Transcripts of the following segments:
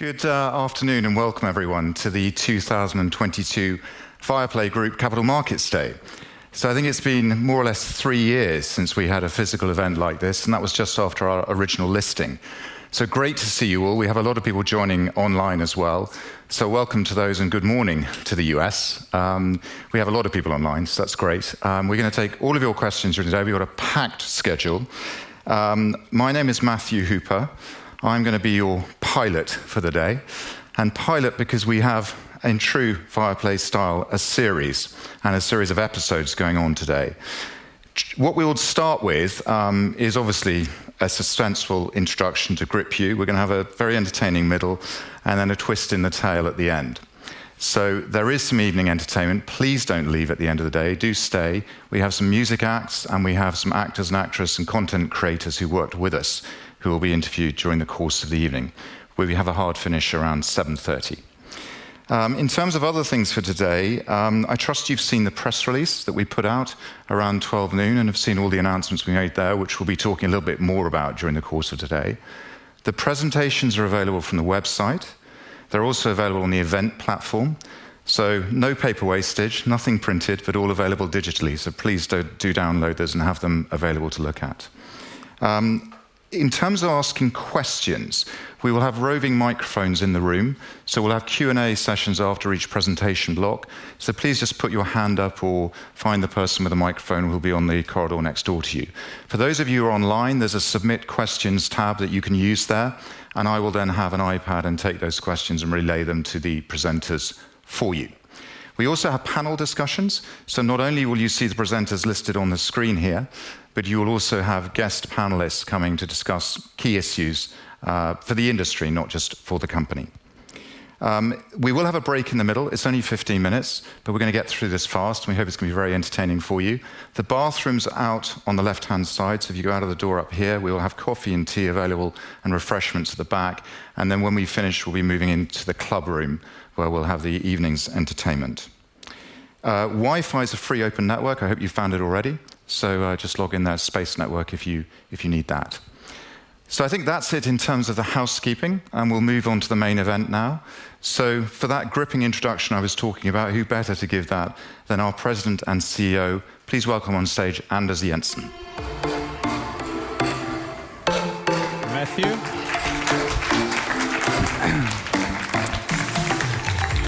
Good afternoon and welcome everyone to the 2022 Viaplay Group capital markets day. I think it's been more or less three years since we had a physical event like this, and that was just after our original listing. Great to see you all. We have a lot of people joining online as well. Welcome to those, and good morning to the U.S. We have a lot of people online, so that's great. We're gonna take all of your questions during the day. We've got a packed schedule. My name is Matthew Hooper. I'm gonna be your pilot for the day, and pilot because we have, in true Viaplay style, a series of episodes going on today. What we'll start with is obviously a suspenseful introduction to grip you. We're gonna have a very entertaining middle, and then a twist in the tale at the end. There is some evening entertainment. Please don't leave at the end of the day. Do stay. We have some music acts, and we have some actors and actress and content creators who worked with us who will be interviewed during the course of the evening. We have a hard finish around 7:30 P.M. In terms of other things for today, I trust you've seen the press release that we put out around 12 noon and have seen all the announcements we made there, which we'll be talking a little bit more about during the course of today. The presentations are available from the website. They're also available on the event platform, so no paper wastage, nothing printed, but all available digitally. Please do download those and have them available to look at. In terms of asking questions, we will have roving microphones in the room, so we'll have Q&A sessions after each presentation block. Please just put your hand up or find the person with a microphone who'll be on the corridor next door to you. For those of you who are online, there's a Submit Questions tab that you can use there, and I will then have an iPad and take those questions and relay them to the presenters for you. We also have panel discussions, so not only will you see the presenters listed on the screen here, but you'll also have guest panelists coming to discuss key issues for the industry, not just for the company. We will have a break in the middle. It's only 15 minutes, but we're gonna get through this fast, and we hope it's gonna be very entertaining for you. The bathrooms are out on the left-hand side, so if you go out of the door up here. We will have coffee and tea available and refreshments at the back, and then when we finish, we'll be moving into the club room, where we'll have the evening's entertainment. Wi-Fi is a free open network. I hope you found it already. Just log in there, Space Network, if you, if you need that. I think that's it in terms of the housekeeping, and we'll move on to the main event now. For that gripping introduction I was talking about, who better to give that than our President and CEO? Please welcome on stage Anders Jensen. Matthew.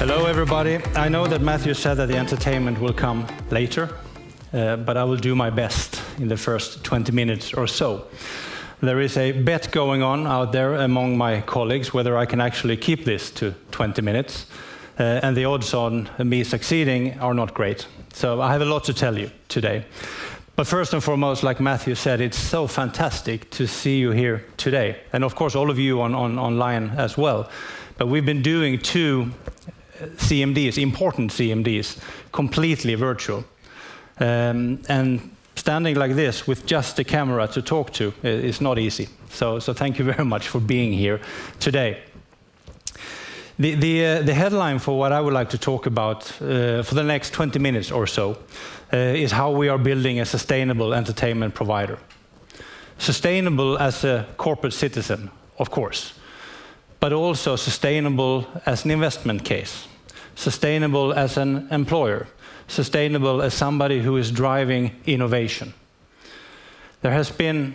Hello, everybody. I know that Matthew said that the entertainment will come later, but I will do my best in the first 20 minutes or so. There is a bet going on out there among my colleagues whether I can actually keep this to 20 minutes, and the odds on me succeeding are not great. I have a lot to tell you today, but first and foremost, like Matthew said, it's so fantastic to see you here today and of course, all of you online as well. We've been doing two important CMDs, completely virtual, and standing like this with just a camera to talk to is not easy. Thank you very much for being here today. The headline for what I would like to talk about for the next 20 minutes or so is how we are building a sustainable entertainment provider. Sustainable as a corporate citizen, of course, but also sustainable as an investment case, sustainable as an employer, sustainable as somebody who is driving innovation. There has been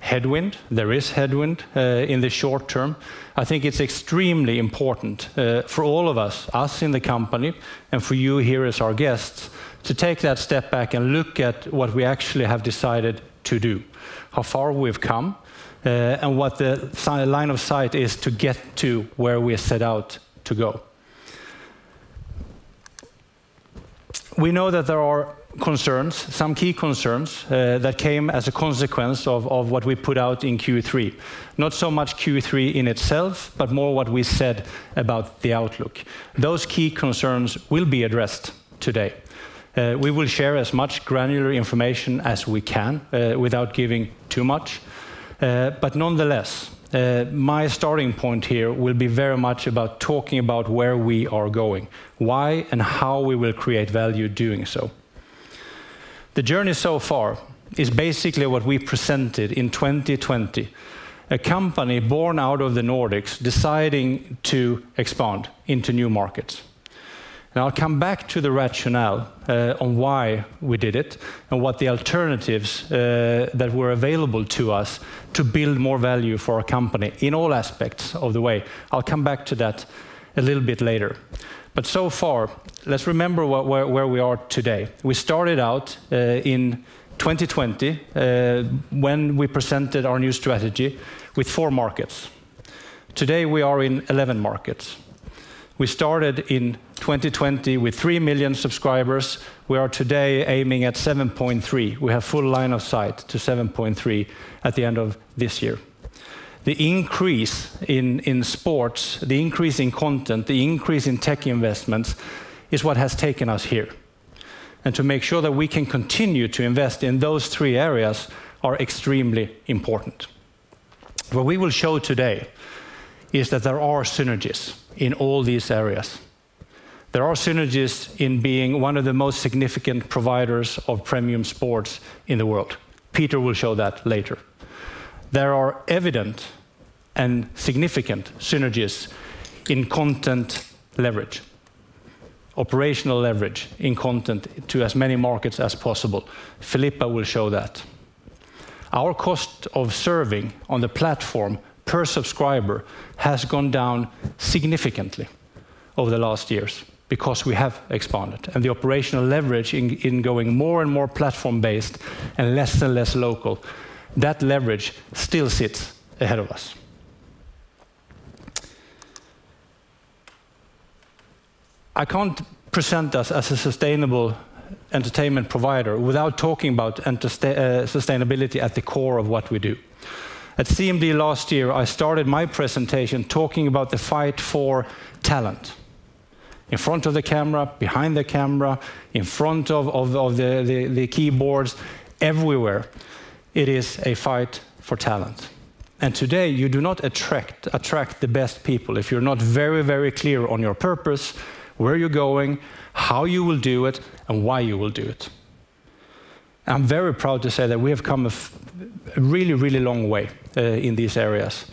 headwind. There is headwind in the short term. I think it's extremely important for all of us in the company and for you here as our guests to take that step back and look at what we actually have decided to do, how far we've come, and what the line of sight is to get to where we set out to go. We know that there are concerns, some key concerns, that came as a consequence of what we put out in Q3. Not so much Q3 in itself, but more what we said about the outlook. Those key concerns will be addressed today. We will share as much granular information as we can, without giving too much. Nonetheless, my starting point here will be very much about talking about where we are going, why and how we will create value doing so. The journey so far is basically what we presented in 2020, a company born out of the Nordics deciding to expand into new markets. Now, I'll come back to the rationale, on why we did it and what the alternatives, that were available to us to build more value for our company in all aspects of the way. I'll come back to that a little bit later. So far, let's remember where we are today. We started out in 2020 when we presented our new strategy with four markets. Today, we are in 11 markets. We started in 2020 with 3 million subscribers. We are today aiming at 7.3. We have full line of sight to 7.3 at the end of this year. The increase in sports, the increase in content, the increase in tech investments is what has taken us here, and to make sure that we can continue to invest in those three areas are extremely important. What we will show today is that there are synergies in all these areas. There are synergies in being one of the most significant providers of premium sports in the world. Peter will show that later. There are evident and significant synergies in content leverage, operational leverage in content to as many markets as possible. Filippa will show that. Our cost of serving on the platform per subscriber has gone down significantly over the last years because we have expanded, and the operational leverage in going more and more platform-based and less and less local, that leverage still sits ahead of us. I can't present us as a sustainable entertainment provider without talking about sustainability at the core of what we do. At CMD last year, I started my presentation talking about the fight for talent. In front of the camera, behind the camera, in front of the keyboards, everywhere it is a fight for talent. Today, you do not attract the best people if you're not very clear on your purpose, where you're going, how you will do it, and why you will do it. I'm very proud to say that we have come a really, really long way in these areas.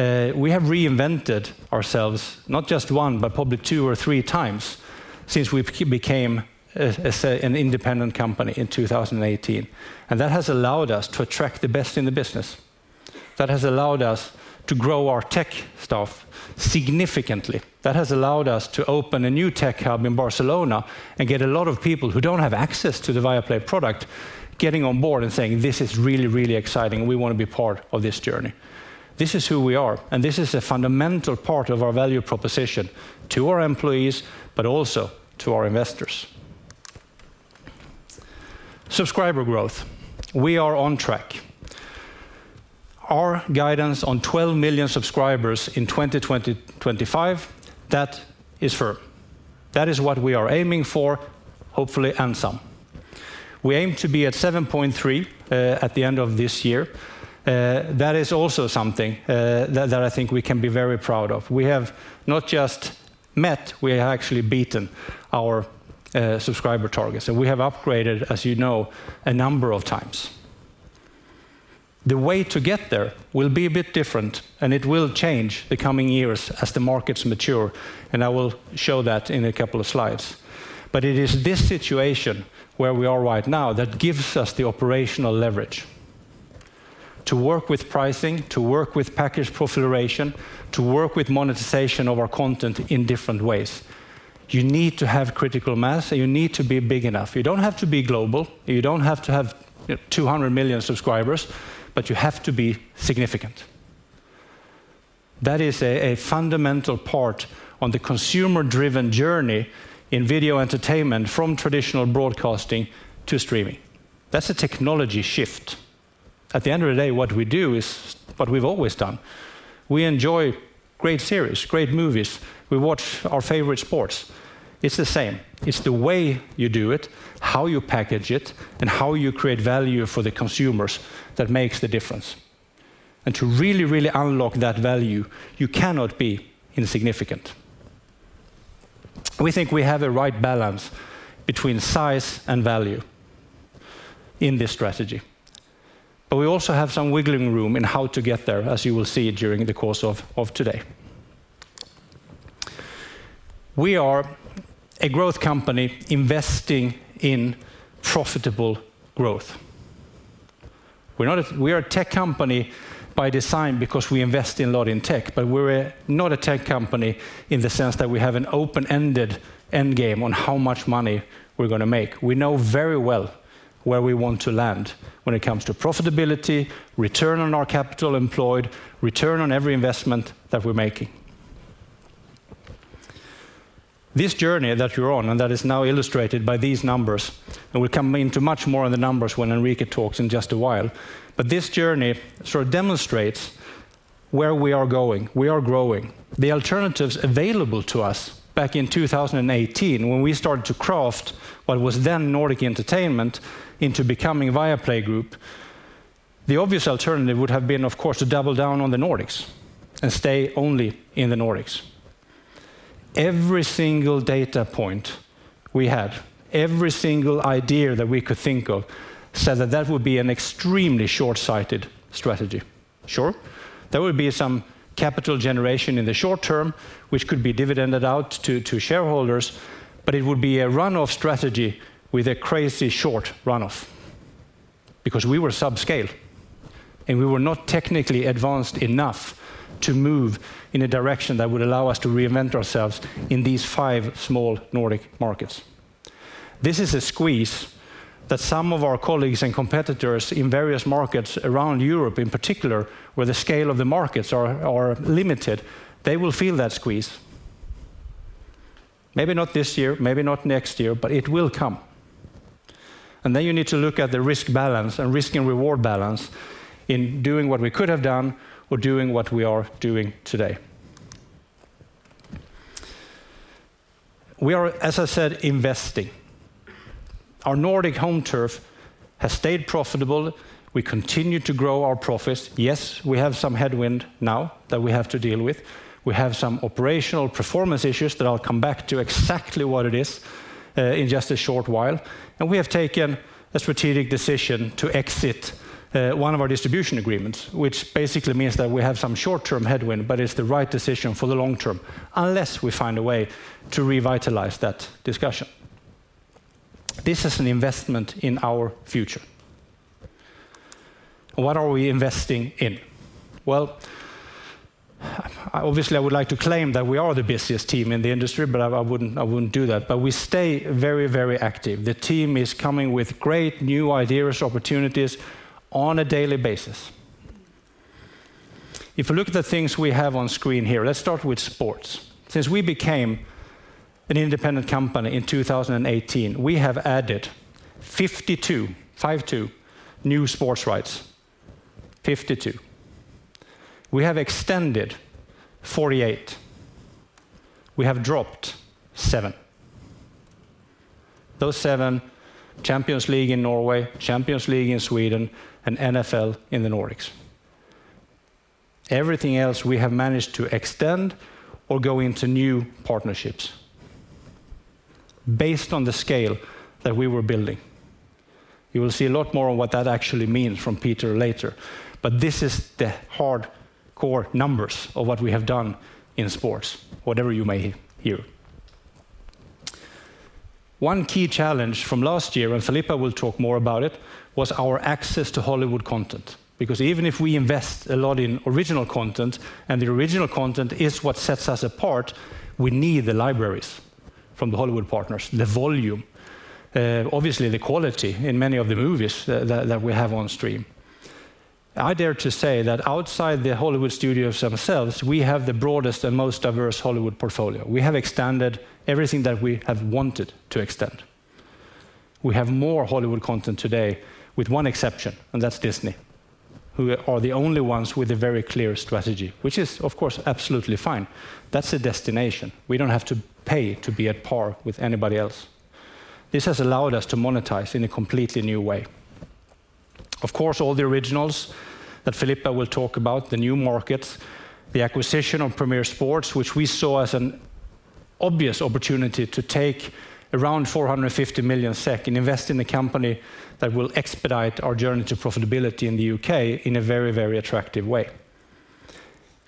We have reinvented ourselves not just one, but probably two or 3x since we've became an independent company in 2018, and that has allowed us to attract the best in the business. That has allowed us to grow our tech staff significantly. That has allowed us to open a new tech hub in Barcelona and get a lot of people who don't have access to the Viaplay product getting on board and saying, "This is really, really exciting. We wanna be part of this journey." This is who we are, and this is a fundamental part of our value proposition to our employees, but also to our investors. Subscriber growth, we are on track. Our guidance on 12 million subscribers in 2025, that is firm. That is what we are aiming for, hopefully, and some. We aim to be at 7.3 at the end of this year. That is also something that I think we can be very proud of. We have not just met, we have actually beaten our subscriber targets, and we have upgraded, as you know, a number of times. The way to get there will be a bit different, and it will change the coming years as the markets mature, and I will show that in a couple of slides. It is this situation where we are right now that gives us the operational leverage to work with pricing, to work with package proliferation, to work with monetization of our content in different ways. You need to have critical mass, and you need to be big enough. You don't have to be global, you don't have to have 200 million subscribers, but you have to be significant. That is a fundamental part on the consumer-driven journey in video entertainment from traditional broadcasting to streaming. That's a technology shift. At the end of the day, what we do is what we've always done. We enjoy great series, great movies. We watch our favorite sports. It's the same. It's the way you do it, how you package it, and how you create value for the consumers that makes the difference. To really, really unlock that value, you cannot be insignificant. We think we have the right balance between size and value in this strategy, but we also have some wiggling room in how to get there, as you will see during the course of today. We are a growth company investing in profitable growth. We are a tech company by design because we invest a lot in tech, but we're not a tech company in the sense that we have an open-ended endgame on how much money we're gonna make. We know very well where we want to land when it comes to profitability, return on our capital employed, return on every investment that we're making. This journey that we're on, and that is now illustrated by these numbers, and we'll come into much more on the numbers when Enrique talks in just a while. This journey sort of demonstrates where we are going. We are growing. The alternatives available to us back in 2018 when we started to craft what was then Nordic Entertainment Group into becoming Viaplay Group, the obvious alternative would have been, of course, to double down on the Nordics and stay only in the Nordics. Every single data point we had, every single idea that we could think of said that that would be an extremely short-sighted strategy. Sure, there would be some capital generation in the short term, which could be dividended out to shareholders, but it would be a runoff strategy with a crazy short runoff because we were subscale, and we were not technically advanced enough to move in a direction that would allow us to reinvent ourselves in these five small Nordic markets. This is a squeeze that some of our colleagues and competitors in various markets around Europe in particular, where the scale of the markets are limited, they will feel that squeeze. Maybe not this year, maybe not next year, but it will come, and then you need to look at the risk balance and risk and reward balance in doing what we could have done or doing what we are doing today. We are, as I said, investing. Our Nordic home turf has stayed profitable. We continue to grow our profits. Yes, we have some headwind now that we have to deal with. We have some operational performance issues that I'll come back to exactly what it is in just a short while. We have taken a strategic decision to exit one of our distribution agreements, which basically means that we have some short-term headwind, but it's the right decision for the long term, unless we find a way to revitalize that discussion. This is an investment in our future. What are we investing in? Well, obviously, I would like to claim that we are the busiest team in the industry, but I wouldn't do that. We stay very, very active. The team is coming with great new ideas, opportunities on a daily basis. If you look at the things we have on screen here, let's start with sports. Since we became an independent company in 2018, we have added 52 new sports rights. 52. We have extended 48. We have dropped seven. Those seven, Champions League in Norway, Champions League in Sweden, and NFL in the Nordics. Everything else we have managed to extend or go into new partnerships based on the scale that we were building. You will see a lot more on what that actually means from Peter later, but this is the hardcore numbers of what we have done in sports, whatever you may hear. One key challenge from last year, and Filippa will talk more about it, was our access to Hollywood content. Because even if we invest a lot in original content, and the original content is what sets us apart, we need the libraries from the Hollywood partners, the volume, obviously the quality in many of the movies that we have on stream. I dare to say that outside the Hollywood studios themselves, we have the broadest and most diverse Hollywood portfolio. We have extended everything that we have wanted to extend. We have more Hollywood content today, with one exception, and that's Disney, who are the only ones with a very clear strategy, which is of course, absolutely fine. That's a destination. We don't have to pay to be at par with anybody else. This has allowed us to monetize in a completely new way. Of course, all the originals that Filippa will talk about, the new markets, the acquisition of Premier Sports, which we saw as an obvious opportunity to take around 450 million SEK and invest in a company that will expedite our journey to profitability in the U.K. in a very, very attractive way.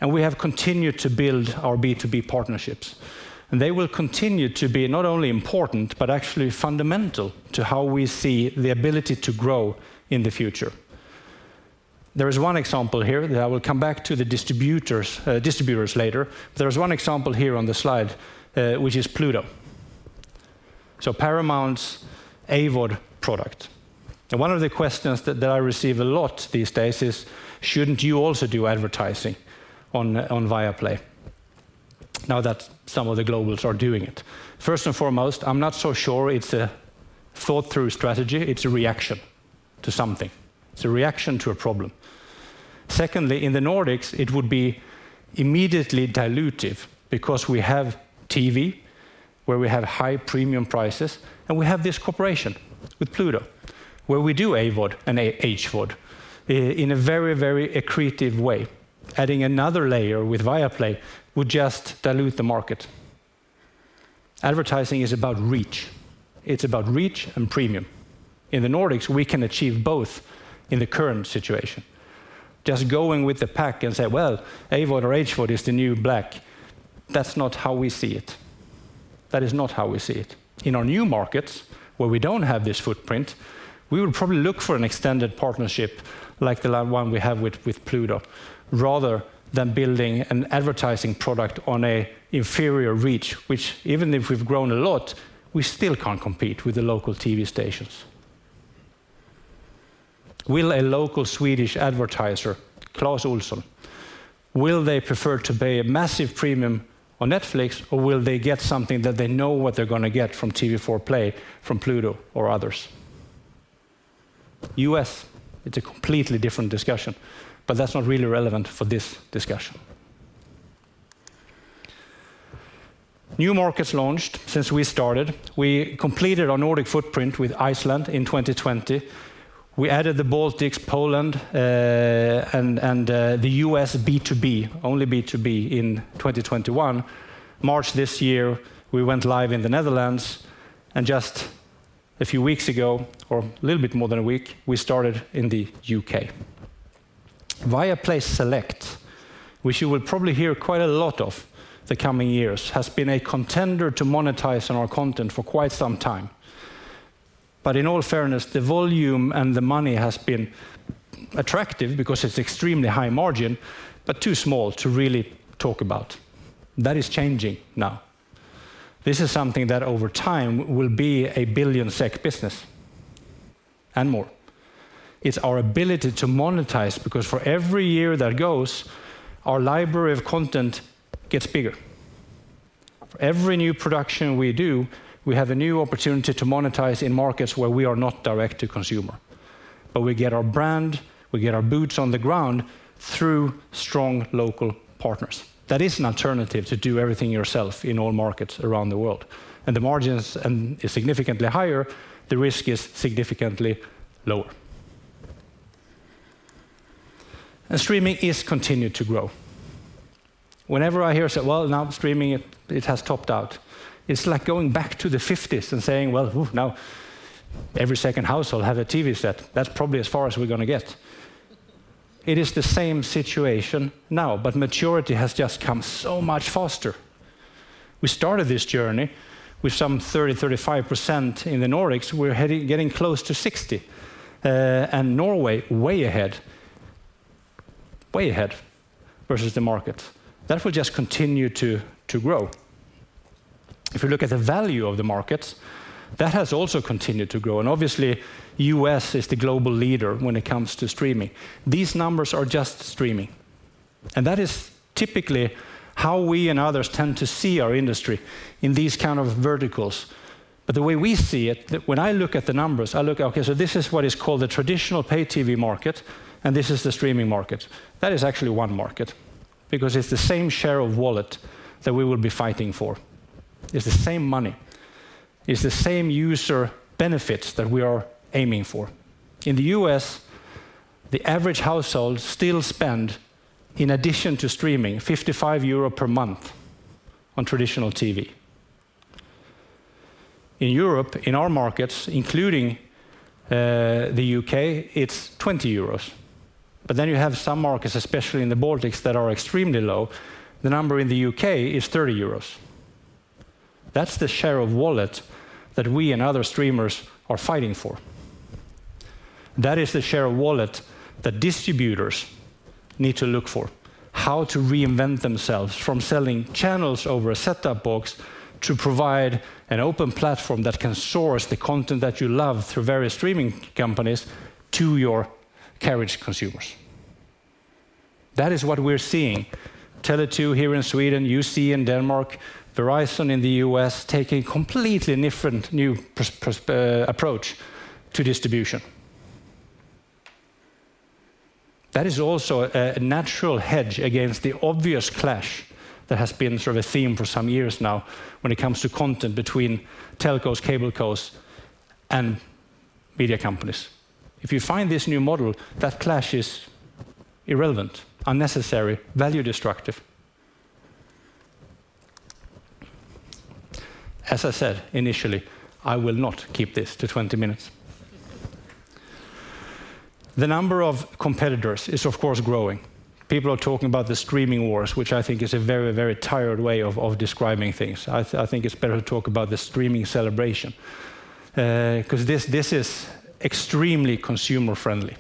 We have continued to build our B2B partnerships, and they will continue to be not only important, but actually fundamental to how we see the ability to grow in the future. There is one example here, and I will come back to the distributors later. There is one example here on the slide, which is Pluto, so Paramount's AVOD product. One of the questions that I receive a lot these days is, "Shouldn't you also do advertising on Viaplay now that some of the globals are doing it?" First and foremost, I'm not so sure it's a thought-through strategy. It's a reaction to something. It's a reaction to a problem. Secondly, in the Nordics, it would be immediately dilutive because we have TV where we have high premium prices, and we have this cooperation with Pluto TV, where we do AVOD and ad-supported HVOD in a very, very accretive way. Adding another layer with Viaplay would just dilute the market. Advertising is about reach. It's about reach and premium. In the Nordics, we can achieve both in the current situation. Just going with the pack and say, "Well, AVOD or HVOD is the new black," that's not how we see it. That is not how we see it. In our new markets where we don't have this footprint, we would probably look for an extended partnership like the one we have with Pluto TV rather than building an advertising product on an inferior reach, which even if we've grown a lot, we still can't compete with the local TV stations. Will a local Swedish advertiser, Klas Olsson, will they prefer to pay a massive premium on Netflix, or will they get something that they know what they're gonna get from TV4 Play, from Pluto or others? U.S., it's a completely different discussion, but that's not really relevant for this discussion. New markets launched since we started. We completed our Nordic footprint with Iceland in 2020. We added the Baltics, Poland, and the US B2B, only B2B in 2021. March this year, we went live in the Netherlands, and just a few weeks ago, or a little bit more than a week, we started in the U.K. Viaplay Select, which you will probably hear quite a lot of the coming years, has been a contender to monetize on our content for quite some time. In all fairness, the volume and the money has been attractive because it's extremely high margin, but too small to really talk about. That is changing now. This is something that over time will be a 1 billion SEK business and more. It's our ability to monetize because for every year that goes, our library of content gets bigger. For every new production we do, we have a new opportunity to monetize in markets where we are not direct to consumer. We get our brand, we get our boots on the ground through strong local partners. That is an alternative to do everything yourself in all markets around the world. The margins is significantly higher, the risk is significantly lower. Streaming is continued to grow. Whenever I hear say, "Well, now streaming it has topped out," it's like going back to the '50s and saying, "Well, oof, now every second household have a TV set. That's probably as far as we're gonna get." It is the same situation now, but maturity has just come so much faster. We started this journey with some 30-35% in the Nordics. We're getting close to 60%. Norway way ahead. Way ahead versus the market. That will just continue to grow. If you look at the value of the markets, that has also continued to grow, and obviously the U.S. is the global leader when it comes to streaming. These numbers are just streaming, and that is typically how we and others tend to see our industry, in these kind of verticals. The way we see it, when I look at the numbers, I look, okay, so this is what is called the traditional pay TV market, and this is the streaming market. That is actually one market because it's the same share of wallet that we will be fighting for. It's the same money. It's the same user benefits that we are aiming for. In the U.S., the average household still spend, in addition to streaming, 55 euro per month on traditional TV. In Europe, in our markets, including the U.K., it's 20 euros. Then you have some markets, especially in the Baltics, that are extremely low. The number in the U.K. is 30 euros. That's the share of wallet that we and other streamers are fighting for. That is the share of wallet that distributors need to look for, how to reinvent themselves from selling channels over a set-top box to provide an open platform that can source the content that you love through various streaming companies to your carriage consumers. That is what we're seeing. Tele2 here in Sweden, YouSee in Denmark, Verizon in the U.S., taking completely different, new approach to distribution. That is also a natural hedge against the obvious clash that has been sort of a theme for some years now when it comes to content between telcos, cablecos, and media companies. If you find this new model, that clash is irrelevant, unnecessary, value destructive. As I said initially, I will not keep this to 20 minutes. The number of competitors is of course growing. People are talking about the streaming wars, which I think is a very, very tired way of describing things. I think it's better to talk about the streaming celebration, 'cause this is extremely consumer friendly.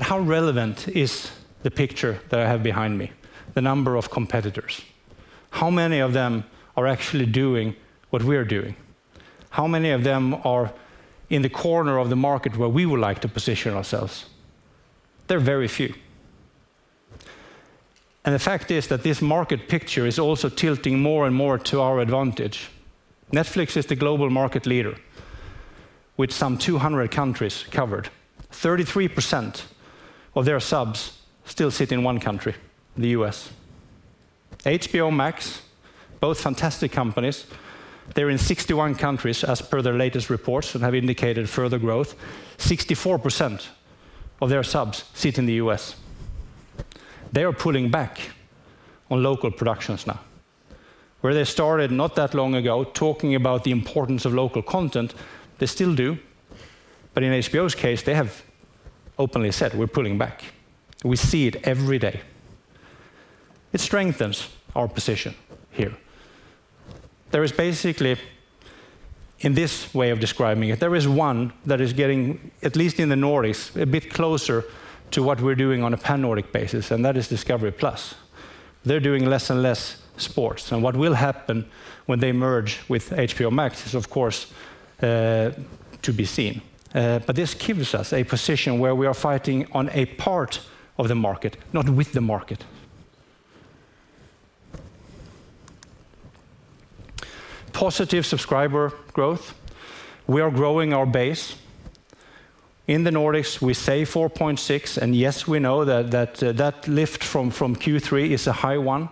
How relevant is the picture that I have behind me? The number of competitors. How many of them are actually doing what we're doing? How many of them are in the corner of the market where we would like to position ourselves? There are very few. The fact is that this market picture is also tilting more and more to our advantage. Netflix is the global market leader with some 200 countries covered. 33% of their subs still sit in one country, the U.S. HBO Max, both fantastic companies, they're in 61 countries as per their latest reports and have indicated further growth. 64% of their subs sit in the U.S. They are pulling back on local productions now. Where they started not that long ago talking about the importance of local content, they still do, but in HBO's case, they have openly said, "We're pulling back." We see it every day. It strengthens our position here. There is basically, in this way of describing it, there is one that is getting, at least in the Nordics, a bit closer to what we're doing on a pan-Nordic basis, and that is Discovery+. They're doing less and less sports, and what will happen when they merge with HBO Max is of course, to be seen. But this gives us a position where we are fighting on a part of the market, not with the market. Positive subscriber growth. We are growing our base. In the Nordics, we say 4.6, and yes, we know that lift from Q3 is a high one,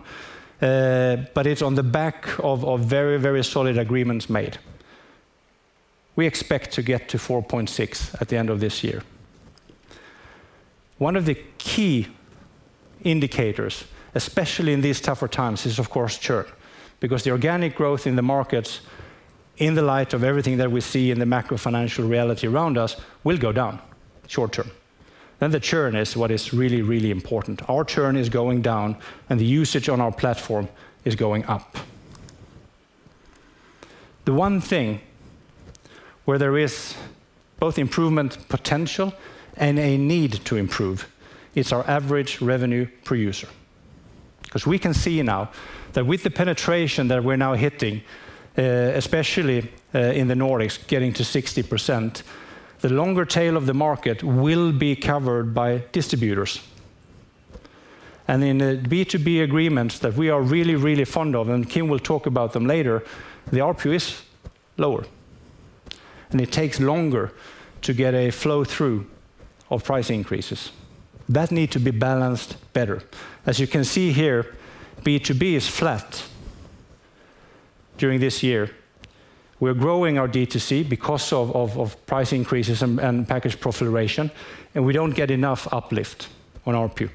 but it's on the back of very solid agreements made. We expect to get to 4.6 at the end of this year. One of the key indicators, especially in these tougher times, is of course churn, because the organic growth in the markets, in the light of everything that we see in the macro financial reality around us, will go down short-term. The churn is what is really important. Our churn is going down, and the usage on our platform is going up. The one thing where there is both improvement potential and a need to improve is our average revenue per user. 'Cause we can see now that with the penetration that we're now hitting, especially, in the Nordics getting to 60%, the longer tail of the market will be covered by distributors. In the B2B agreements that we are really, really fond of, and Kim will talk about them later, the RPU is lower, and it takes longer to get a flow-through of price increases. That need to be balanced better. As you can see here, B2B is flat during this year. We're growing our D2C because of price increases and package proliferation, and we don't get enough uplift on RPU.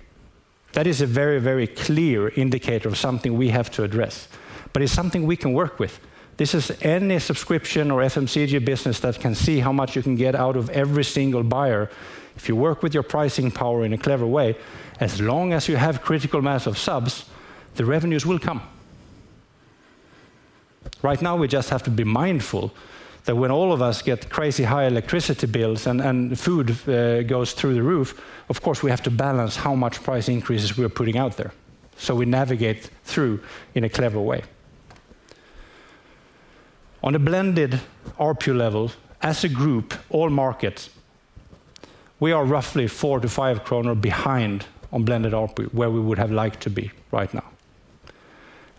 That is a very, very clear indicator of something we have to address, but it's something we can work with. This is any subscription or FMCG business that can see how much you can get out of every single buyer if you work with your pricing power in a clever way. As long as you have critical mass of subs, the revenues will come. Right now, we just have to be mindful that when all of us get crazy high electricity bills and food goes through the roof, of course, we have to balance how much price increases we are putting out there, so we navigate through in a clever way. On a blended RPU level, as a group, all markets, we are roughly 4-5 kronor behind on blended RPU where we would have liked to be right now.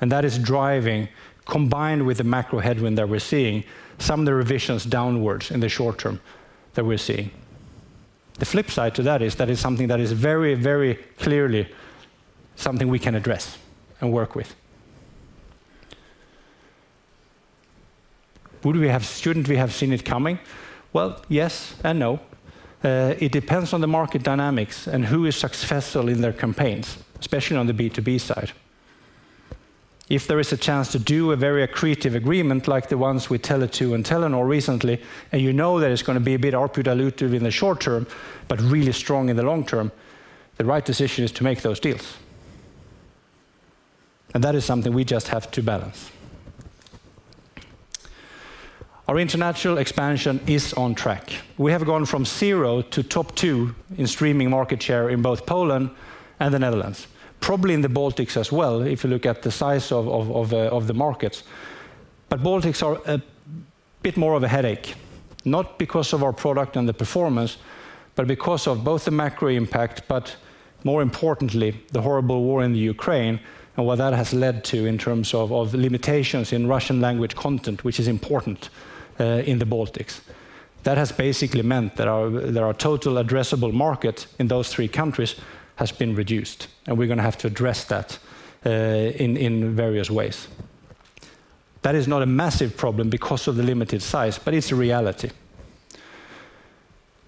That is driving, combined with the macro headwind that we're seeing, some of the revisions downwards in the short term that we're seeing. The flip side to that is something that is very, very clearly something we can address and work with. Shouldn't we have seen it coming? Well, yes and no. It depends on the market dynamics and who is successful in their campaigns, especially on the B2B side. If there is a chance to do a very accretive agreement like the ones with Tele2 and Telenor recently, and you know that it's gonna be a bit RPU dilutive in the short term, but really strong in the long term, the right decision is to make those deals. That is something we just have to balance. Our international expansion is on track. We have gone from zero to top two in streaming market share in both Poland and the Netherlands, probably in the Baltics as well, if you look at the size of the markets. Baltics are a bit more of a headache, not because of our product and the performance, but because of both the macro impact, but more importantly, the horrible war in Ukraine and what that has led to in terms of limitations in Russian language content, which is important in the Baltics. That has basically meant that our total addressable market in those three countries has been reduced, and we're gonna have to address that in various ways. That is not a massive problem because of the limited size, but it's a reality.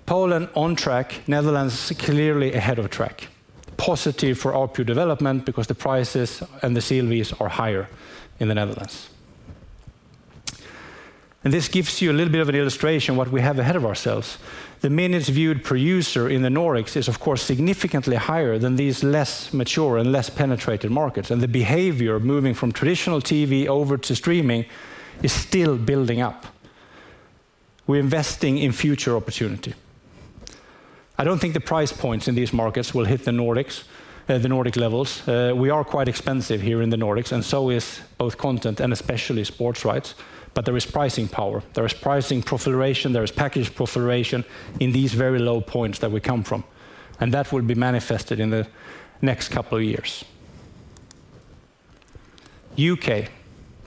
Poland on track, Netherlands clearly ahead of track. Positive for RPU development because the prices and the CLVs are higher in the Netherlands. This gives you a little bit of an illustration what we have ahead of ourselves. The minutes viewed per user in the Nordics is of course, significantly higher than these less mature and less penetrated markets, and the behavior moving from traditional TV over to streaming is still building up. We're investing in future opportunity. I don't think the price points in these markets will hit the Nordics, the Nordic levels. We are quite expensive here in the Nordics, and so is both content and especially sports rights, but there is pricing power. There is pricing proliferation, there is package proliferation in these very low points that we come from, and that will be manifested in the next couple of years. U.K.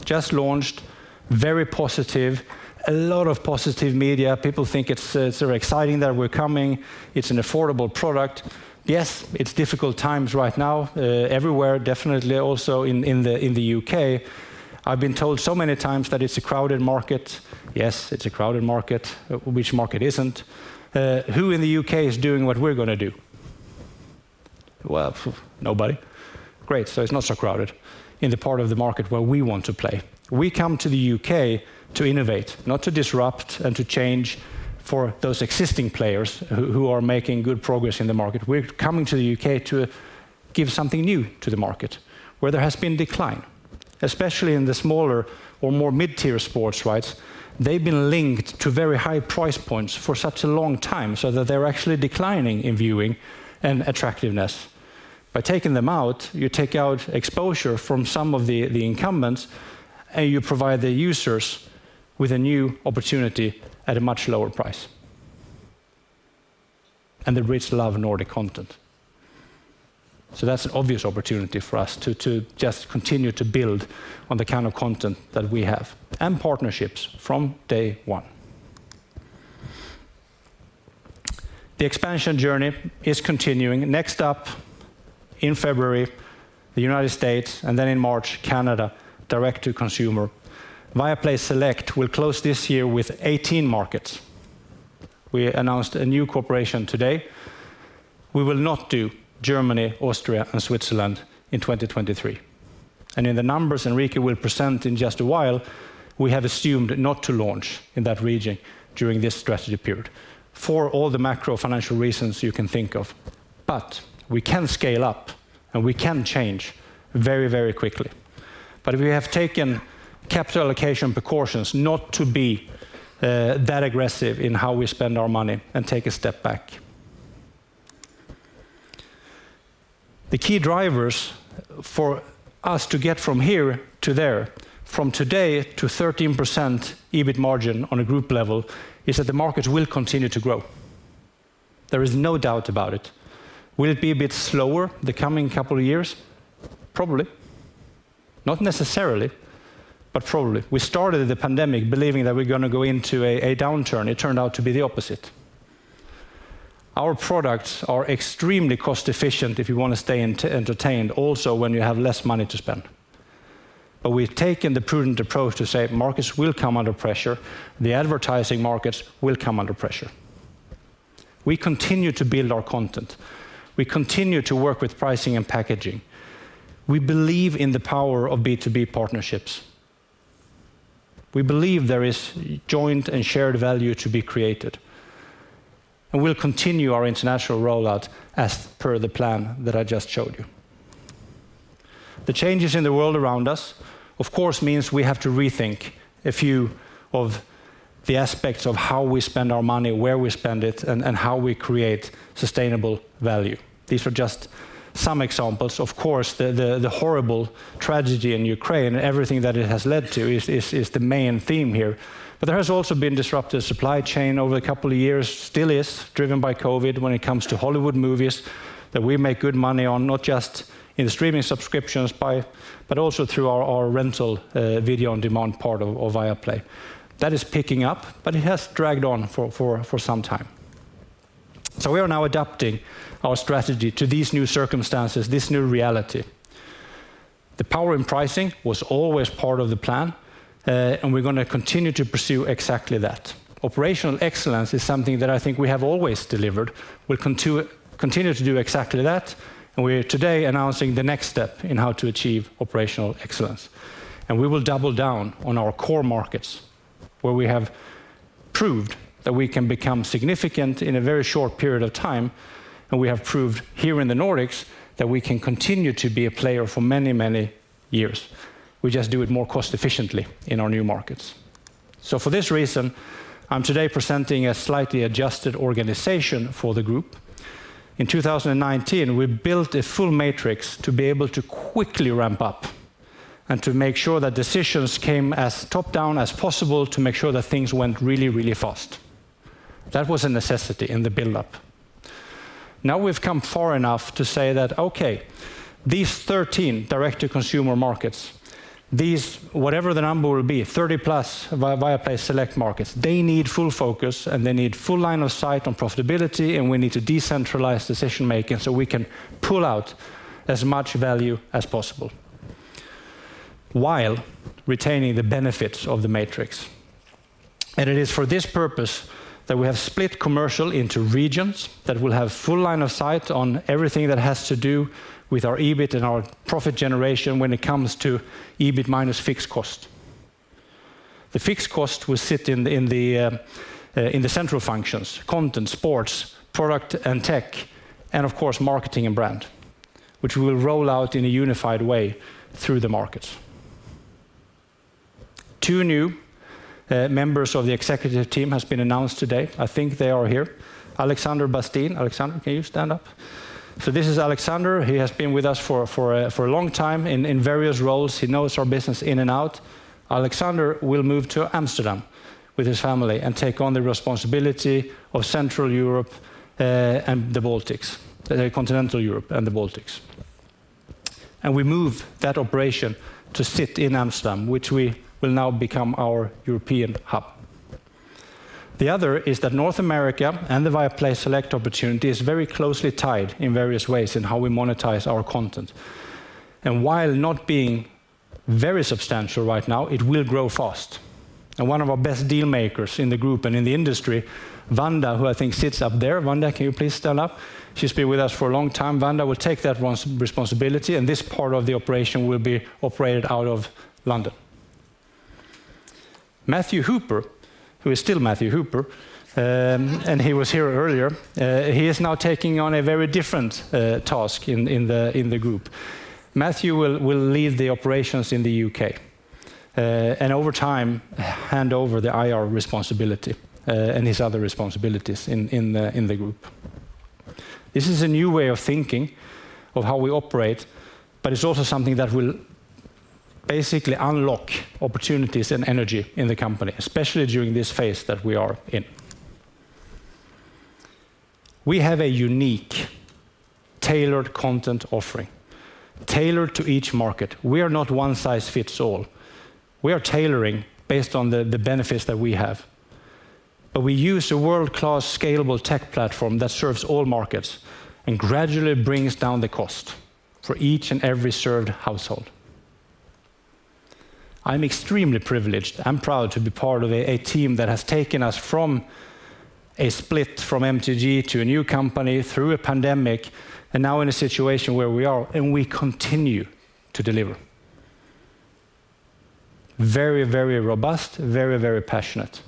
just launched, very positive. A lot of positive media. People think it's very exciting that we're coming. It's an affordable product. Yes, it's difficult times right now, everywhere, definitely also in the U.K. I've been told so many times that it's a crowded market. Yes, it's a crowded market. Which market isn't? Who in the U.K. is doing what we're gonna do? Well, nobody. Great, so it's not so crowded in the part of the market where we want to play. We come to the U.K. to innovate, not to disrupt and to change for those existing players who are making good progress in the market. We're coming to the U.K. to give something new to the market where there has been decline, especially in the smaller or more mid-tier sports rights. They've been linked to very high price points for such a long time so that they're actually declining in viewing and attractiveness. By taking them out, you take out exposure from some of the incumbents, and you provide the users with a new opportunity at a much lower price. The Brits love Nordic content. That's an obvious opportunity for us to just continue to build on the kind of content that we have and partnerships from day one. The expansion journey is continuing. Next up, in February, the United States, and then in March, Canada, direct to consumer. Viaplay Select will close this year with 18 markets. We announced a new cooperation today. We will not do Germany, Austria, and Switzerland in 2023. In the numbers Enrique will present in just a while, we have assumed not to launch in that region during this strategy period for all the macro financial reasons you can think of. We can scale up, and we can change very, very quickly. We have taken capital allocation precautions not to be that aggressive in how we spend our money and take a step back. The key drivers for us to get from here to there, from today to 13% EBIT margin on a group level, is that the market will continue to grow. There is no doubt about it. Will it be a bit slower the coming couple of years? Probably. Not necessarily, but probably. We started the pandemic believing that we're gonna go into a downturn. It turned out to be the opposite. Our products are extremely cost efficient if you wanna stay entertained also when you have less money to spend. We've taken the prudent approach to say markets will come under pressure, the advertising markets will come under pressure. We continue to build our content. We continue to work with pricing and packaging. We believe in the power of B2B partnerships. We believe there is joint and shared value to be created, and we'll continue our international rollout as per the plan that I just showed you. The changes in the world around us, of course, means we have to rethink a few of the aspects of how we spend our money, where we spend it, and how we create sustainable value. These are just some examples. Of course, the horrible tragedy in Ukraine, everything that it has led to is the main theme here. There has also been disrupted supply chain over a couple of years, still is, driven by COVID when it comes to Hollywood movies that we make good money on, not just in the streaming subscriptions but also through our rental video on demand part of Viaplay. That is picking up, but it has dragged on for some time. We are now adapting our strategy to these new circumstances, this new reality. Pricing power was always part of the plan, and we're gonna continue to pursue exactly that. Operational excellence is something that I think we have always delivered. We'll continue to do exactly that, and we're today announcing the next step in how to achieve operational excellence. We will double down on our core markets where we have proved that we can become significant in a very short period of time, and we have proved here in the Nordics that we can continue to be a player for many, many years. We just do it more cost efficiently in our new markets. For this reason, I'm today presenting a slightly adjusted organization for the group. In 2019, we built a full matrix to be able to quickly ramp up and to make sure that decisions came as top-down as possible to make sure that things went really, really fast. That was a necessity in the build-up. Now we've come far enough to say that, "Okay, these 13 direct-to-consumer markets, these, whatever the number will be, 30+ Viaplay Select markets, they need full focus, and they need full line of sight on profitability, and we need to decentralize decision-making so we can pull out as much value as possible while retaining the benefits of the matrix." It is for this purpose that we have split commercial into regions that will have full line of sight on everything that has to do with our EBIT and our profit generation when it comes to EBIT minus fixed cost. The fixed cost will sit in the central functions, content, sports, product and tech, and of course, marketing and brand, which we'll roll out in a unified way through the markets. Two new members of the executive team has been announced today. I think they are here. Alexander Bastin. Alexander, can you stand up? This is Alexander. He has been with us for a long time in various roles. He knows our business in and out. Alexander will move to Amsterdam with his family and take on the responsibility of Central Europe and the Baltics. Continental Europe and the Baltics. We move that operation to sit in Amsterdam, which we will now become our European hub. The other is that North America and the Viaplay Select opportunity is very closely tied in various ways in how we monetize our content. While not being very substantial right now, it will grow fast. One of our best deal makers in the group and in the industry, Vanda, who I think sits up there. Vanda, can you please stand up? She's been with us for a long time. Vanda will take that responsibility, and this part of the operation will be operated out of London. Matthew Hooper, who is still Matthew Hooper, and he was here earlier, he is now taking on a very different task in the group. Matthew will lead the operations in the U.K., and over time, hand over the IR responsibility, and his other responsibilities in the group. This is a new way of thinking of how we operate, but it's also something that will basically unlock opportunities and energy in the company, especially during this phase that we are in. We have a unique tailored content offering, tailored to each market. We are not one size fits all. We are tailoring based on the benefits that we have. We use a world-class scalable tech platform that serves all markets and gradually brings down the cost for each and every served household. I'm extremely privileged. I'm proud to be part of a team that has taken us from a split from MTG to a new company through a pandemic and now in a situation where we are and we continue to deliver. Very, very robust, very, very passionate.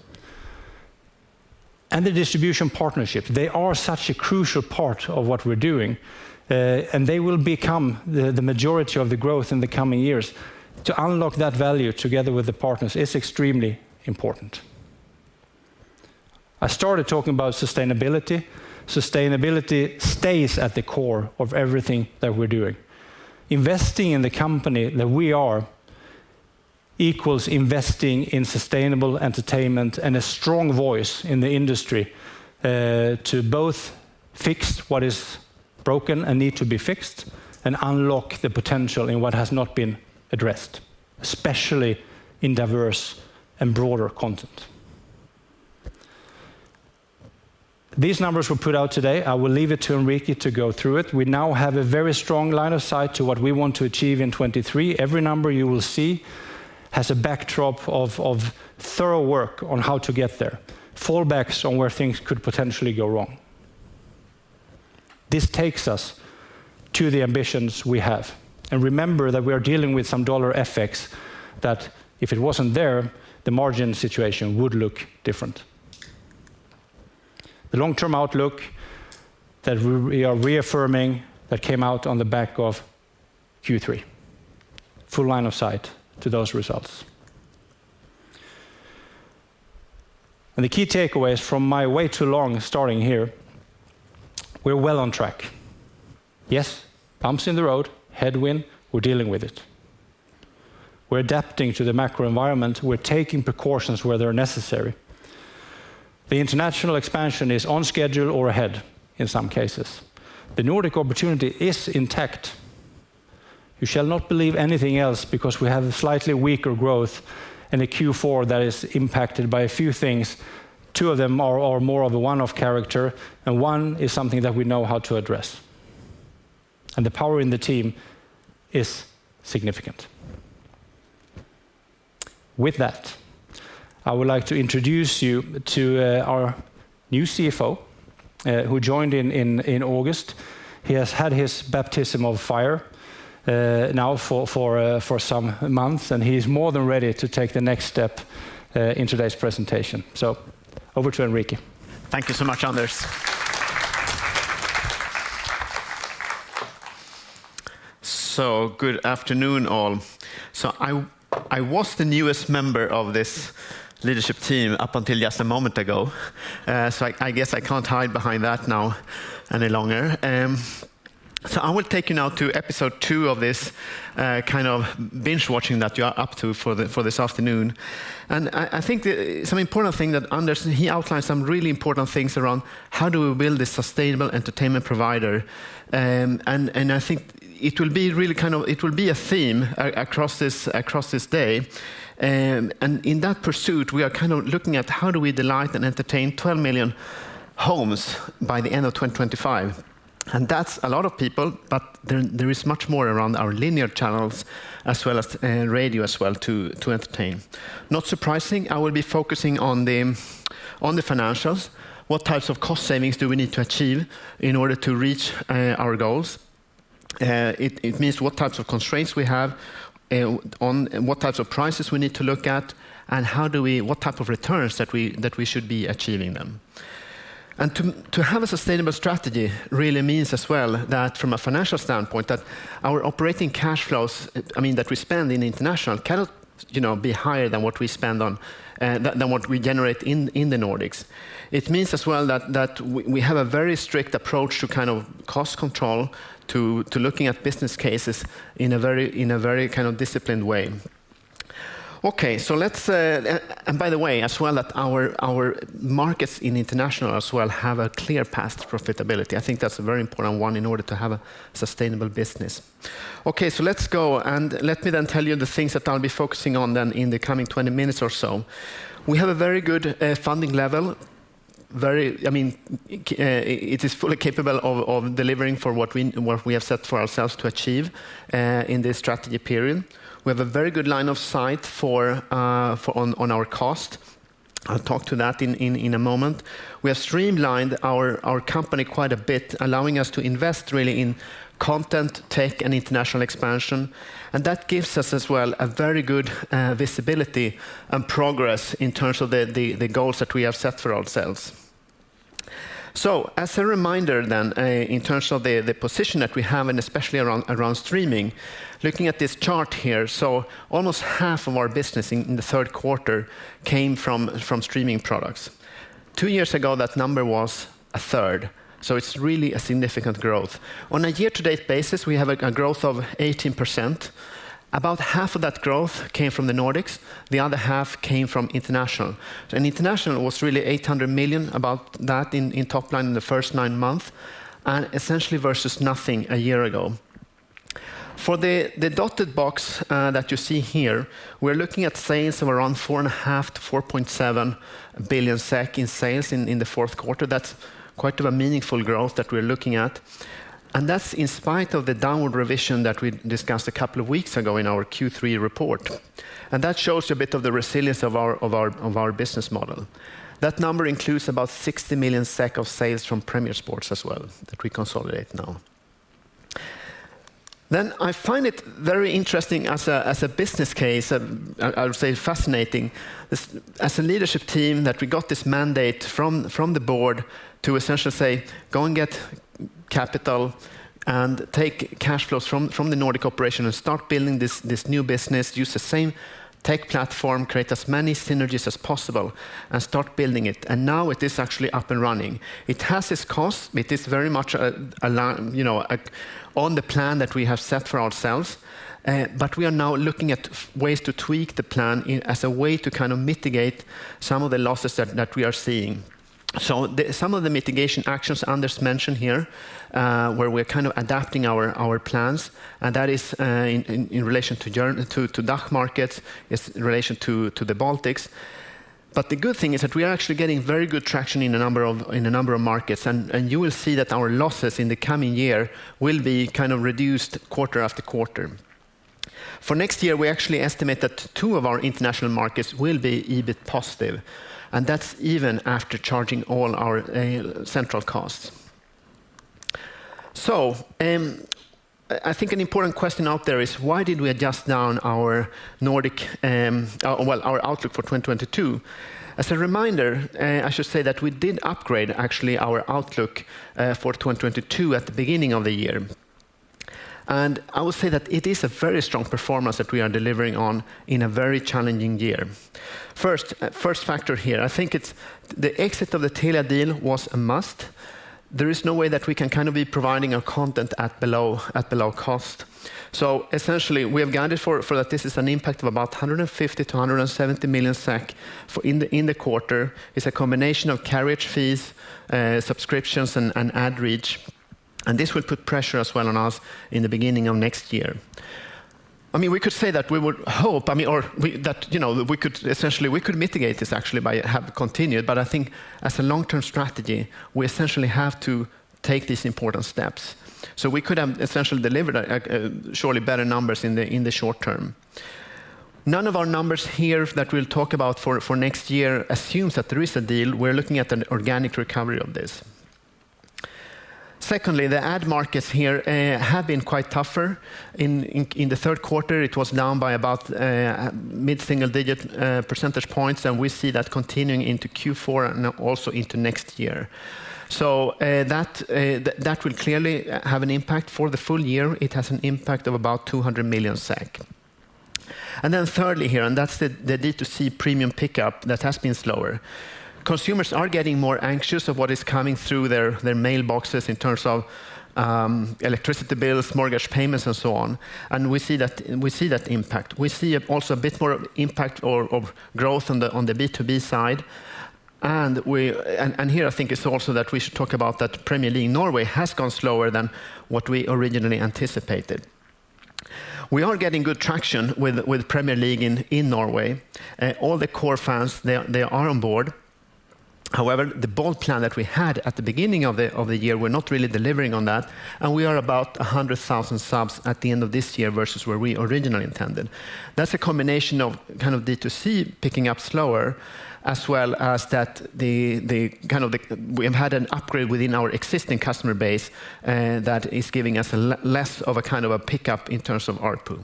The distribution partnerships, they are such a crucial part of what we're doing, and they will become the majority of the growth in the coming years. To unlock that value together with the partners is extremely important. I started talking about sustainability. Sustainability stays at the core of everything that we're doing. Investing in the company that we are equals investing in sustainable entertainment and a strong voice in the industry, to both fix what is broken and need to be fixed and unlock the potential in what has not been addressed, especially in diverse and broader content. These numbers were put out today. I will leave it to Enrique to go through it. We now have a very strong line of sight to what we want to achieve in 2023. Every number you will see has a backdrop of thorough work on how to get there, fallbacks on where things could potentially go wrong. This takes us to the ambitions we have, and remember that we are dealing with some dollar FX that if it wasn't there, the margin situation would look different. The long-term outlook that we are reaffirming that came out on the back of Q3. Full line of sight to those results. The key takeaways from my way too long starting here, we're well on track. Yes, bumps in the road, headwind, we're dealing with it. We're adapting to the macro environment, we're taking precautions where they're necessary. The international expansion is on schedule or ahead in some cases. The Nordic opportunity is intact. You shall not believe anything else because we have a slightly weaker growth in the Q4 that is impacted by a few things. Two of them are more of a one-off character, and one is something that we know how to address. The power in the team is significant. With that, I would like to introduce you to our new CFO, who joined in August. He has had his baptism of fire, now for some months, and he's more than ready to take the next step in today's presentation. Over to Enrique. Thank you so much, Anders. Good afternoon, all. I was the newest member of this leadership team up until just a moment ago, so I guess I can't hide behind that now any longer. I will take you now to episode two of this kind of binge-watching that you are up to for this afternoon. I think Anders outlined some really important things around how do we build this sustainable entertainment provider, and I think it will be a theme across this day. In that pursuit, we are kind of looking at how do we delight and entertain 12 million homes by the end of 2025. That's a lot of people, but there is much more around our linear channels as well as radio as well to entertain. Not surprising, I will be focusing on the financials. What types of cost savings do we need to achieve in order to reach our goals? It means what types of constraints we have on what types of prices we need to look at, and what type of returns that we should be achieving them. To have a sustainable strategy really means as well that from a financial standpoint, that our operating cash flows, I mean, that we spend in international cannot be higher than what we generate in the Nordics. It means as well that we have a very strict approach to kind of cost control to looking at business cases in a very kind of disciplined way. Okay, let's. By the way, as well, that our international markets as well have a clear path to profitability. I think that's a very important one in order to have a sustainable business. Okay, let's go, and let me then tell you the things that I'll be focusing on then in the coming 20 minutes or so. We have a very good funding level. I mean, it is fully capable of delivering for what we have set for ourselves to achieve in this strategy period. We have a very good line of sight on our costs. I'll talk to that in a moment. We have streamlined our company quite a bit, allowing us to invest really in content, tech, and international expansion. That gives us as well a very good visibility and progress in terms of the goals that we have set for ourselves. As a reminder, in terms of the position that we have, and especially around streaming, looking at this chart here. Almost half of our business in the third quarter came from streaming products. Two years ago, that number was a third, so it's really a significant growth. On a year-to-date basis, we have a growth of 18%. About half of that growth came from the Nordics, the other half came from international. International was really 800 million, about that in top line in the first nine months, and essentially versus nothing a year ago. For the dotted box that you see here, we're looking at sales of around 4.5 billion-4.7 billion SEK in sales in the fourth quarter. That's quite a meaningful growth that we're looking at. That's in spite of the downward revision that we discussed a couple of weeks ago in our Q3 report. That shows you a bit of the resilience of our business model. That number includes about 60 million SEK of sales from Premier Sports as well that we consolidate now. I find it very interesting as a business case. I would say fascinating, as a leadership team, that we got this mandate from the board to essentially say, "Go and get capital and take cash flows from the Nordic operation and start building this new business. Use the same tech platform, create as many synergies as possible, and start building it." Now it is actually up and running. It has its costs. It is very much a line, you know, on the plan that we have set for ourselves, but we are now looking at ways to tweak the plan as a way to kind of mitigate some of the losses that we are seeing. Some of the mitigation actions Anders mentioned here, where we're kind of adapting our plans, and that is in relation to DACH markets, it's in relation to the Baltics. The good thing is that we are actually getting very good traction in a number of markets, and you will see that our losses in the coming year will be kind of reduced quarter after quarter. For next year, we actually estimate that two of our international markets will be EBIT positive, and that's even after charging all our central costs. I think an important question out there is why did we adjust down our Nordic outlook for 2022? As a reminder, I should say that we did upgrade actually our outlook for 2022 at the beginning of the year. I will say that it is a very strong performance that we are delivering on in a very challenging year. First factor here, I think it's the exit of the Telia deal was a must. There is no way that we can kind of be providing our content at below cost. Essentially, we have guided for that this is an impact of about 150 million-170 million SEK in the quarter. It's a combination of carriage fees, subscriptions, and ad reach, and this will put pressure as well on us in the beginning of next year. I mean, we could say that we would hope, I mean, or we, that, you know, we could essentially, we could mitigate this actually by have continued, but I think as a long-term strategy, we essentially have to take these important steps. We could have essentially delivered a surely better numbers in the short term. None of our numbers here that we'll talk about for next year assumes that there is a deal. We're looking at an organic recovery of this. Secondly, the ad markets here have been quite tougher. In the third quarter, it was down by about mid-single-digit percentage points, and we see that continuing into Q4 and also into next year. That will clearly have an impact for the full year. It has an impact of about 200 million. Thirdly, here, that's the D2C premium pickup that has been slower. Consumers are getting more anxious about what is coming through their mailboxes in terms of electricity bills, mortgage payments, and so on, and we see that impact. We see also a bit more impact of growth on the B2B side, and here I think it's also that we should talk about that Premier League Norway has gone slower than what we originally anticipated. We are getting good traction with Premier League in Norway. All the core fans are on board. However, the bold plan that we had at the beginning of the year, we're not really delivering on that, and we are about 100,000 subs at the end of this year versus where we originally intended. That's a combination of D2C picking up slower, as well as that we have had an upgrade within our existing customer base that is giving us less of a pickup in terms of ARPU.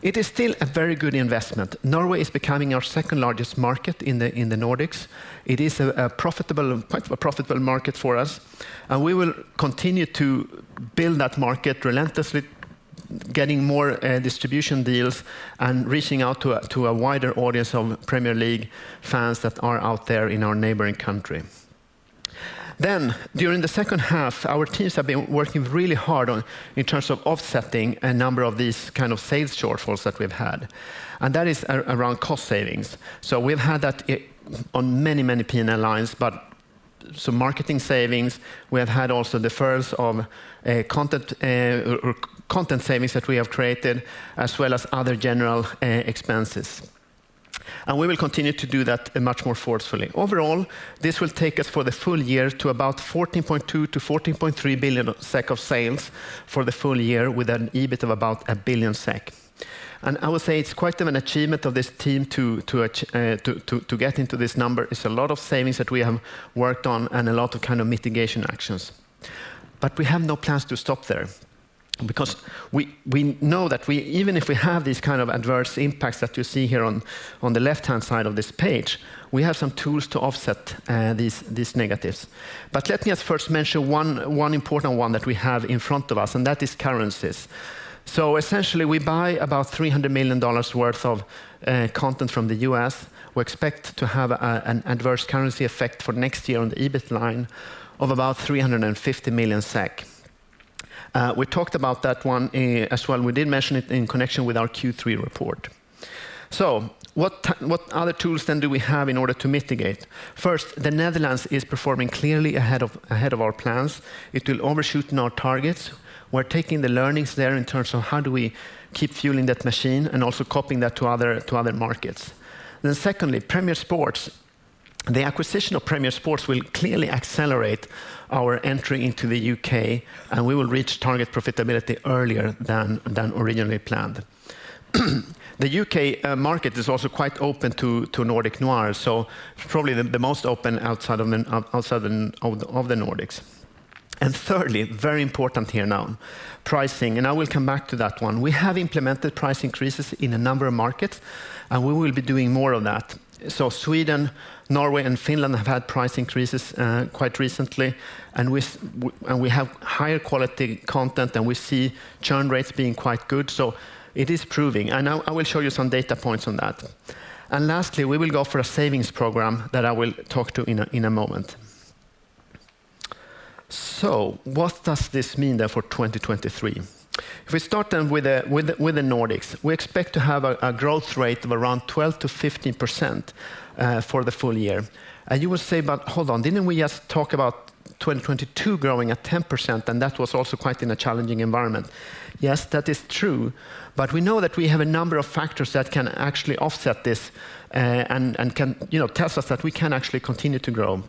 It is still a very good investment. Norway is becoming our second-largest market in the Nordics. It is a profitable, quite a profitable market for us, and we will continue to build that market relentlessly, getting more distribution deals and reaching out to a wider audience of Premier League fans that are out there in our neighboring country. During the second half, our teams have been working really hard in terms of offsetting a number of these kind of sales shortfalls that we've had, and that is around cost savings. We've had that on many P&L lines, but marketing savings, we have had also the first of content savings that we have created, as well as other general expenses. We will continue to do that much more forcefully. Overall, this will take us for the full year to about 14.2 billion-14.3 billion SEK of sales for the full year with an EBIT of about 1 billion SEK. I would say it's quite an achievement of this team to get into this number. It's a lot of savings that we have worked on and a lot of kind of mitigation actions. We have no plans to stop there because we know that we, even if we have these kind of adverse impacts that you see here on the left-hand side of this page, we have some tools to offset these negatives. Let me first mention one important one that we have in front of us, and that is currencies. Essentially, we buy about $300 million worth of content from the U.S. We expect to have an adverse currency effect for next year on the EBIT line of about 350 million SEK. We talked about that one as well. We did mention it in connection with our Q3 report. What other tools then do we have in order to mitigate? First, the Netherlands is performing clearly ahead of our plans. It will overshoot our targets. We're taking the learnings there in terms of how do we keep fueling that machine and also copying that to other markets. Secondly, Premier Sports. The acquisition of Premier Sports will clearly accelerate our entry into the U.K., and we will reach target profitability earlier than originally planned. The UK market is also quite open to Nordic noir, so probably the most open outside of the Nordics. Thirdly, very important here now, pricing, and I will come back to that one. We have implemented price increases in a number of markets, and we will be doing more of that. Sweden, Norway, and Finland have had price increases quite recently, and we have higher quality content, and we see churn rates being quite good. It is proving, and I will show you some data points on that. Lastly, we will go for a savings program that I will talk to in a moment. What does this mean then for 2023? If we start then with the Nordics, we expect to have a growth rate of around 12%-15% for the full year. You will say, "But hold on, didn't we just talk about 2022 growing at 10%, and that was also quite in a challenging environment?" Yes, that is true, but we know that we have a number of factors that can actually offset this and can, you know, tell us that we can actually continue to grow.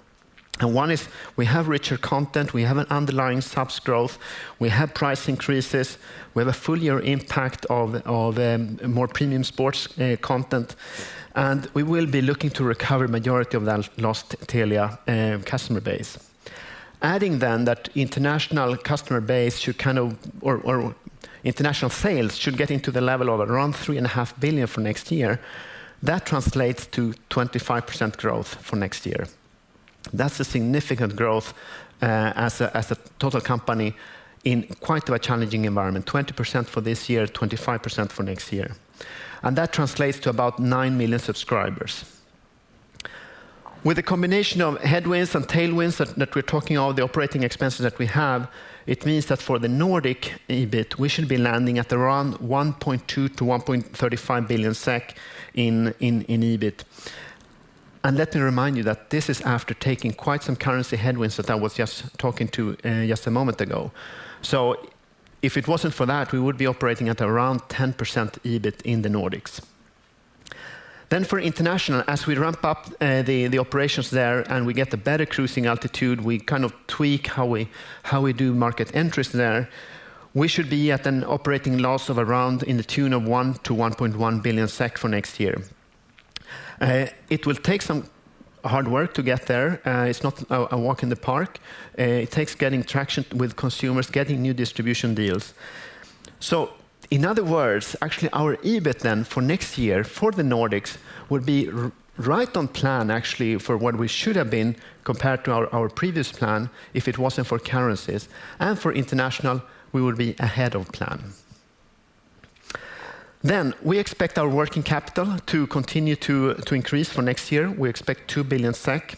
One is we have richer content, we have an underlying subs growth, we have price increases, we have a full year impact of more premium sports content, and we will be looking to recover majority of that lost Telia customer base. Adding that international sales should get into the level of around 3.5 billion for next year. That translates to 25% growth for next year. That's a significant growth, as a total company in quite a challenging environment, 20% for this year, 25% for next year. That translates to about 9 million subscribers. With a combination of headwinds and tailwinds that we're talking of, the operating expenses that we have, it means that for the Nordic EBIT, we should be landing at around 1.2 billion-1.35 billion SEK in EBIT. Let me remind you that this is after taking quite some currency headwinds that I was just talking about just a moment ago. If it wasn't for that, we would be operating at around 10% EBIT in the Nordics. For international, as we ramp up the operations there and we get a better cruising altitude, we kind of tweak how we do market entries there, we should be at an operating loss of around in the tune of 1 billion-1.1 billion SEK for next year. It will take some hard work to get there. It's not a walk in the park. It takes getting traction with consumers, getting new distribution deals. In other words, actually our EBIT then for next year for the Nordics will be right on plan actually for what we should have been compared to our previous plan if it wasn't for currencies, and for international, we will be ahead of plan. We expect our working capital to continue to increase for next year. We expect 2 billion SEK.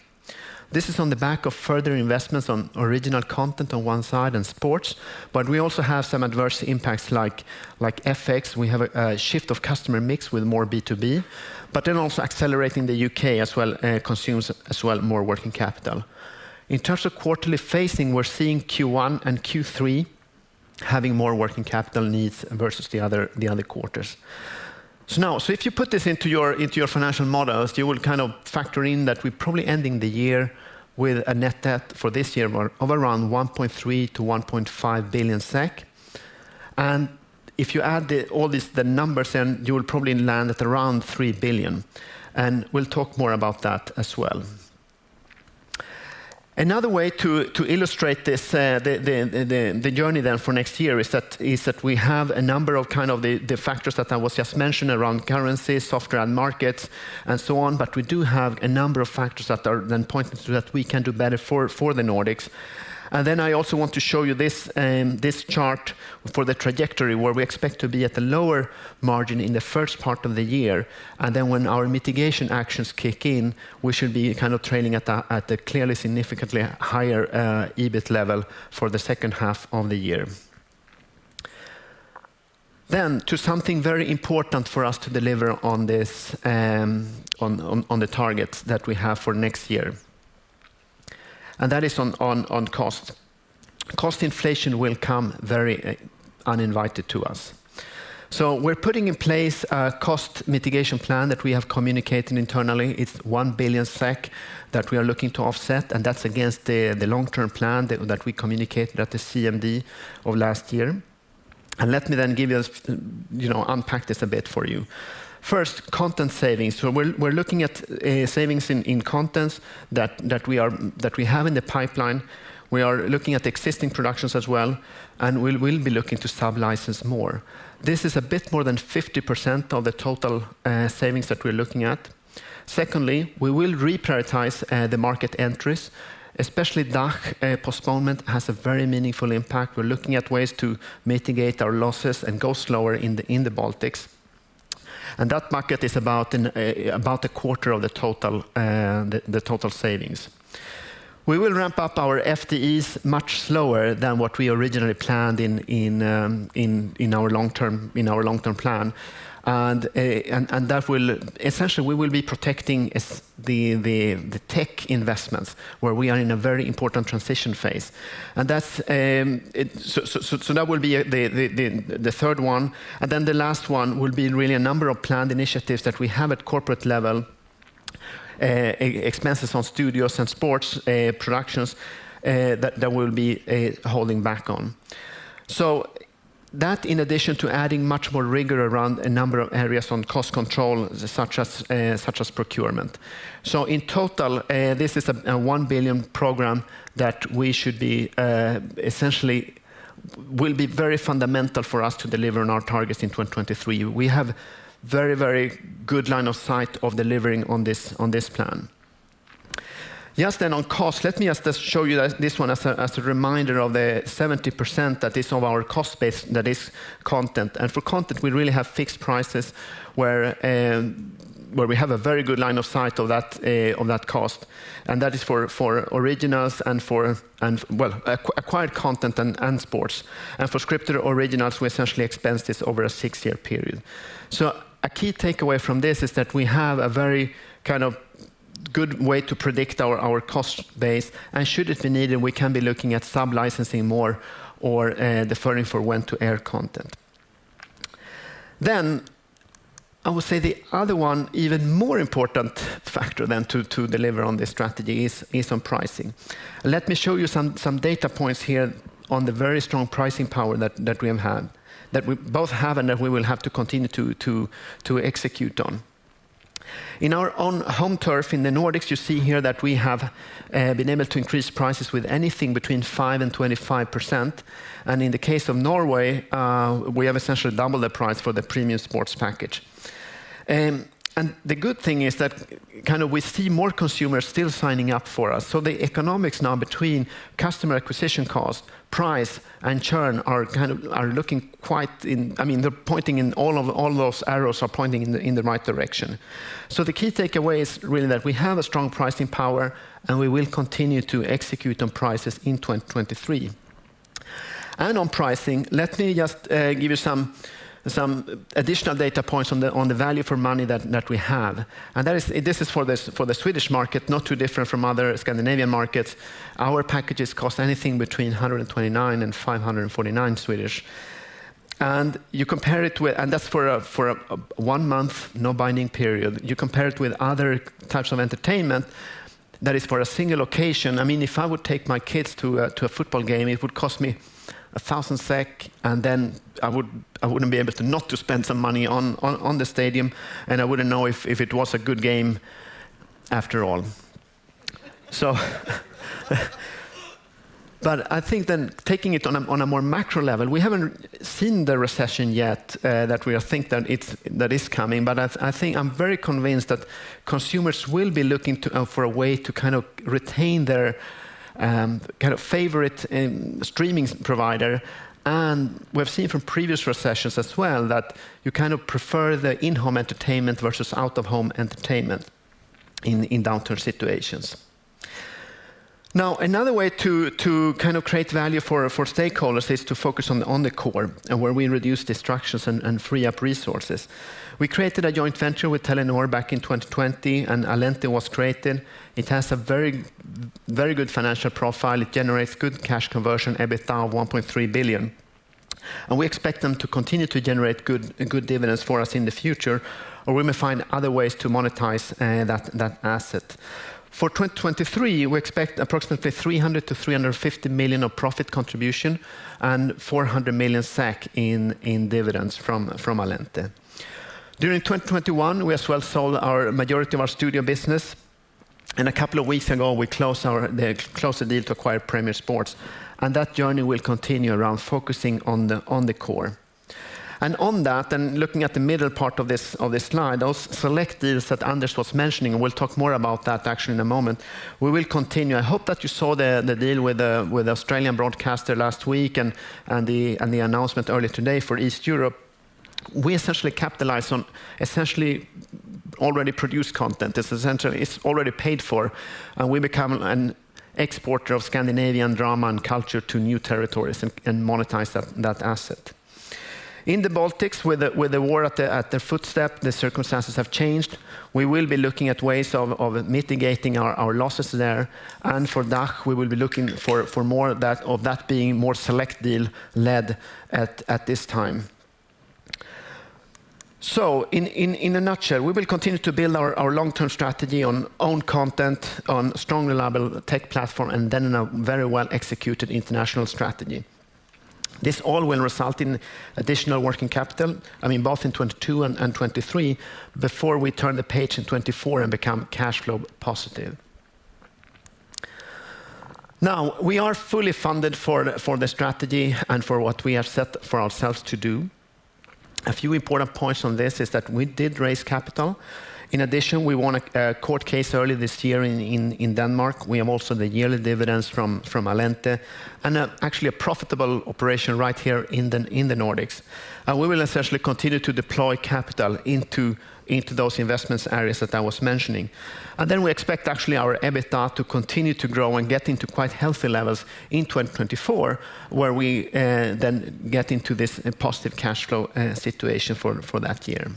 This is on the back of further investments on original content on one side and sports, but we also have some adverse impacts like FX. We have a shift of customer mix with more B2B, but then also accelerating the U.K. as well, consumes as well more working capital. In terms of quarterly phasing, we're seeing Q1 and Q3 having more working capital needs versus the other quarters. If you put this into your financial models, you will kind of factor in that we're probably ending the year with a net debt for this year of around 1.3 billion-1.5 billion SEK. If you add all this, the numbers, then you will probably land at around 3 billion. We'll talk more about that as well. Another way to illustrate this, the journey then for next year is that we have a number of kind of the factors that I was just mentioning around currencies, sport and markets, and so on, but we do have a number of factors that are then pointing to that we can do better for the Nordics. I also want to show you this chart for the trajectory where we expect to be at the lower margin in the first part of the year, and then when our mitigation actions kick in, we should be kind of trending at a clearly significantly higher EBIT level for the second half of the year. Turning to something very important for us to deliver on this, on the targets that we have for next year. That is on cost. Cost inflation will come very uninvited to us. We're putting in place a cost mitigation plan that we have communicated internally. It's 1 billion SEK that we are looking to offset, and that's against the long-term plan that we communicated at the CMD of last year. Let me then give you you know, unpack this a bit for you. First, content savings. We're looking at savings in content that we have in the pipeline. We are looking at existing productions as well, and we will be looking to sub-license more. This is a bit more than 50% of the total savings that we're looking at. Secondly, we will reprioritize the market entries, especially DACH. Postponement has a very meaningful impact. We're looking at ways to mitigate our losses and go slower in the Baltics. That market is about a quarter of the total savings. We will ramp up our FTEs much slower than what we originally planned in our long-term plan. That will. Essentially, we will be protecting the tech investments, where we are in a very important transition phase. That's it. That will be the third one. The last one will be really a number of planned initiatives that we have at corporate level, expenses on studios and sports productions that we'll be holding back on. That in addition to adding much more rigor around a number of areas on cost control such as procurement. In total, this is a 1 billion program that we should be essentially will be very fundamental for us to deliver on our targets in 2023. We have very good line of sight of delivering on this plan. Just then on cost, let me just show you this one as a reminder of the 70% that is of our cost base that is content. For content, we really have fixed prices where we have a very good line of sight of that cost, and that is for originals and, well, acquired content and sports. For scripted originals, we essentially expense this over a six-year period. A key takeaway from this is that we have a very kind of good way to predict our cost base, and should it be needed, we can be looking at sub-licensing more or deferring for when to air content. I would say the other one even more important factor to deliver on this strategy is on pricing. Let me show you some data points here on the very strong pricing power that we have had, that we both have and that we will have to continue to execute on. In our own home turf in the Nordics, you see here that we have been able to increase prices with anything between 5% and 25%. In the case of Norway, we have essentially doubled the price for the premium sports package. The good thing is that kinda we see more consumers still signing up for us. The economics now between customer acquisition cost, price, and churn are kind of looking quite in. I mean, they're pointing in all of those arrows are pointing in the right direction. The key takeaway is really that we have a strong pricing power, and we will continue to execute on prices in 2023. On pricing, let me just give you some additional data points on the value for money that we have. This is for the Swedish market, not too different from other Scandinavian markets. Our packages cost anything between 129 and 549. That's for a one-month, no-binding period. You compare it with other types of entertainment that is for a single occasion. I mean, if I would take my kids to a football game, it would cost me 1,000 SEK, and then I wouldn't be able to not to spend some money on the stadium, and I wouldn't know if it was a good game after all. I think then taking it on a more macro level, we haven't seen the recession yet that we all think that is coming. I think I'm very convinced that consumers will be looking for a way to kind of retain their kind of favorite streaming provider. We've seen from previous recessions as well, that you kind of prefer the in-home entertainment versus out-of-home entertainment in downturn situations. Now, another way to kind of create value for stakeholders is to focus on the core and where we reduce distractions and free up resources. We created a joint venture with Telenor back in 2020, and Allente was created. It has a very good financial profile. It generates good cash conversion, EBITDA of 1.3 billion. We expect them to continue to generate good dividends for us in the future, or we may find other ways to monetize that asset. For 2023, we expect approximately 300 million-350 million of profit contribution and 400 million in dividends from Allente. During 2021, we as well sold our majority of our studio business, and a couple of weeks ago, we closed the deal to acquire Premier Sports, and that journey will continue around focusing on the core. On that, looking at the middle part of this slide, those select deals that Anders was mentioning, we'll talk more about that actually in a moment. We will continue. I hope that you saw the deal with the Australian broadcaster last week and the announcement earlier today for East Europe. We essentially capitalize on already produced content. It's already paid for, and we become an exporter of Scandinavian drama and culture to new territories and monetize that asset. In the Baltics, with the war at the doorstep, the circumstances have changed. We will be looking at ways of mitigating our losses there. For DACH, we will be looking for more of that being more select deal-led at this time. In a nutshell, we will continue to build our long-term strategy on own content, on strong reliable tech platform, and then in a very well-executed international strategy. This all will result in additional working capital, I mean, both in 2022 and 2023 before we turn the page in 2024 and become cash flow positive. Now, we are fully funded for the strategy and for what we have set for ourselves to do. A few important points on this is that we did raise capital. In addition, we won a court case early this year in Denmark. We have also the yearly dividends from Allente, and actually a profitable operation right here in the Nordics. We will essentially continue to deploy capital into those investment areas that I was mentioning. We expect actually our EBITDA to continue to grow and get into quite healthy levels in 2024, where we then get into this positive cash flow situation for that year.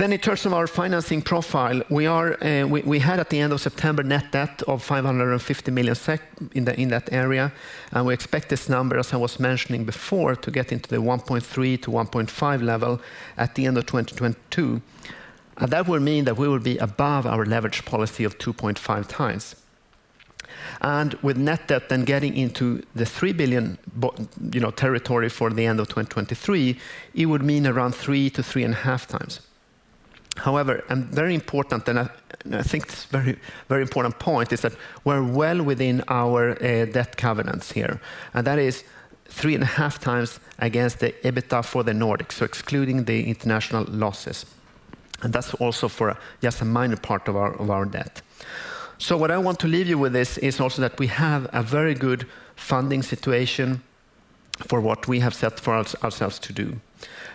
In terms of our financing profile, we had at the end of September net debt of 550 million SEK in that area, and we expect this number, as I was mentioning before, to get into the 1.3-1.5 level at the end of 2022. That will mean that we will be above our leverage policy of 2.5x. With net debt then getting into the 3 billion territory for the end of 2023, it would mean around 3x-3.5 x. However, very important, I think this very important point is that we're well within our debt covenants here, and that is 3.5x against the EBITDA for the Nordics, so excluding the international losses. That's also for just a minor part of our debt. What I want to leave you with is also that we have a very good funding situation for what we have set for ourselves to do.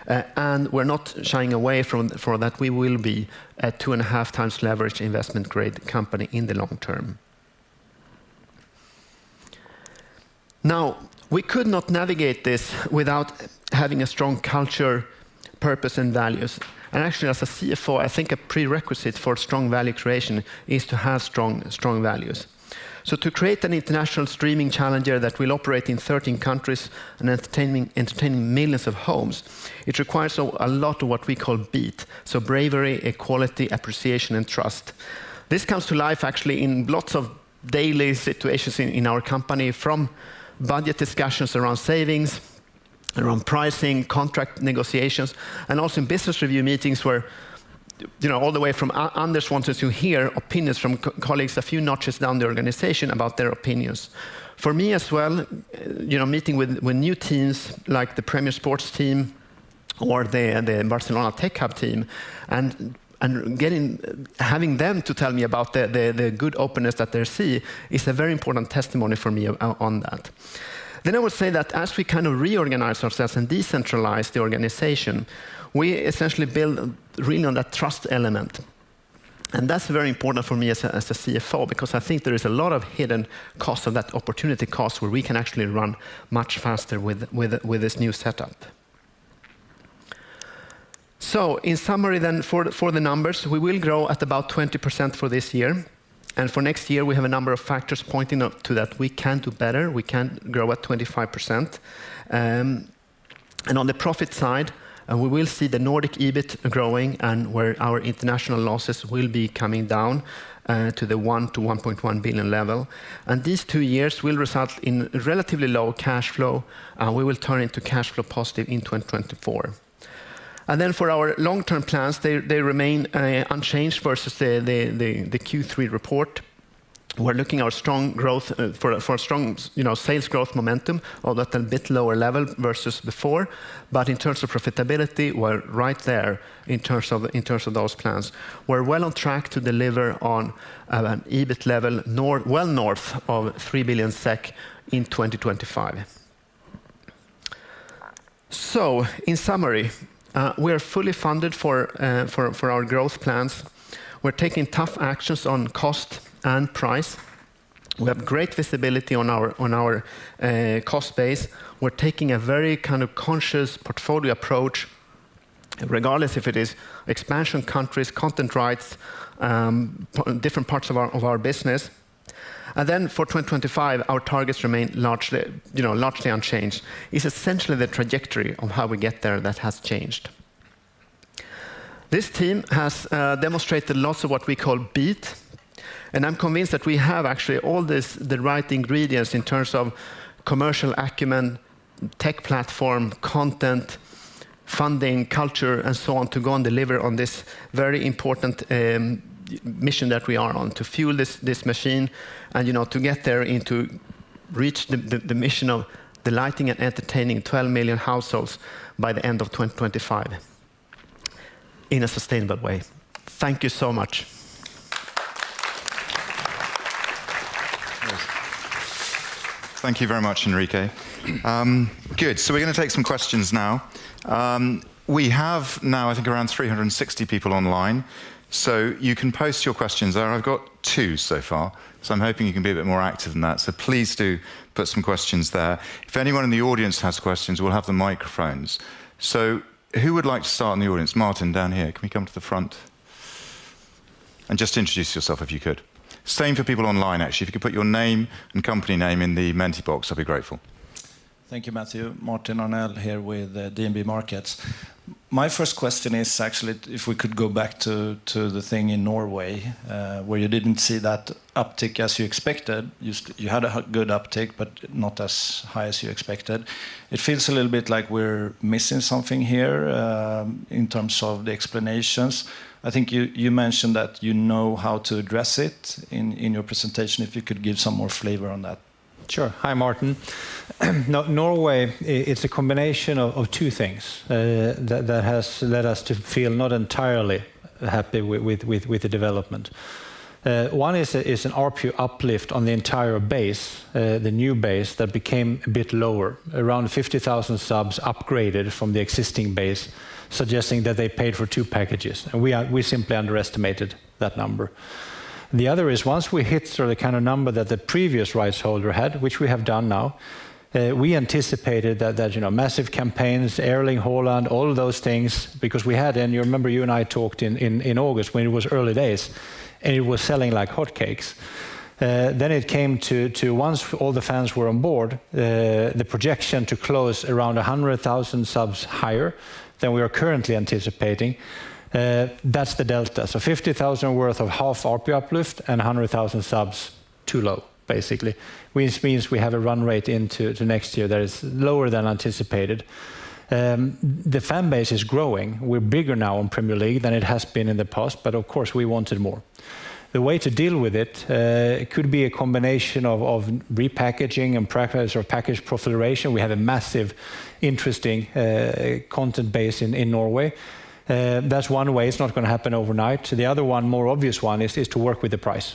We're not shying away from that. We will be at 2.5x leverage investment-grade company in the long term. Now, we could not navigate this without having a strong culture, purpose, and values. Actually, as a CFO, I think a prerequisite for strong value creation is to have strong values. To create an international streaming challenger that will operate in 13 countries and entertaining millions of homes, it requires a lot of what we call BEAT. Bravery, equality, appreciation, and trust. This comes to life actually in lots of daily situations in our company, from budget discussions around savings, around pricing, contract negotiations, and also in business review meetings where, you know, all the way from Anders wants us to hear opinions from colleagues a few notches down the organization about their opinions. For me as well, meeting with new teams like the Premier Sports team or the Barcelona Tech Hub team and getting them to tell me about the good openness that they see is a very important testimony for me on that. I would say that as we kind of reorganize ourselves and decentralize the organization, we essentially build really on that trust element. That's very important for me as a CFO, because I think there is a lot of hidden costs of that opportunity cost where we can actually run much faster with this new setup. In summary for the numbers, we will grow at about 20% for this year. For next year, we have a number of factors pointing out to that we can do better, we can grow at 25%. On the profit side, we will see the Nordic EBIT growing and where our international losses will be coming down to the 1 billion-1.1 billion level. These two years will result in relatively low cash flow, we will turn into cash flow positive in 2024. For our long-term plans, they remain unchanged versus the Q3 report. We're looking at strong growth for strong, you know, sales growth momentum, although at a bit lower level versus before. In terms of profitability, we're right there in terms of those plans. We're well on track to deliver on an EBIT level north of 3 billion SEK in 2025. In summary, we are fully funded for our growth plans. We're taking tough actions on cost and price. We have great visibility on our cost base. We're taking a very kind of conscious portfolio approach regardless if it is expansion countries, content rights, different parts of our business. For 2025, our targets remain largely, you know, largely unchanged. It's essentially the trajectory of how we get there that has changed. This team has demonstrated lots of what we call BEAT, and I'm convinced that we have actually all the right ingredients in terms of commercial acumen, tech platform, content, funding, culture, and so on to go and deliver on this very important mission that we are on to fuel this machine and, you know, to get there and to reach the mission of delighting and entertaining 12 million households by the end of 2025 in a sustainable way. Thank you so much. Thank you very much, Enrique. Good. We're gonna take some questions now. We have now I think around 360 people online, so you can post your questions there. I've got two so far, so I'm hoping you can be a bit more active than that. Please do put some questions there. If anyone in the audience has questions, we'll have the microphones. Who would like to start in the audience? Martin, down here. Can we come to the front? Just introduce yourself if you could. Same for people online, actually. If you could put your name and company name in the Menti box, I'd be grateful. Thank you, Matthew. Martin Arnell here with DNB Markets. My first question is actually if we could go back to the thing in Norway, where you didn't see that uptick as you expected. You had a good uptick, but not as high as you expected. It feels a little bit like we're missing something here in terms of the explanations. I think you mentioned that you know how to address it in your presentation, if you could give some more flavor on that. Sure. Hi, Martin. Norway it's a combination of two things that has led us to feel not entirely happy with the development. One is an ARPU uplift on the entire base, the new base that became a bit lower. Around 50,000 subs upgraded from the existing base, suggesting that they paid for two packages, and we simply underestimated that number. The other is once we hit sort of kind of number that the previous rights holder had, which we have done now, we anticipated that you know massive campaigns, Erling Haaland, all of those things, because we had and you remember you and I talked in August when it was early days, and it was selling like hotcakes. Once all the fans were on board, the projection to close around 100,000 subs higher than we are currently anticipating, that's the delta. 50,000 worth of half ARPU uplift and 100,000 subs too low, basically. Which means we have a run rate into next year that is lower than anticipated. The fan base is growing. We're bigger now in Premier League than it has been in the past, but of course, we wanted more. The way to deal with it could be a combination of repackaging and package proliferation. We have a massively interesting content base in Norway. That's one way. It's not gonna happen overnight. The other one, more obvious one is to work with the price.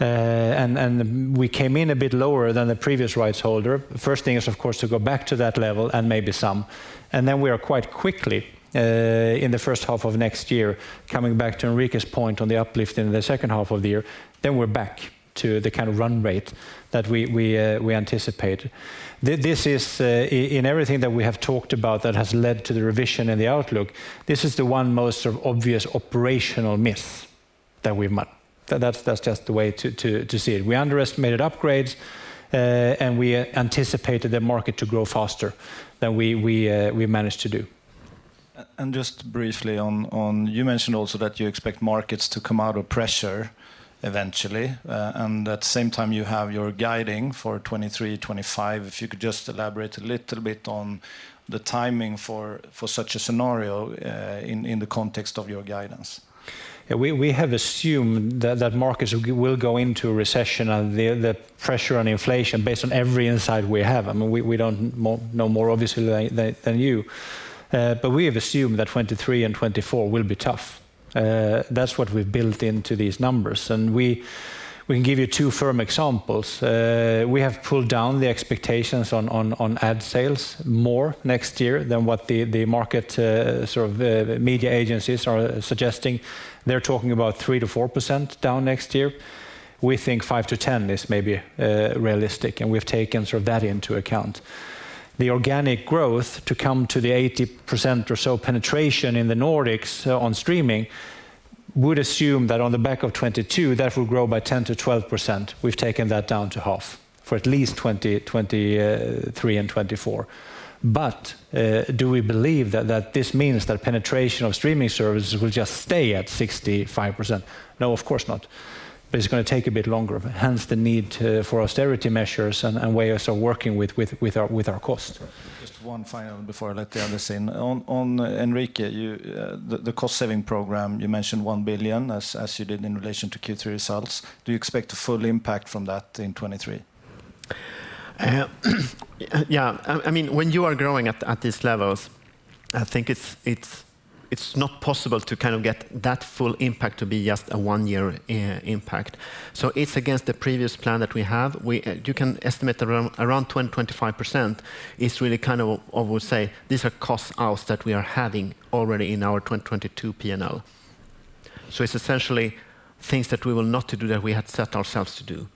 And we came in a bit lower than the previous rights holder. First thing is, of course, to go back to that level and maybe some. Then we are quite quickly in the first half of next year, coming back to Enrique's point on the uplift in the second half of the year, then we're back to the kind of run rate that we anticipate. This is in everything that we have talked about that has led to the revision and the outlook, this is the one most sort of obvious operational myth that we've met. That's just the way to see it. We underestimated upgrades, and we anticipated the market to grow faster than we managed to do. Just briefly on. You mentioned also that you expect markets to come out of pressure eventually, and at the same time you have your guidance for 2023, 2025. If you could just elaborate a little bit on the timing for such a scenario, in the context of your guidance. Yeah, we have assumed that markets will go into recession and the pressure on inflation based on every insight we have. I mean, we don't know more obviously than you. We have assumed that 2023 and 2024 will be tough. That's what we've built into these numbers. We can give you two firm examples. We have pulled down the expectations on ad sales more next year than what the market sort of media agencies are suggesting. They're talking about 3%-4% down next year. We think 5%-10% is maybe realistic, and we've taken sort of that into account. The organic growth to come to the 80% or so penetration in the Nordics on streaming would assume that on the back of 2022, that will grow by 10%-12%. We've taken that down to half for at least 2023 and 2024. Do we believe that this means that penetration of streaming services will just stay at 65%? No, of course not. It's gonna take a bit longer, hence the need for austerity measures and ways of working with our cost. Just one final before I let the others in. On Enrique, the cost saving program, you mentioned 1 billion as you did in relation to Q3 results. Do you expect a full impact from that in 2023? Yeah. Yeah, I mean, when you are growing at these levels, I think it's not possible to kind of get that full impact to be just a one-year impact. It's against the previous plan that we have. You can estimate around 20%-25% is really kind of, I would say, these are cost outs that we are having already in our 2022 P&L. It's essentially things that we will not do that we had set ourselves to do.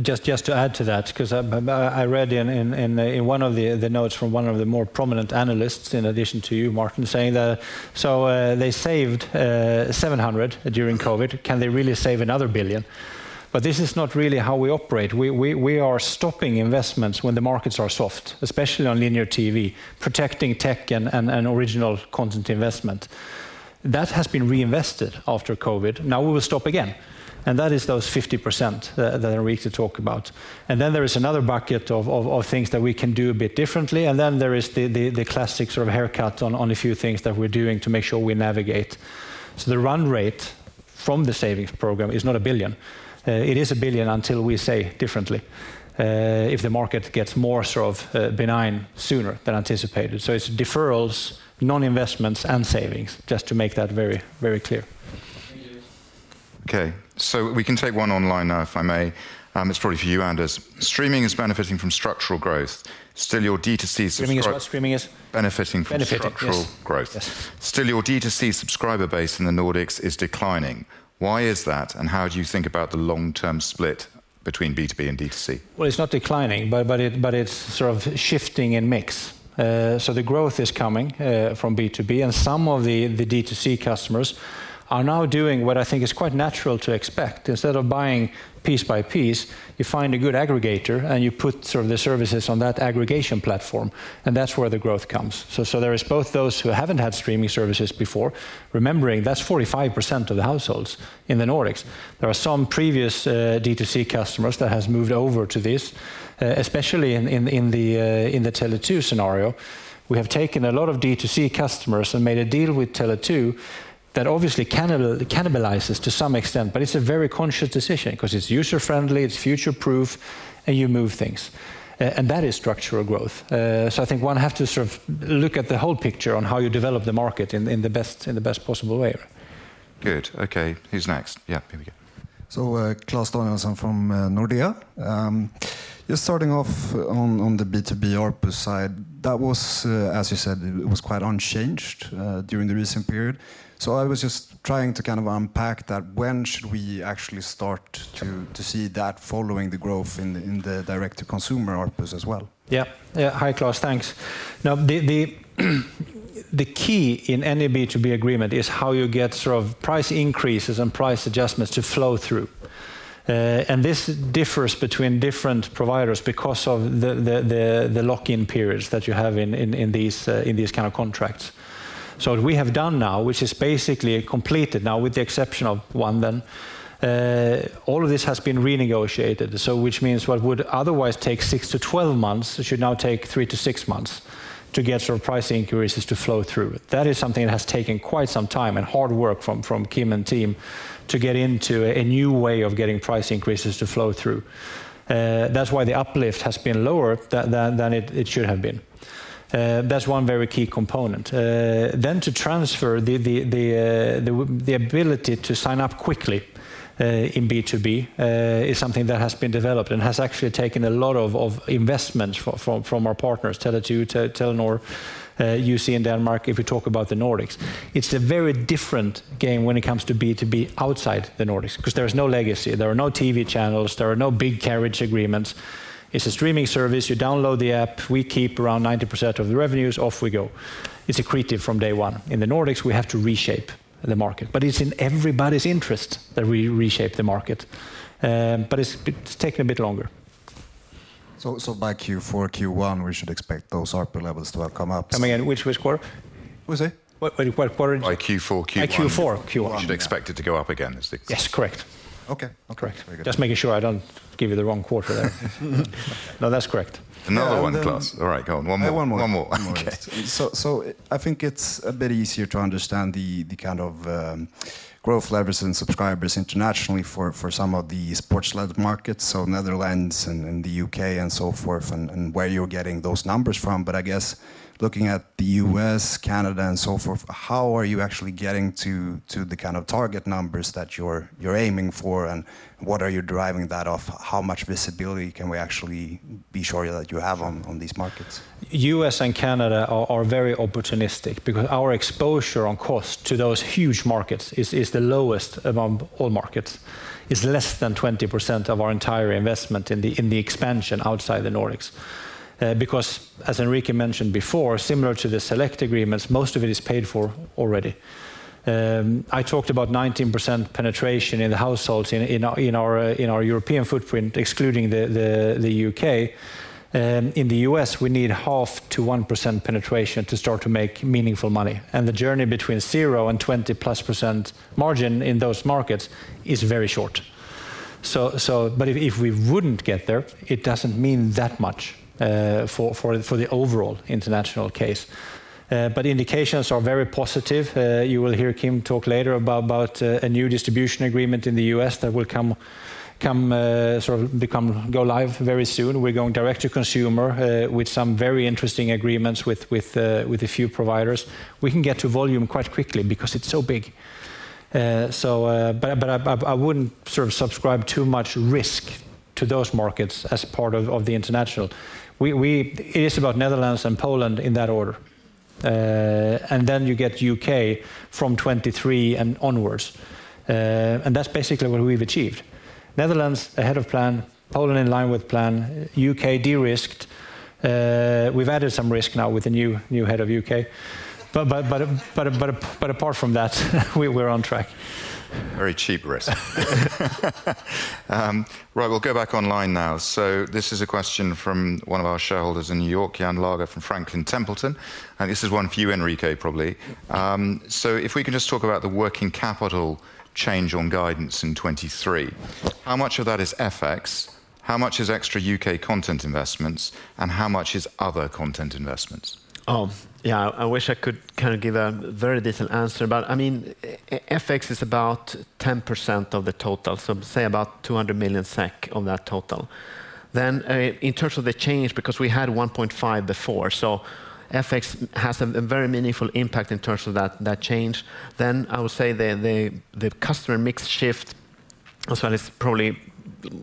Just to add to that, 'cause I read in one of the notes from one of the more prominent analysts in addition to you, Martin, saying that, "So, they saved 700 million during COVID. Can they really save another 1 billion?" This is not really how we operate. We are stopping investments when the markets are soft, especially on linear TV, protecting tech and original content investment. That has been reinvested after COVID. Now we will stop again. That is those 50% that Enrique talked about. Then there is another bucket of things that we can do a bit differently. Then there is the classic sort of haircut on a few things that we're doing to make sure we navigate. The run rate from the savings program is not 1 billion. It is 1 billion until we say differently, if the market gets more sort of benign sooner than anticipated. It's deferrals, non-investments, and savings, just to make that very, very clear. Thank you. Okay. We can take one online now, if I may. It's probably for you, Anders. Streaming is benefiting from structural growth. Still, your D2C subscri- Streaming is. Benefiting from structural growth. Benefiting, yes. Still, your D2C subscriber base in the Nordics is declining. Why is that, and how do you think about the long-term split between B2B and D2C? Well, it's not declining, it's sort of shifting in mix. The growth is coming from B2B, and some of the D2C customers are now doing what I think is quite natural to expect. Instead of buying piece by piece, you find a good aggregator, and you put sort of the services on that aggregation platform, and that's where the growth comes. There is both those who haven't had streaming services before. Remembering, that's 45% of the households in the Nordics. There are some previous D2C customers that has moved over to this, especially in the Tele2 scenario. We have taken a lot of D2C customers and made a deal with Tele2 that obviously cannibalizes to some extent, but it's a very conscious decision because it's user-friendly, it's future-proof, and you move things. That is structural growth. I think one have to sort of look at the whole picture on how you develop the market in the best possible way. Good. Okay. Who's next? Yeah. Here we go. Klas Danielsson from Nordea. Just starting off on the B2B ARPU side. That was, as you said, it was quite unchanged during the recent period. I was just trying to kind of unpack that. When should we actually start to see that following the growth in the direct-to-consumer ARPUs as well? Yeah. Yeah. Hi, Klas. Thanks. Now, the key in any B2B agreement is how you get sort of price increases and price adjustments to flow through. This differs between different providers because of the lock-in periods that you have in these kind of contracts. What we have done now, which is basically completed now, with the exception of one, then all of this has been renegotiated, which means what would otherwise take six-12 months should now take three-six months to get sort of price increases to flow through. That is something that has taken quite some time and hard work from Kim and team to get into a new way of getting price increases to flow through. That's why the uplift has been lower than it should have been. That's one very key component. To transfer the ability to sign up quickly in B2B is something that has been developed and has actually taken a lot of investment from our partners, Tele2, Telenor, YouSee in Denmark, if you talk about the Nordics. It's a very different game when it comes to B2B outside the Nordics 'cause there is no legacy. There are no TV channels. There are no big carriage agreements. It's a streaming service. You download the app. We keep around 90% of the revenues. Off we go. It's accretive from day one. In the Nordics, we have to reshape the market. It's in everybody's interest that we reshape the market, but it's taking a bit longer. By Q4, Q1, we should expect those ARPU levels to have come up. Come again? Which quarter? What is it? What quarter did you say? By Q4, Q1. By Q4, Q1. We should expect it to go up again. Yes, correct. Okay. Okay. Correct. Very good. Just making sure I don't give you the wrong quarter there. No, that's correct. Another one, Klas. All right, go on. One more. One more. One more. I think it's a bit easier to understand the kind of growth levers and subscribers internationally for some of the sports-led markets, Netherlands and the U.K. and so forth, and where you're getting those numbers from. I guess looking at the U.S., Canada, and so forth, how are you actually getting to the kind of target numbers that you're aiming for, and what are you deriving that off? How much visibility can we actually be sure that you have on these markets? U.S. and Canada are very opportunistic because our exposure on cost to those huge markets is the lowest among all markets. It's less than 20% of our entire investment in the expansion outside the Nordics. Because as Enrique mentioned before, similar to the Select agreements, most of it is paid for already. I talked about 19% penetration in the households in our European footprint, excluding the U.K. In the U.S., we need 0.5%-1% penetration to start to make meaningful money, and the journey between 0% and 20+% margin in those markets is very short. But if we wouldn't get there, it doesn't mean that much for the overall international case. But indications are very positive. You will hear Kim talk later about a new distribution agreement in the U.S. that will go live very soon. We're going direct to consumer with some very interesting agreements with a few providers. We can get to volume quite quickly because it's so big. I wouldn't ascribe too much risk to those markets as part of the international. It is about Netherlands and Poland in that order. Then you get U.K. from 2023 and onwards. That's basically what we've achieved. Netherlands ahead of plan. Poland in line with plan. U.K. de-risked. We've added some risk now with the new head of U.K. Apart from that, we're on track. Very cheap risk. Right. We'll go back online now. This is a question from one of our shareholders in New York, Jan Lager from Franklin Templeton, and this is one for you, Enrique, probably. If we can just talk about the working capital change on guidance in 2023, how much of that is FX? How much is extra UK content investments? And how much is other content investments? Oh, yeah. I wish I could kind of give a very decent answer, but I mean, FX is about 10% of the total, so say about 200 million SEK of that total. In terms of the change, because we had 1.5 before, so FX has a very meaningful impact in terms of that change. I would say the customer mix shift as well is probably,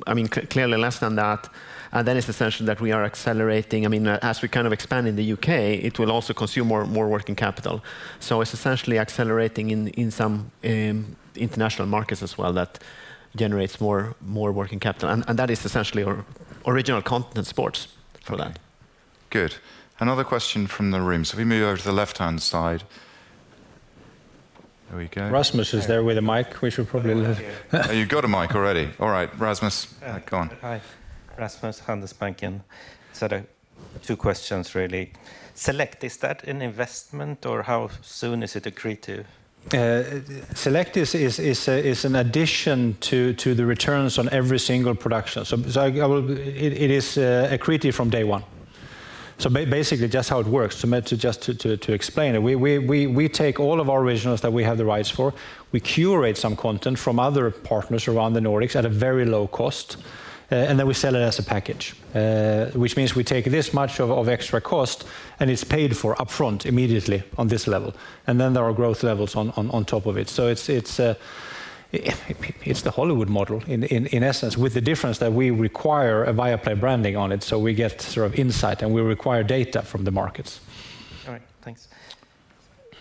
I mean, clearly less than that. It's essentially that we are accelerating. I mean, as we kind of expand in the U.K., it will also consume more working capital. It's essentially accelerating in some international markets as well that generates more working capital, and that is essentially original content sports for that. Good. Another question from the room. If we move over to the left-hand side. There we go. Rasmus is there with a mic. We should probably. Oh, you've got a mic already. All right, Rasmus, go on. Hi. Rasmus, Handelsbanken. Two questions, really. Select, is that an investment, or how soon is it accretive? Select is an addition to the returns on every single production. It is accretive from day one. Basically, just how it works to explain it, we take all of our originals that we have the rights for, we curate some content from other partners around the Nordics at a very low cost, and then we sell it as a package. Which means we take this much extra cost, and it's paid for up front immediately on this level, and then there are growth levels on top of it. It's the Hollywood model in essence, with the difference that we require a Viaplay branding on it, so we get sort of insight, and we require data from the markets. All right. Thanks.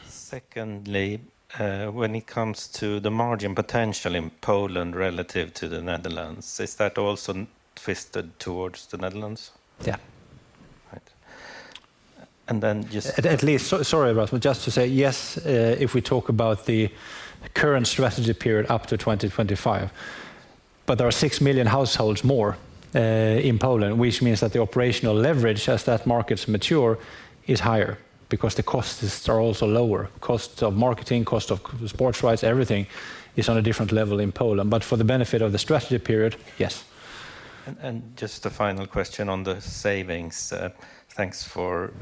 Secondly, when it comes to the margin potential in Poland relative to the Netherlands, is that also tilted towards the Netherlands? Yeah. Right. Just- At least. Sorry, Rasmus. Just to say, yes, if we talk about the current strategy period up to 2025. There are 6 million households more in Poland, which means that the operational leverage as that markets mature is higher because the costs are also lower. Costs of marketing, cost of sports rights, everything is on a different level in Poland. For the benefit of the strategy period, yes. Just a final question on the savings. Thanks for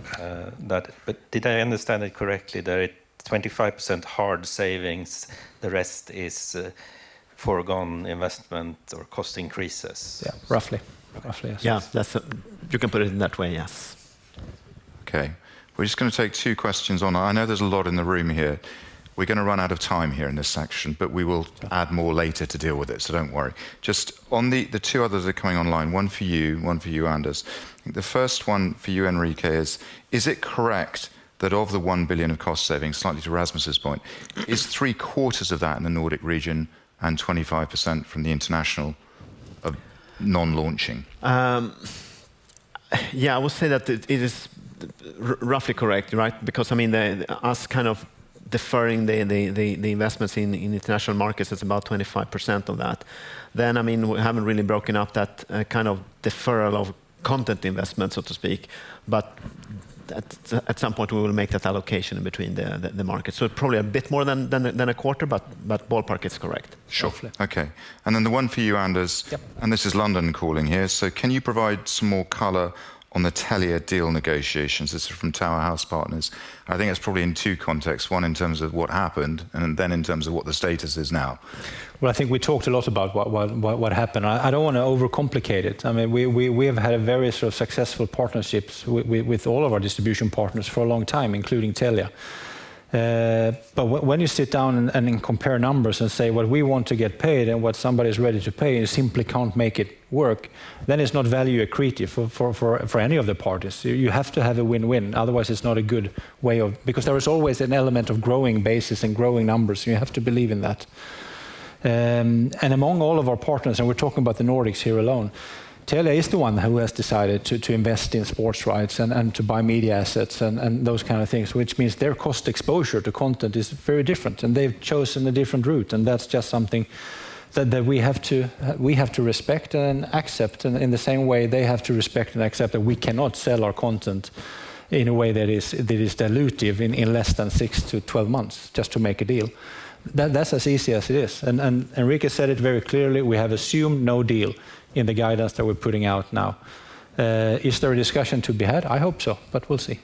that. Did I understand it correctly that it 25% hard savings, the rest is foregone investment or cost increases? Yeah. Roughly. Okay. Roughly, yes. Yeah. That's it. You can put it in that way, yes. Okay. We're just gonna take two questions online. I know there's a lot in the room here. We're gonna run out of time here in this section, but we will add more later to deal with it, so don't worry. Just on the two others that are coming online, one for you, one for you, Anders. The first one for you, Enrique, is: Is it correct that of the 1 billion of cost savings, slightly to Rasmus' point, is three-quarters of that in the Nordic region and 25% from the international, non-launching? I will say that it is roughly correct, right? I mean, us kind of deferring the investments in international markets is about 25% of that. I mean, we haven't really broken up that kind of deferral of content investment, so to speak. At some point, we will make that allocation between the markets. Probably a bit more than a quarter, but ballpark, it's correct. Sure. Roughly. Okay. The one for you, Anders. Yep. This is London calling here. Can you provide some more color on the Telia deal negotiations? This is from Towerhouse Partners. I think that's probably in two contexts. One, in terms of what happened, and then in terms of what the status is now. Well, I think we talked a lot about what happened. I don't wanna overcomplicate it. I mean, we have had a very sort of successful partnerships with all of our distribution partners for a long time, including Telia. When you sit down and then compare numbers and say what we want to get paid and what somebody's ready to pay, you simply can't make it work, then it's not value accretive for any of the parties. You have to have a win-win, otherwise it's not a good way. Because there is always an element of growing bases and growing numbers, and you have to believe in that. Among all of our partners, and we're talking about the Nordics here alone, Telia is the one who has decided to invest in sports rights and to buy media assets and those kind of things, which means their cost exposure to content is very different, and they've chosen a different route, and that's just something that we have to respect and accept in the same way they have to respect and accept that we cannot sell our content in a way that is dilutive in less than six-12 months just to make a deal. That's as easy as it is. Enrique said it very clearly, we have assumed no deal in the guidance that we're putting out now. Is there a discussion to be had? I hope so, but we'll see.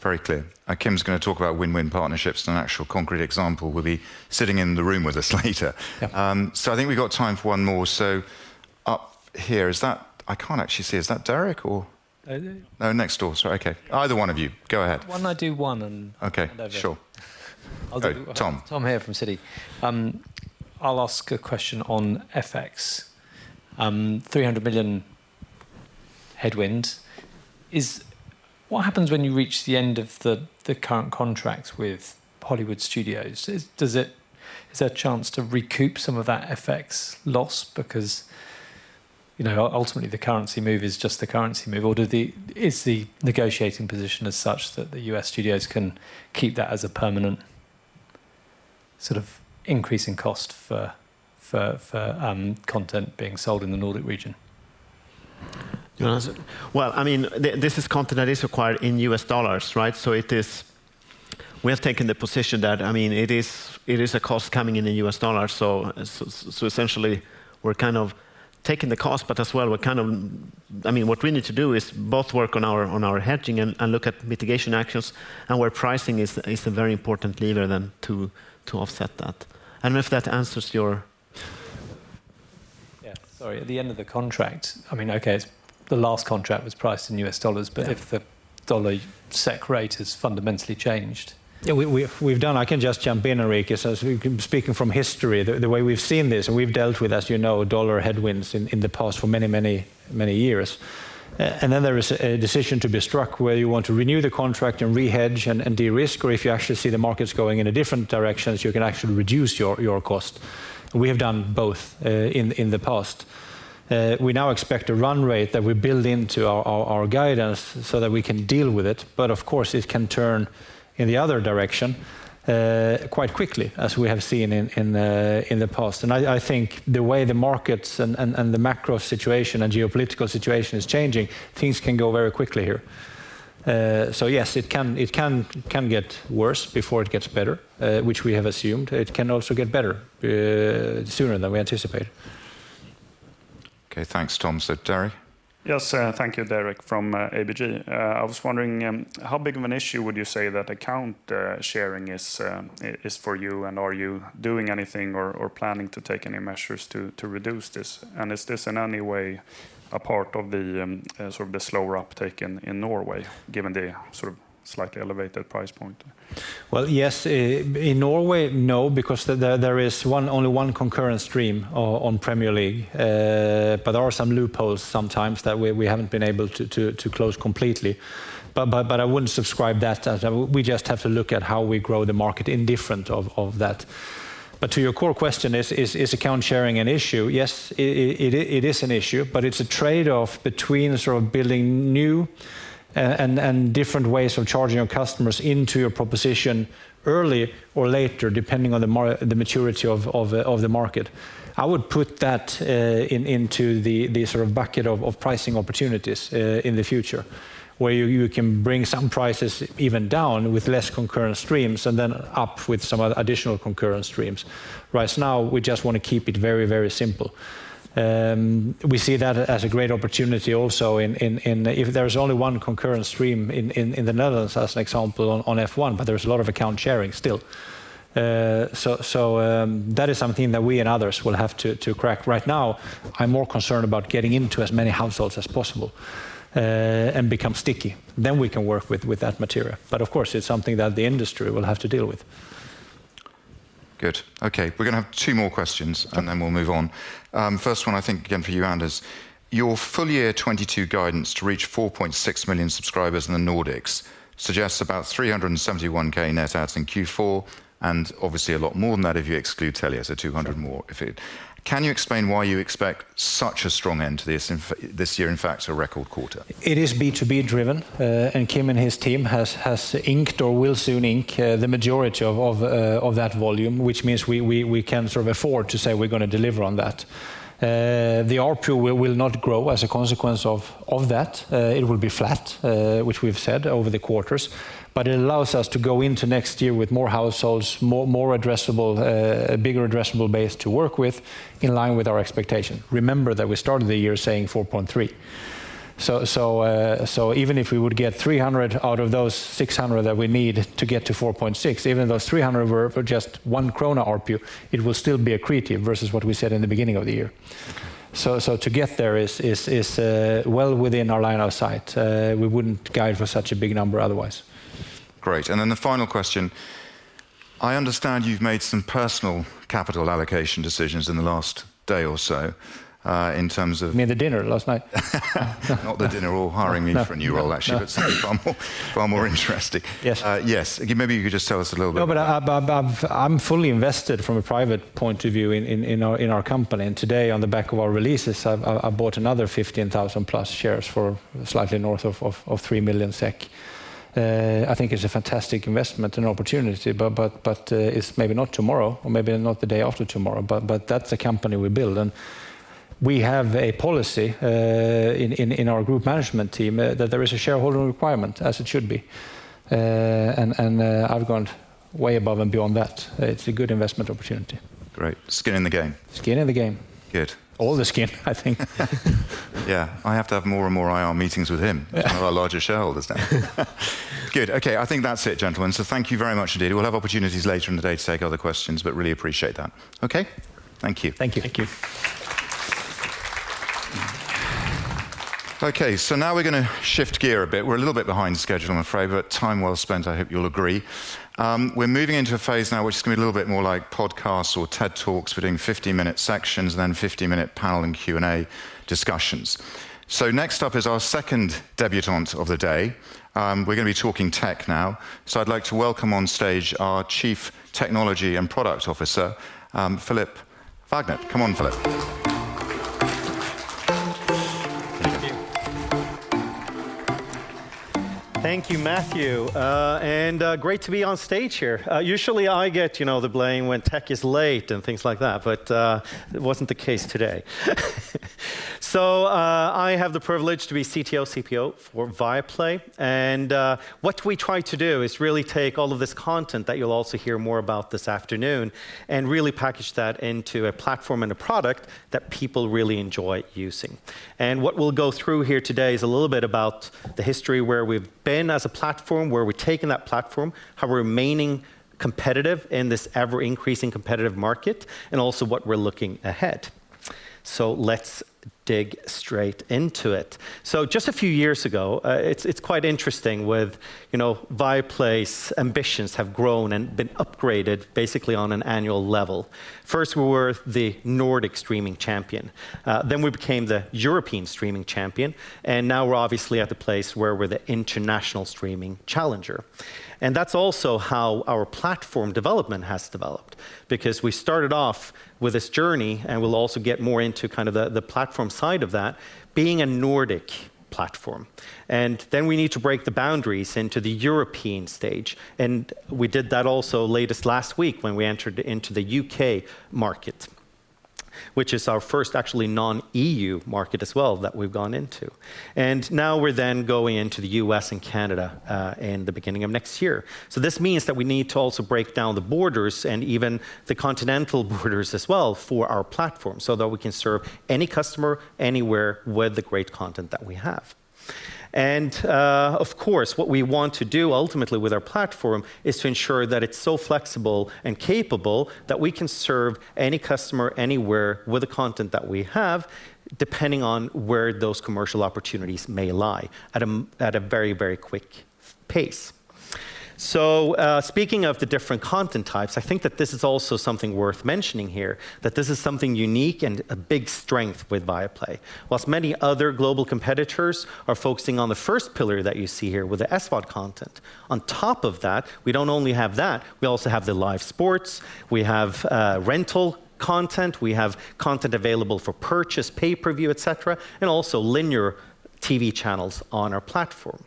Very clear. Kim's gonna talk about win-win partnerships in an actual concrete example. We'll be sitting in the room with us later. Yeah. I think we've got time for one more. Up here. Is that? I can't actually see. Is that Derek or? Is it? No, next door. Sorry. Okay. Either one of you. Go ahead. Why don't I do one and- Okay. Sure. Over. Oh, Tom. Tom here from Citi. I'll ask a question on FX. $300 million headwind. What happens when you reach the end of the current contracts with Hollywood studios? Is there a chance to recoup some of that FX loss? Because, you know, ultimately the currency move is just the currency move. Or is the negotiating position as such that the US studios can keep that as a permanent sort of increasing cost for content being sold in the Nordic region? Do you wanna answer? Well, I mean, this is content that is acquired in US dollars, right? We have taken the position that, I mean, it is a cost coming in the US dollar. So essentially we're kind of taking the cost, but as well we're kind of I mean, what we need to do is both work on our hedging and look at mitigation actions and where pricing is a very important lever then to offset that. I don't know if that answers your. Yeah. Sorry. At the end of the contract, I mean, okay, the last contract was priced in US dollars. Yeah. If the dollar SEK rate has fundamentally changed. We've done. I can just jump in, Enrique. Speaking from history, the way we've seen this, and we've dealt with, as you know, dollar headwinds in the past for many years. Then there is a decision to be struck whether you want to renew the contract and re-hedge and de-risk, or if you actually see the markets going in a different directions, you can actually reduce your cost. We have done both in the past. We now expect a run rate that we build into our guidance so that we can deal with it. Of course, it can turn in the other direction quite quickly as we have seen in the past. I think the way the markets and the macro situation and geopolitical situation is changing, things can go very quickly here. Yes, it can get worse before it gets better, which we have assumed. It can also get better sooner than we anticipate. Okay, thanks, Tom. Derek? Yes. Thank you. Derek from ABG. I was wondering how big of an issue would you say that account sharing is for you, and are you doing anything or planning to take any measures to reduce this? Is this in any way a part of the sort of slower uptake in Norway, given the sort of slightly elevated price point? Well, yes. In Norway, no, because there is only one concurrent stream on Premier League. There are some loopholes sometimes that we haven't been able to close completely. I wouldn't subscribe that. We just have to look at how we grow the market independent of that. To your core question, is account sharing an issue? Yes, it is an issue, but it's a trade-off between sort of building new and different ways of charging your customers into your proposition early or later, depending on the maturity of the market. I would put that into the sort of bucket of pricing opportunities in the future, where you can bring some prices even down with less concurrent streams and then up with some other additional concurrent streams. Right now, we just wanna keep it very, very simple. We see that as a great opportunity also. If there's only one concurrent stream in the Netherlands, as an example, on F1, but there is a lot of account sharing still. So, that is something that we and others will have to crack. Right now, I'm more concerned about getting into as many households as possible and become sticky. Then we can work with that material. But of course, it's something that the industry will have to deal with. Good. Okay. We're gonna have two more questions, and then we'll move on. First one I think again for you, Anders. Your full year 2022 guidance to reach 4.6 million subscribers in the Nordics suggests about 371,000 net adds in Q4, and obviously a lot more than that if you exclude Telia, so 200 more if you. Can you explain why you expect such a strong end to this year, in fact, a record quarter? It is B2B driven, and Kim and his team has inked or will soon ink the majority of that volume, which means we can sort of afford to say we're gonna deliver on that. The ARPU will not grow as a consequence of that. It will be flat, which we've said over the quarters, but it allows us to go into next year with more households, more addressable, a bigger addressable base to work with in line with our expectation. Remember that we started the year saying 4.3. Even if we would get 300 out of those 600 that we need to get to 4.6, even those 300 were for just 1 krona ARPU, it will still be accretive versus what we said in the beginning of the year. To get there is well within our line of sight. We wouldn't guide for such a big number otherwise. Great. The final question. I understand you've made some personal capital allocation decisions in the last day or so, in terms of- You mean the dinner last night? Not the dinner or hiring me for a new role, actually. Something far more interesting. Yes. Yes. Maybe you could just tell us a little bit about that? No, I'm fully invested from a private point of view in our company. Today on the back of our releases, I've bought another 15,000+ shares for slightly north of 3 million SEK. I think it's a fantastic investment and opportunity, it's maybe not tomorrow or maybe not the day after tomorrow, that's the company we build. We have a policy in our group management team that there is a shareholder requirement, as it should be. I've gone way above and beyond that. It's a good investment opportunity. Great. Skin in the game. Skin in the game. Good. All the skin, I think. Yeah. I have to have more and more IR meetings with him. Yeah. One of our larger shareholders now. Good. Okay, I think that's it, gentlemen. Thank you very much indeed. We'll have opportunities later in the day to take other questions, but really appreciate that. Okay? Thank you. Thank you. Thank you. Okay. Now we're gonna shift gear a bit. We're a little bit behind schedule, I'm afraid, but time well spent, I hope you'll agree. We're moving into a phase now which is gonna be a little bit more like podcasts or TED Talks. We're doing 50-minute sections and then 50-minute panel and Q&A discussions. Next up is our second debutant of the day. We're gonna be talking tech now. I'd like to welcome on stage our Chief Technology and Product Officer, Philip Wågnert. Come on, Philip. Thank you. Thank you, Matthew. Great to be on stage here. Usually I get, you know, the blame when tech is late and things like that, but it wasn't the case today. I have the privilege to be CTO & CPO for Viaplay. What we try to do is really take all of this content that you'll also hear more about this afternoon and really package that into a platform and a product that people really enjoy using. What we'll go through here today is a little bit about the history, where we've been as a platform, where we're taking that platform, how we're remaining competitive in this ever-increasing competitive market, and also what we're looking ahead. Let's dig straight into it. Just a few years ago, it's quite interesting with, you know, Viaplay's ambitions have grown and been upgraded basically on an annual level. First, we were the Nordic streaming champion, then we became the European streaming champion, and now we're obviously at the place where we're the international streaming challenger. That's also how our platform development has developed because we started off with this journey, and we'll also get more into kind of the platform side of that, being a Nordic platform. Then we need to break the boundaries into the European stage. We did that just last week when we entered into the UK market, which is our first actually non-EU market as well that we've gone into. Now we're then going into the U.S. and Canada, in the beginning of next year. This means that we need to also break down the borders and even the continental borders as well for our platform, so that we can serve any customer anywhere with the great content that we have. Of course, what we want to do ultimately with our platform is to ensure that it's so flexible and capable that we can serve any customer anywhere with the content that we have, depending on where those commercial opportunities may lie at a very, very quick pace. Speaking of the different content types, I think that this is also something worth mentioning here, that this is something unique and a big strength with Viaplay. While many other global competitors are focusing on the first pillar that you see here with the SVOD content, on top of that, we don't only have that, we also have the live sports, we have rental content, we have content available for purchase, pay-per-view, et cetera, and also linear TV channels on our platform.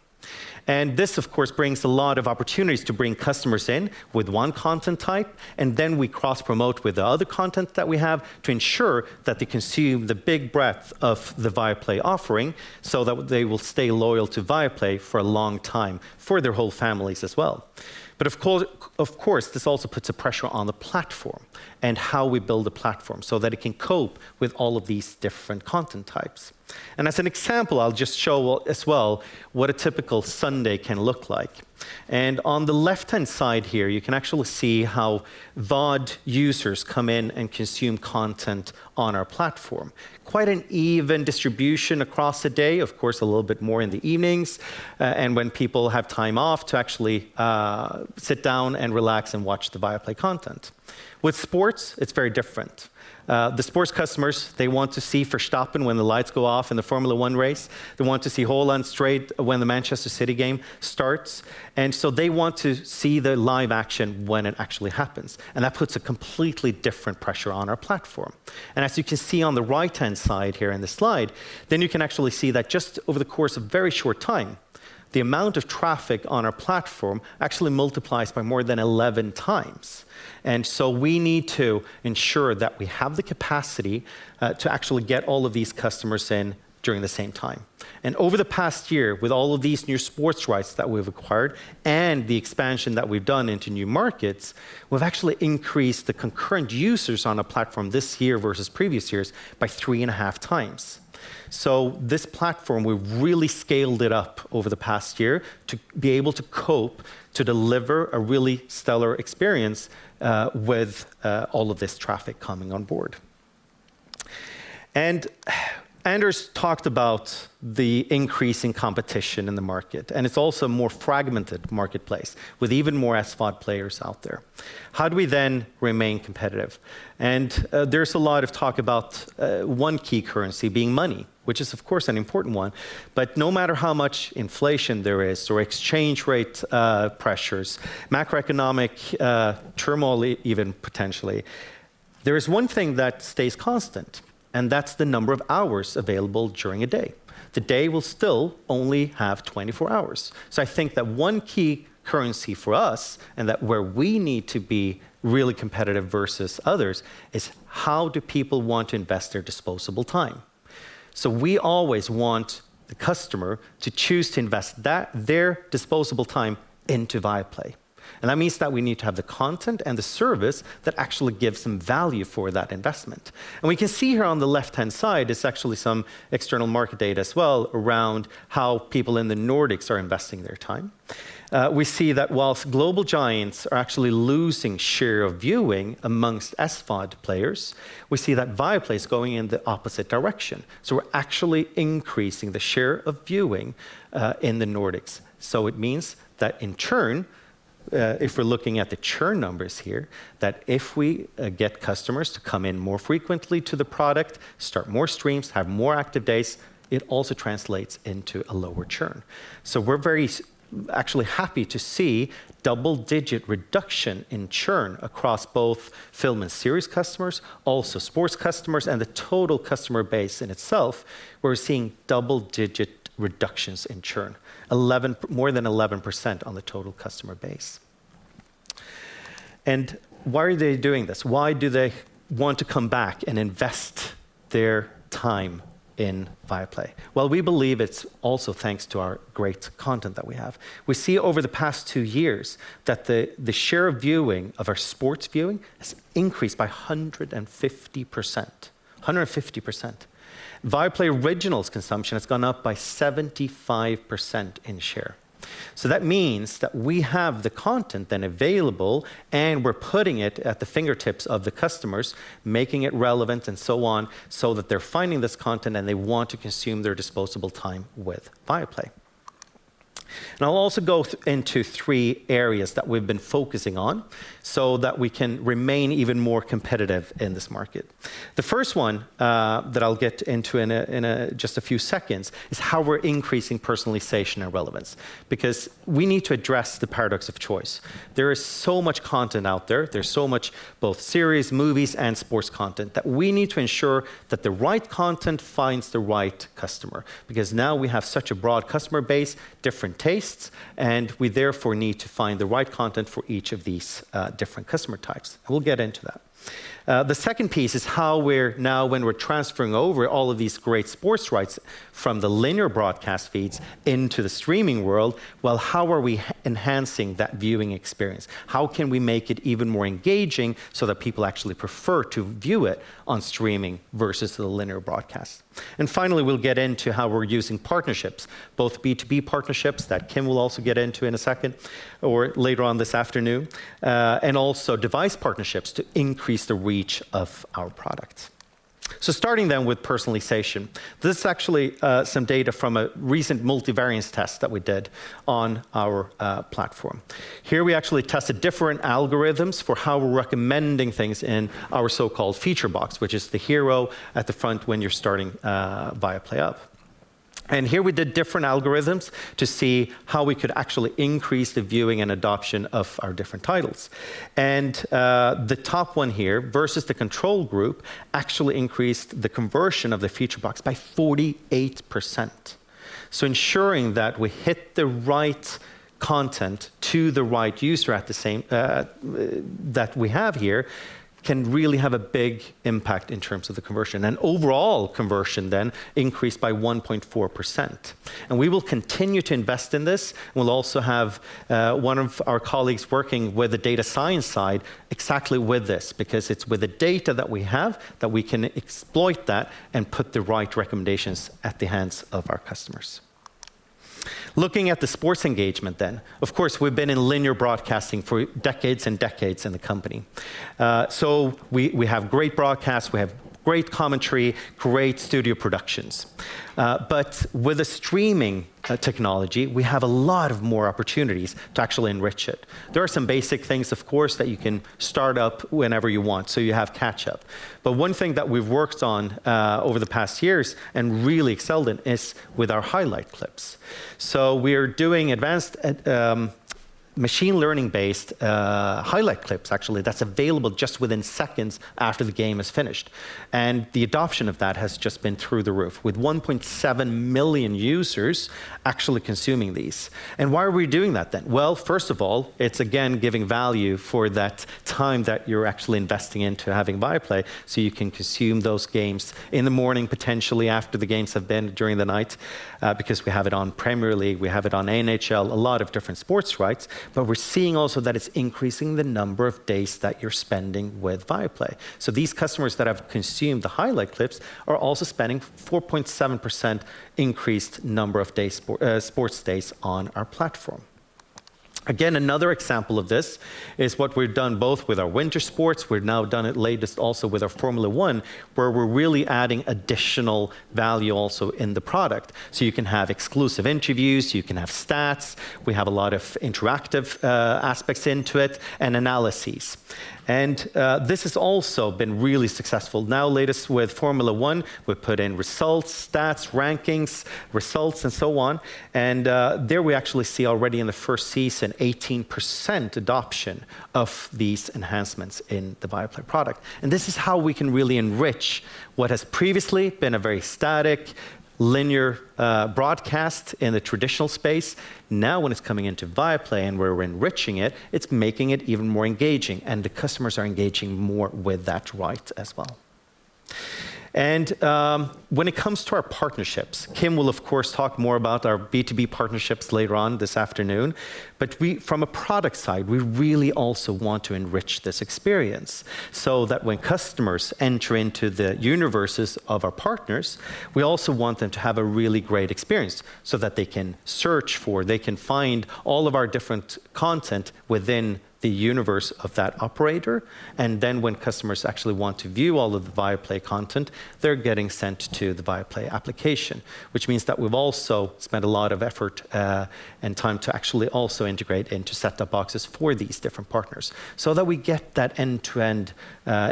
This of course brings a lot of opportunities to bring customers in with one content type, and then we cross-promote with the other content that we have to ensure that they consume the big breadth of the Viaplay offering, so that they will stay loyal to Viaplay for a long time, for their whole families as well. Of course, this also puts a pressure on the platform and how we build a platform so that it can cope with all of these different content types. As an example, I'll just show what a typical Sunday can look like. On the left hand side here, you can actually see how VOD users come in and consume content on our platform. Quite an even distribution across the day. Of course, a little bit more in the evenings, and when people have time off to actually sit down and relax and watch the Viaplay content. With sports, it's very different. The sports customers, they want to see Verstappen when the lights go off in the Formula One race, they want to see Haaland straight when the Manchester City game starts. They want to see the live action when it actually happens, and that puts a completely different pressure on our platform. As you can see on the right hand side here in the slide, then you can actually see that just over the course of a very short time, the amount of traffic on our platform actually multiplies by more than 11x. We need to ensure that we have the capacity to actually get all of these customers in during the same time. Over the past year, with all of these new sports rights that we've acquired and the expansion that we've done into new markets, we've actually increased the concurrent users on our platform this year versus previous years by 3.5x. This platform, we've really scaled it up over the past year to be able to cope to deliver a really stellar experience with all of this traffic coming on board. Anders talked about the increase in competition in the market, and it's also a more fragmented marketplace with even more SVOD players out there. How do we then remain competitive? There's a lot of talk about one key currency being money, which is of course an important one. No matter how much inflation there is or exchange rate pressures, macroeconomic turmoil even potentially, there is one thing that stays constant, and that's the number of hours available during a day. The day will still only have 24 hours. I think that one key currency for us and that where we need to be really competitive versus others is how do people want to invest their disposable time? We always want the customer to choose to invest that their disposable time into Viaplay. That means that we need to have the content and the service that actually gives some value for that investment. We can see here on the left hand side is actually some external market data as well around how people in the Nordics are investing their time. We see that while global giants are actually losing share of viewing amongst SVOD players, we see that Viaplay is going in the opposite direction. We're actually increasing the share of viewing in the Nordics. It means that in churn, if we're looking at the churn numbers here, that if we get customers to come in more frequently to the product, start more streams, have more active days, it also translates into a lower churn. We're very actually happy to see double-digit reduction in churn across both film and series customers, also sports customers and the total customer base in itself. We're seeing double-digit reductions in churn. More than 11% on the total customer base. Why are they doing this? Why do they want to come back and invest their time in Viaplay? Well, we believe it's also thanks to our great content that we have. We see over the past two years that the share of viewing of our sports viewing has increased by 150%. Viaplay Originals consumption has gone up by 75% in share. That means that we have the content then available, and we're putting it at the fingertips of the customers, making it relevant and so on, so that they're finding this content and they want to consume their disposable time with Viaplay. I'll also go into three areas that we've been focusing on so that we can remain even more competitive in this market. The first one that I'll get into in just a few seconds is how we're increasing personalization and relevance, because we need to address the paradox of choice. There is so much content out there. There's so much both series, movies and sports content that we need to ensure that the right content finds the right customer. Because now we have such a broad customer base, different tastes, and we therefore need to find the right content for each of these different customer types. We'll get into that. The second piece is how we are now when we're transferring over all of these great sports rights from the linear broadcast feeds into the streaming world, how are we enhancing that viewing experience? How can we make it even more engaging so that people actually prefer to view it on streaming versus the linear broadcast? Finally, we'll get into how we're using partnerships, both B2B partnerships that Kim will also get into in a second or later on this afternoon, and also device partnerships to increase the reach of our products. Starting then with personalization. This is actually some data from a recent multivariate test that we did on our platform. Here we actually tested different algorithms for how we're recommending things in our so-called feature box, which is the hero at the front when you're starting Viaplay up. Here we did different algorithms to see how we could actually increase the viewing and adoption of our different titles. The top one here versus the control group actually increased the conversion of the feature box by 48%. Ensuring that we hit the right content to the right user at the same time that we have here can really have a big impact in terms of the conversion and overall conversion then increased by 1.4%. We will continue to invest in this. We'll also have one of our colleagues working with the data science side exactly with this, because it's with the data that we have that we can exploit that and put the right recommendations at the hands of our customers. Looking at the sports engagement then, of course, we've been in linear broadcasting for decades and decades in the company. So we have great broadcasts, we have great commentary, great studio productions. But with the streaming technology, we have a lot more opportunities to actually enrich it. There are some basic things, of course, that you can start up whenever you want, so you have catch up. But one thing that we've worked on over the past years and really excelled in is with our highlight clips. We're doing advanced machine learning-based highlight clips actually that's available just within seconds after the game is finished. The adoption of that has just been through the roof with 1.7 million users actually consuming these. Why are we doing that then? Well, first of all, it's again giving value for that time that you're actually investing into having Viaplay, so you can consume those games in the morning, potentially after the games have been during the night, because we have it on Premier League, we have it on NHL, a lot of different sports rights, but we're seeing also that it's increasing the number of days that you're spending with Viaplay. These customers that have consumed the highlight clips are also spending 4.7% increased number of days sports days on our platform. Again, another example of this is what we've done both with our winter sports. We've now done it latest also with our Formula One, where we're really adding additional value also in the product. You can have exclusive interviews, you can have stats, we have a lot of interactive aspects into it and analyses. This has also been really successful. Now latest with Formula One, we've put in results, stats, rankings, results, and so on. There we actually see already in the first season 18% adoption of these enhancements in the Viaplay product. This is how we can really enrich what has previously been a very static, linear broadcast in the traditional space. Now, when it's coming into Viaplay and where we're enriching it's making it even more engaging, and the customers are engaging more with that right as well. When it comes to our partnerships, Kim will, of course, talk more about our B2B partnerships later on this afternoon. From a product side, we really also want to enrich this experience so that when customers enter into the universes of our partners, we also want them to have a really great experience so that they can search for, they can find all of our different content within the universe of that operator. When customers actually want to view all of the Viaplay content, they're getting sent to the Viaplay application, which means that we've also spent a lot of effort and time to actually also integrate into set-top boxes for these different partners so that we get that end-to-end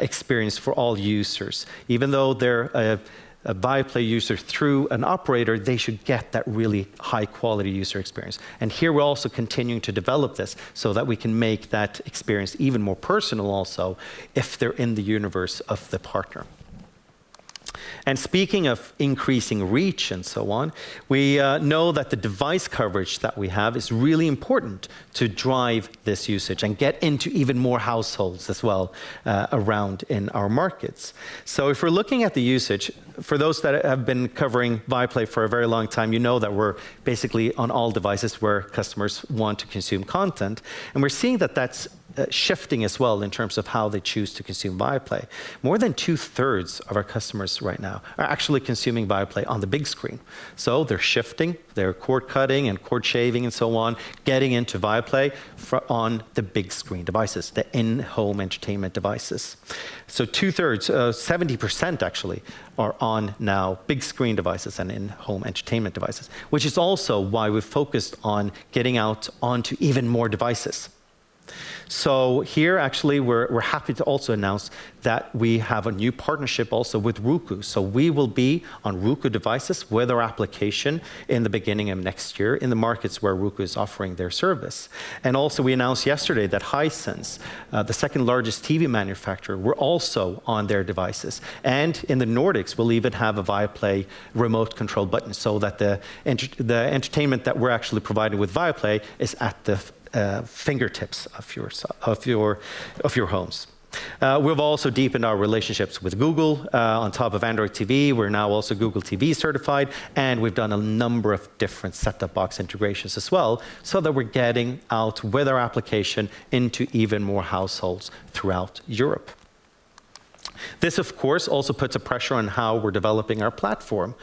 experience for all users. Even though they're a Viaplay user through an operator, they should get that really high quality user experience. Here we're also continuing to develop this so that we can make that experience even more personal also if they're in the universe of the partner. Speaking of increasing reach and so on, we know that the device coverage that we have is really important to drive this usage and get into even more households as well, around in our markets. If we're looking at the usage, for those that have been covering Viaplay for a very long time, you know that we're basically on all devices where customers want to consume content. We're seeing that that's shifting as well in terms of how they choose to consume Viaplay. More than two-thirds of our customers right now are actually consuming Viaplay on the big screen. They're shifting, they're cord-cutting and cord-shaving and so on, getting into Viaplay on the big screen devices, the in-home entertainment devices. Two-thirds, 70% actually, are on now big screen devices and in-home entertainment devices, which is also why we're focused on getting out onto even more devices. Here, actually, we're happy to also announce that we have a new partnership also with Roku. We will be on Roku devices with our application in the beginning of next year in the markets where Roku is offering their service. Also, we announced yesterday that Hisense, the second-largest TV manufacturer, we're also on their devices. In the Nordics, we'll even have a Viaplay remote control button so that the entertainment that we're actually providing with Viaplay is at the fingertips of your homes. We've also deepened our relationships with Google, on top of Android TV. We're now also Google TV certified, and we've done a number of different set-top box integrations as well, so that we're getting out with our application into even more households throughout Europe. This, of course, also puts a pressure on how we're developing our platform.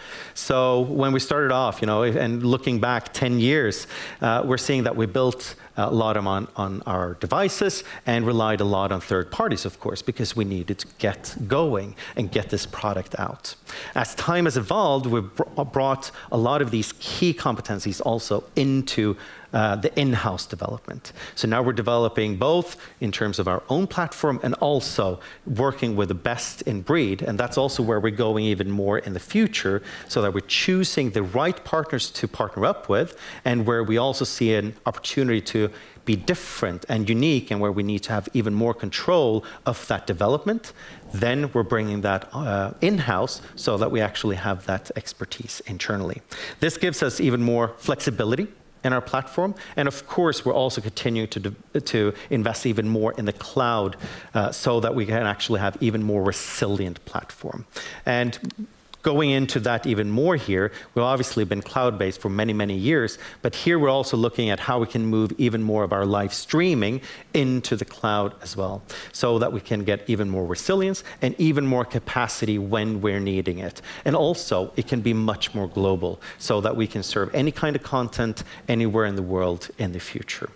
When we started off, you know, and looking back 10 years, we're seeing that we built a lot on our devices and relied a lot on third parties, of course, because we needed to get going and get this product out. As time has evolved, we've brought a lot of these key competencies also into the in-house development. Now we're developing both in terms of our own platform and also working with the best in breed. That's also where we're going even more in the future, so that we're choosing the right partners to partner up with and where we also see an opportunity to be different and unique and where we need to have even more control of that development, then we're bringing that in-house so that we actually have that expertise internally. This gives us even more flexibility in our platform. Of course, we're also continuing to invest even more in the cloud, so that we can actually have even more resilient platform. Going into that even more here, we've obviously been cloud-based for many, many years, but here we're also looking at how we can move even more of our live streaming into the cloud as well, so that we can get even more resilience and even more capacity when we're needing it. It can be much more global so that we can serve any kind of content anywhere in the world in the future.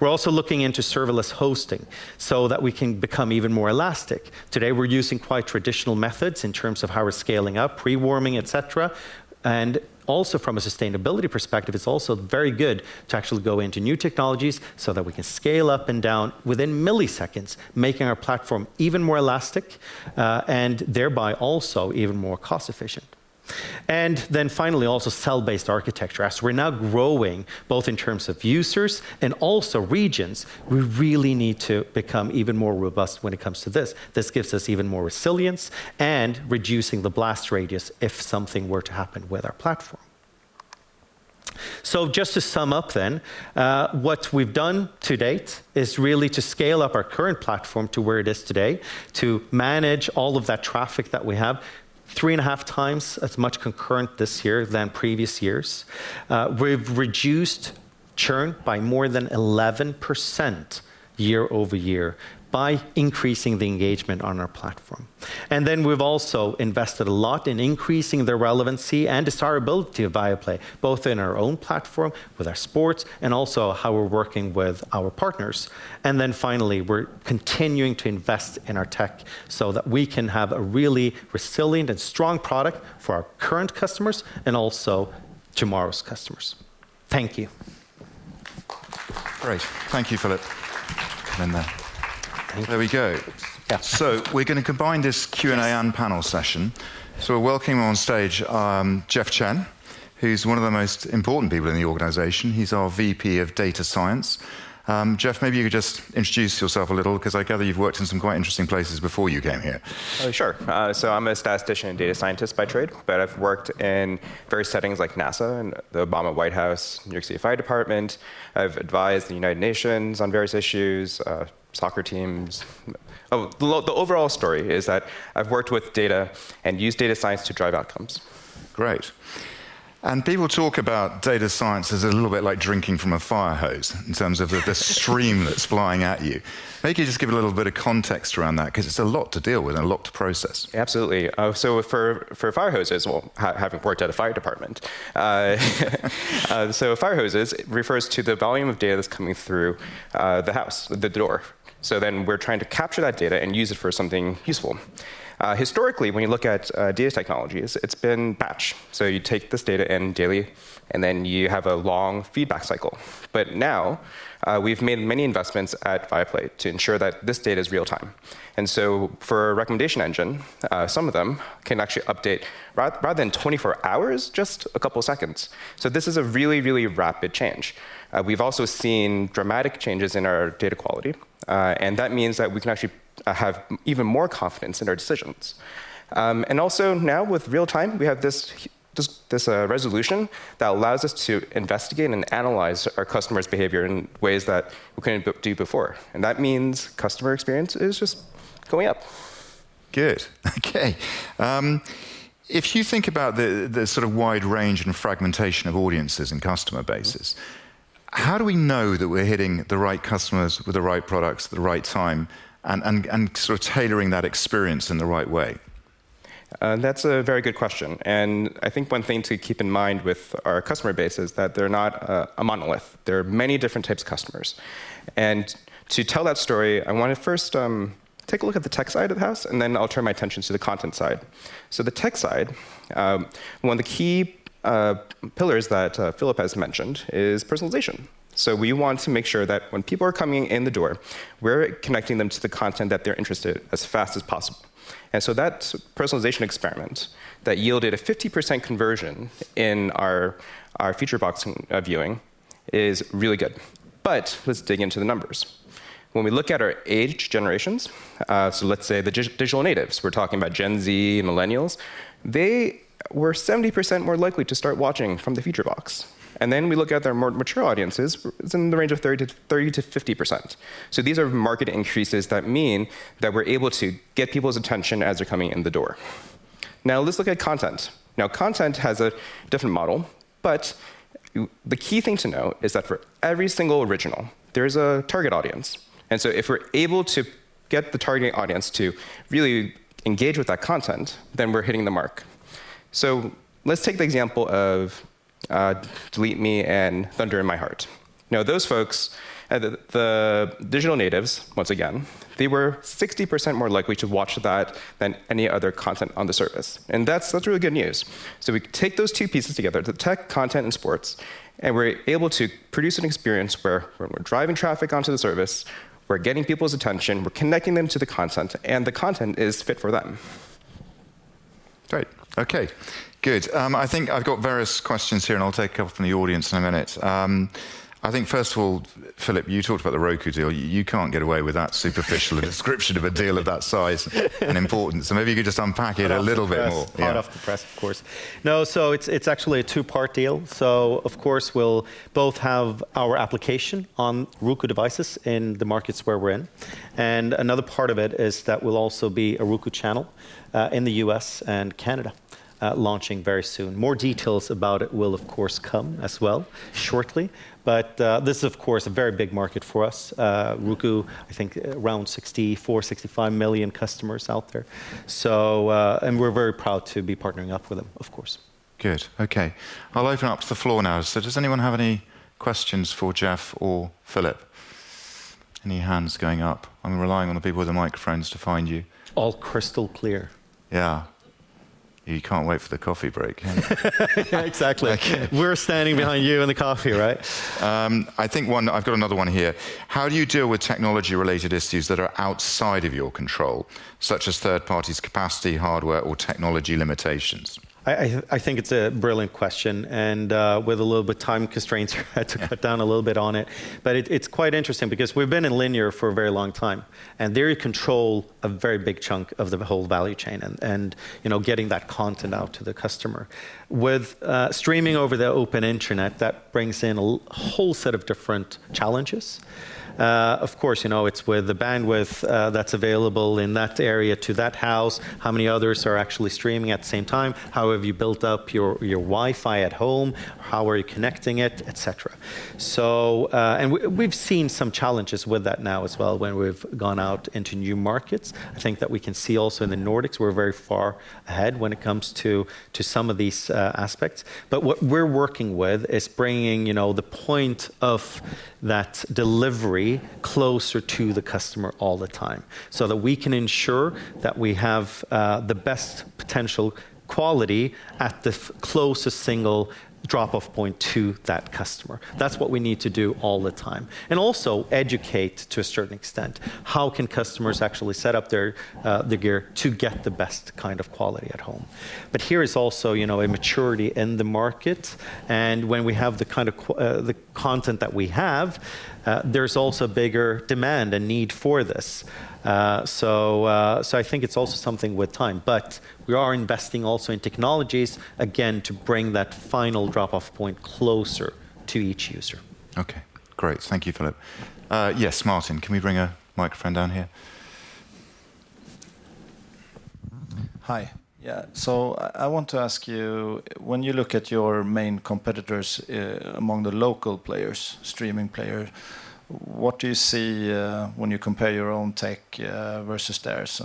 We're also looking into serverless hosting so that we can become even more elastic. Today we're using quite traditional methods in terms of how we're scaling up, pre-warming, et cetera. From a sustainability perspective, it's also very good to actually go into new technologies so that we can scale up and down within milliseconds, making our platform even more elastic, and thereby also even more cost efficient. Finally, also cell-based architecture. As we're now growing both in terms of users and also regions, we really need to become even more robust when it comes to this. This gives us even more resilience and reducing the blast radius if something were to happen with our platform. Just to sum up then, what we've done to date is really to scale up our current platform to where it is today, to manage all of that traffic that we have, 3.5x as much concurrent this year than previous years. We've reduced churn by more than 11% year-over-year by increasing the engagement on our platform. We've also invested a lot in increasing the relevancy and desirability of Viaplay, both in our own platform with our sports and also how we're working with our partners. Finally, we're continuing to invest in our tech so that we can have a really resilient and strong product for our current customers and also tomorrow's customers. Thank you. Great. Thank you, Philip. Come in there. There we go. Yeah. We're gonna combine this Q&A. Yes panel session. We're welcoming on stage, Jeff Chen, who's one of the most important people in the organization. He's our VP of Data Science. Jeff, maybe you could just introduce yourself a little because I gather you've worked in some quite interesting places before you came here. Sure. I'm a statistician and data scientist by trade, but I've worked in various settings like NASA and the Obama White House, New York City Fire Department. I've advised the United Nations on various issues, soccer teams. The overall story is that I've worked with data and used data science to drive outcomes. Great. People talk about data science as a little bit like drinking from a fire hose in terms of the stream that's flying at you. Maybe you could just give a little bit of context around that because it's a lot to deal with and a lot to process. Absolutely. For fire hoses, well, having worked at a fire department, fire hoses refers to the volume of data that's coming through the house, the door. We're trying to capture that data and use it for something useful. Historically, when you look at data technologies, it's been batch. You take this data in daily, and then you have a long feedback cycle. Now we've made many investments at Viaplay to ensure that this data is real time. For a recommendation engine, some of them can actually update rather than 24 hours, just a couple seconds. This is a really, really rapid change. We've also seen dramatic changes in our data quality. That means that we can actually have even more confidence in our decisions. Now with real time, we have resolution that allows us to investigate and analyze our customers' behavior in ways that we couldn't do before. That means customer experience is just going up. Good. Okay. If you think about the sort of wide range and fragmentation of audiences and customer bases. Mm-hmm How do we know that we're hitting the right customers with the right products at the right time and sort of tailoring that experience in the right way? That's a very good question. I think one thing to keep in mind with our customer base is that they're not a monolith. There are many different types of customers. To tell that story, I wanna first take a look at the tech side of the house, and then I'll turn my attention to the content side. The tech side, one of the key pillars that Philip has mentioned is personalization. We want to make sure that when people are coming in the door, we're connecting them to the content that they're interested in as fast as possible. That personalization experiment that yielded a 50% conversion in our feature box viewing is really good. Let's dig into the numbers. When we look at our age generations, so let's say the digital natives, we're talking about Gen Z, millennials, they were 70% more likely to start watching from the feature box. We look at their more mature audiences, it's in the range of 30%-50%. These are market increases that mean that we're able to get people's attention as they're coming in the door. Let's look at content. Content has a different model, but the key thing to know is that for every single original, there is a target audience. If we're able to get the target audience to really engage with that content, then we're hitting the mark. Let's take the example of Delete Me and Thunder in My Heart. Now, those folks, the digital natives, once again, they were 60% more likely to watch that than any other content on the service. That's really good news. We take those two pieces together, the tech, content, and sports, and we're able to produce an experience where we're driving traffic onto the service, we're getting people's attention, we're connecting them to the content, and the content is fit for them. Great. Okay. Good. I think I've got various questions here, and I'll take a couple from the audience in a minute. I think, first of all, Philip, you talked about the Roku deal. You can't get away with that superficial description of a deal of that size and importance. Maybe you could just unpack it a little bit more. Hot off the press. Yeah. Hot off the press, of course. No, it's actually a two-part deal. Of course, we'll both have our application on Roku devices in the markets where we're in. Another part of it is that we'll also be a Roku channel in the U.S. and Canada, launching very soon. More details about it will of course come as well shortly. This is of course a very big market for us. Roku, I think around 64-65 million customers out there. We're very proud to be partnering up with them, of course. Good. Okay. I'll open up to the floor now. Does anyone have any questions for Jeff or Philip? Any hands going up? I'm relying on the people with the microphones to find you. All crystal clear. Yeah. You can't wait for the coffee break, can you? Exactly. Okay. We're standing behind you and the coffee, right? I think I've got another one here. How do you deal with technology-related issues that are outside of your control, such as third parties' capacity, hardware, or technology limitations? I think it's a brilliant question. With a little bit time constraints, we had to cut down a little bit on it. It's quite interesting because we've been in linear for a very long time, and there you control a very big chunk of the whole value chain and, you know, getting that content out to the customer. With streaming over the open internet, that brings in a whole set of different challenges. Of course, you know, it's where the bandwidth that's available in that area to that house, how many others are actually streaming at the same time? How have you built up your Wi-Fi at home? How are you connecting it, et cetera. We've seen some challenges with that now as well when we've gone out into new markets. I think that we can see also in the Nordics we're very far ahead when it comes to some of these aspects. What we're working with is bringing, you know, the point of that delivery closer to the customer all the time, so that we can ensure that we have the best potential quality at the closest single drop-off point to that customer. That's what we need to do all the time. Also educate to a certain extent, how can customers actually set up their gear to get the best kind of quality at home. Here is also, you know, a maturity in the market, and when we have the kind of content that we have, there's also bigger demand and need for this. I think it's also something with time. We are investing also in technologies, again, to bring that final drop-off point closer to each user. Okay. Great. Thank you, Philip. Yes, Martin. Can we bring a microphone down here? Hi. Yeah. I want to ask you, when you look at your main competitors, among the local players, streaming player, what do you see, when you compare your own tech, versus theirs?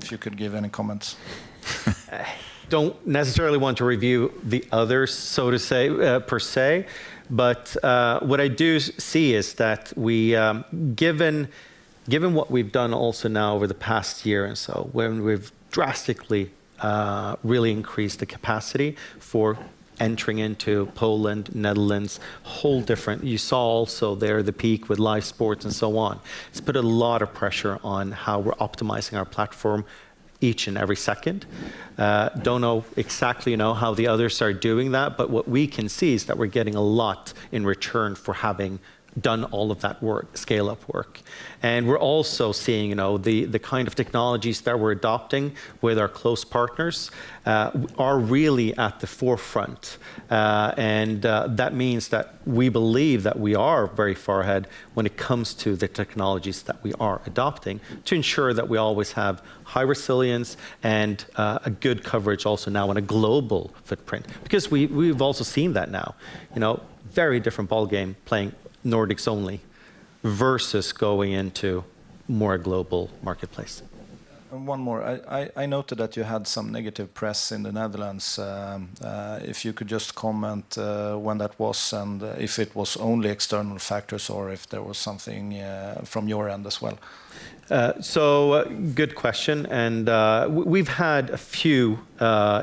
If you could give any comments. Don't necessarily want to review the others, so to say, per se, but what I do see is that we, given what we've done also now over the past year and so, when we've drastically really increased the capacity for entering into Poland, Netherlands, whole different. You saw also there the peak with live sports and so on. It's put a lot of pressure on how we're optimizing our platform each and every second. Don't know exactly, you know, how the others are doing that, but what we can see is that we're getting a lot in return for having done all of that work, scale-up work. We're also seeing, you know, the kind of technologies that we're adopting with our close partners are really at the forefront. That means that we believe that we are very far ahead when it comes to the technologies that we are adopting to ensure that we always have high resilience and a good coverage also now on a global footprint. Because we've also seen that now, you know, very different ballgame playing Nordics only versus going into more global marketplace. One more. I noted that you had some negative press in the Netherlands. If you could just comment when that was and if it was only external factors or if there was something from your end as well. Good question. We've had a few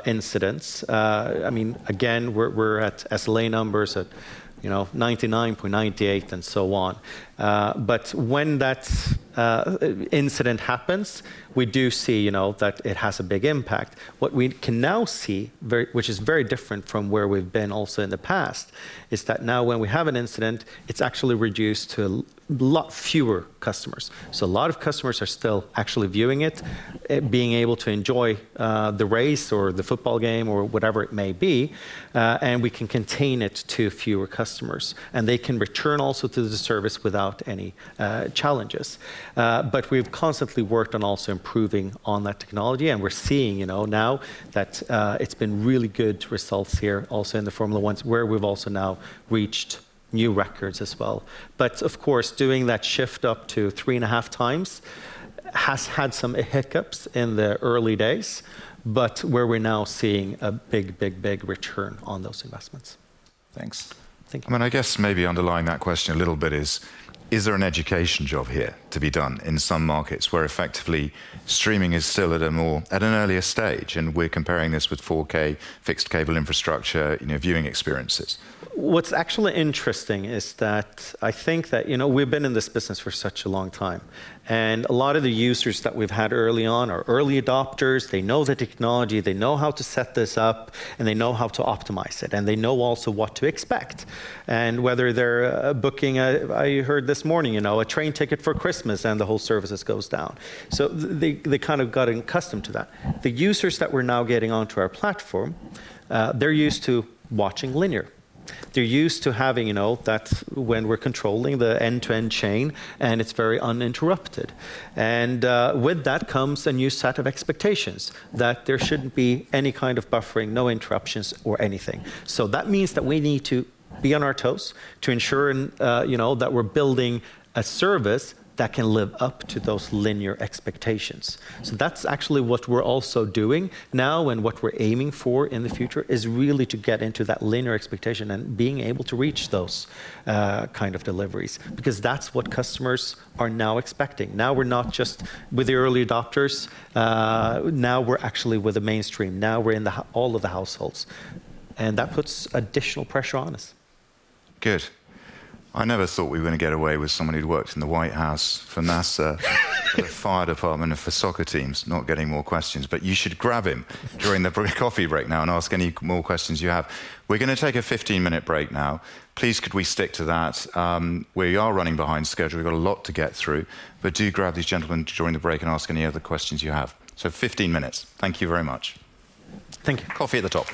incidents. I mean, again, we're at SLA numbers at, you know, 99.98% and so on. When that incident happens, we do see, you know, that it has a big impact. What we can now see, which is very different from where we've been also in the past, is that now when we have an incident, it's actually reduced to a lot fewer customers. A lot of customers are still actually viewing it, being able to enjoy the race or the football game or whatever it may be, and we can contain it to fewer customers. They can return also to the service without any challenges. We've constantly worked on also improving on that technology, and we're seeing, you know, now that it's been really good results here also in the Formula One's, where we've also now reached new records as well. Of course, doing that shift up to 3.5x has had some hiccups in the early days, but where we're now seeing a big return on those investments. Thanks. Thank you. I mean, I guess maybe underlying that question a little bit is there an education job here to be done in some markets where effectively streaming is still at a more, at an earlier stage, and we're comparing this with 4K fixed cable infrastructure, you know, viewing experiences? What's actually interesting is that I think that, you know, we've been in this business for such a long time, and a lot of the users that we've had early on are early adopters. They know the technology, they know how to set this up, and they know how to optimize it, and they know also what to expect. Whether they're booking a, I heard this morning, you know, a train ticket for Christmas and the whole service goes down. They kind of got accustomed to that. The users that we're now getting onto our platform, they're used to watching linear. They're used to having, you know, that when we're controlling the end-to-end chain and it's very uninterrupted. With that comes a new set of expectations that there shouldn't be any kind of buffering, no interruptions or anything. That means that we need to be on our toes to ensure, you know, that we're building a service that can live up to those linear expectations. That's actually what we're also doing now and what we're aiming for in the future is really to get into that linear expectation and being able to reach those, kind of deliveries, because that's what customers are now expecting. Now we're not just with the early adopters, now we're actually with the mainstream. Now we're in all of the households, and that puts additional pressure on us. Good. I never thought we were gonna get away with someone who'd worked in the White House for NASA, for the fire department and for soccer teams not getting more questions. You should grab him during the break, coffee break now and ask any more questions you have. We're gonna take a 15-minute break now. Please could we stick to that? We are running behind schedule. We've got a lot to get through. Do grab these gentlemen during the break and ask any other questions you have. Fifteen minutes. Thank you very much. Thank you. Coffee at the top.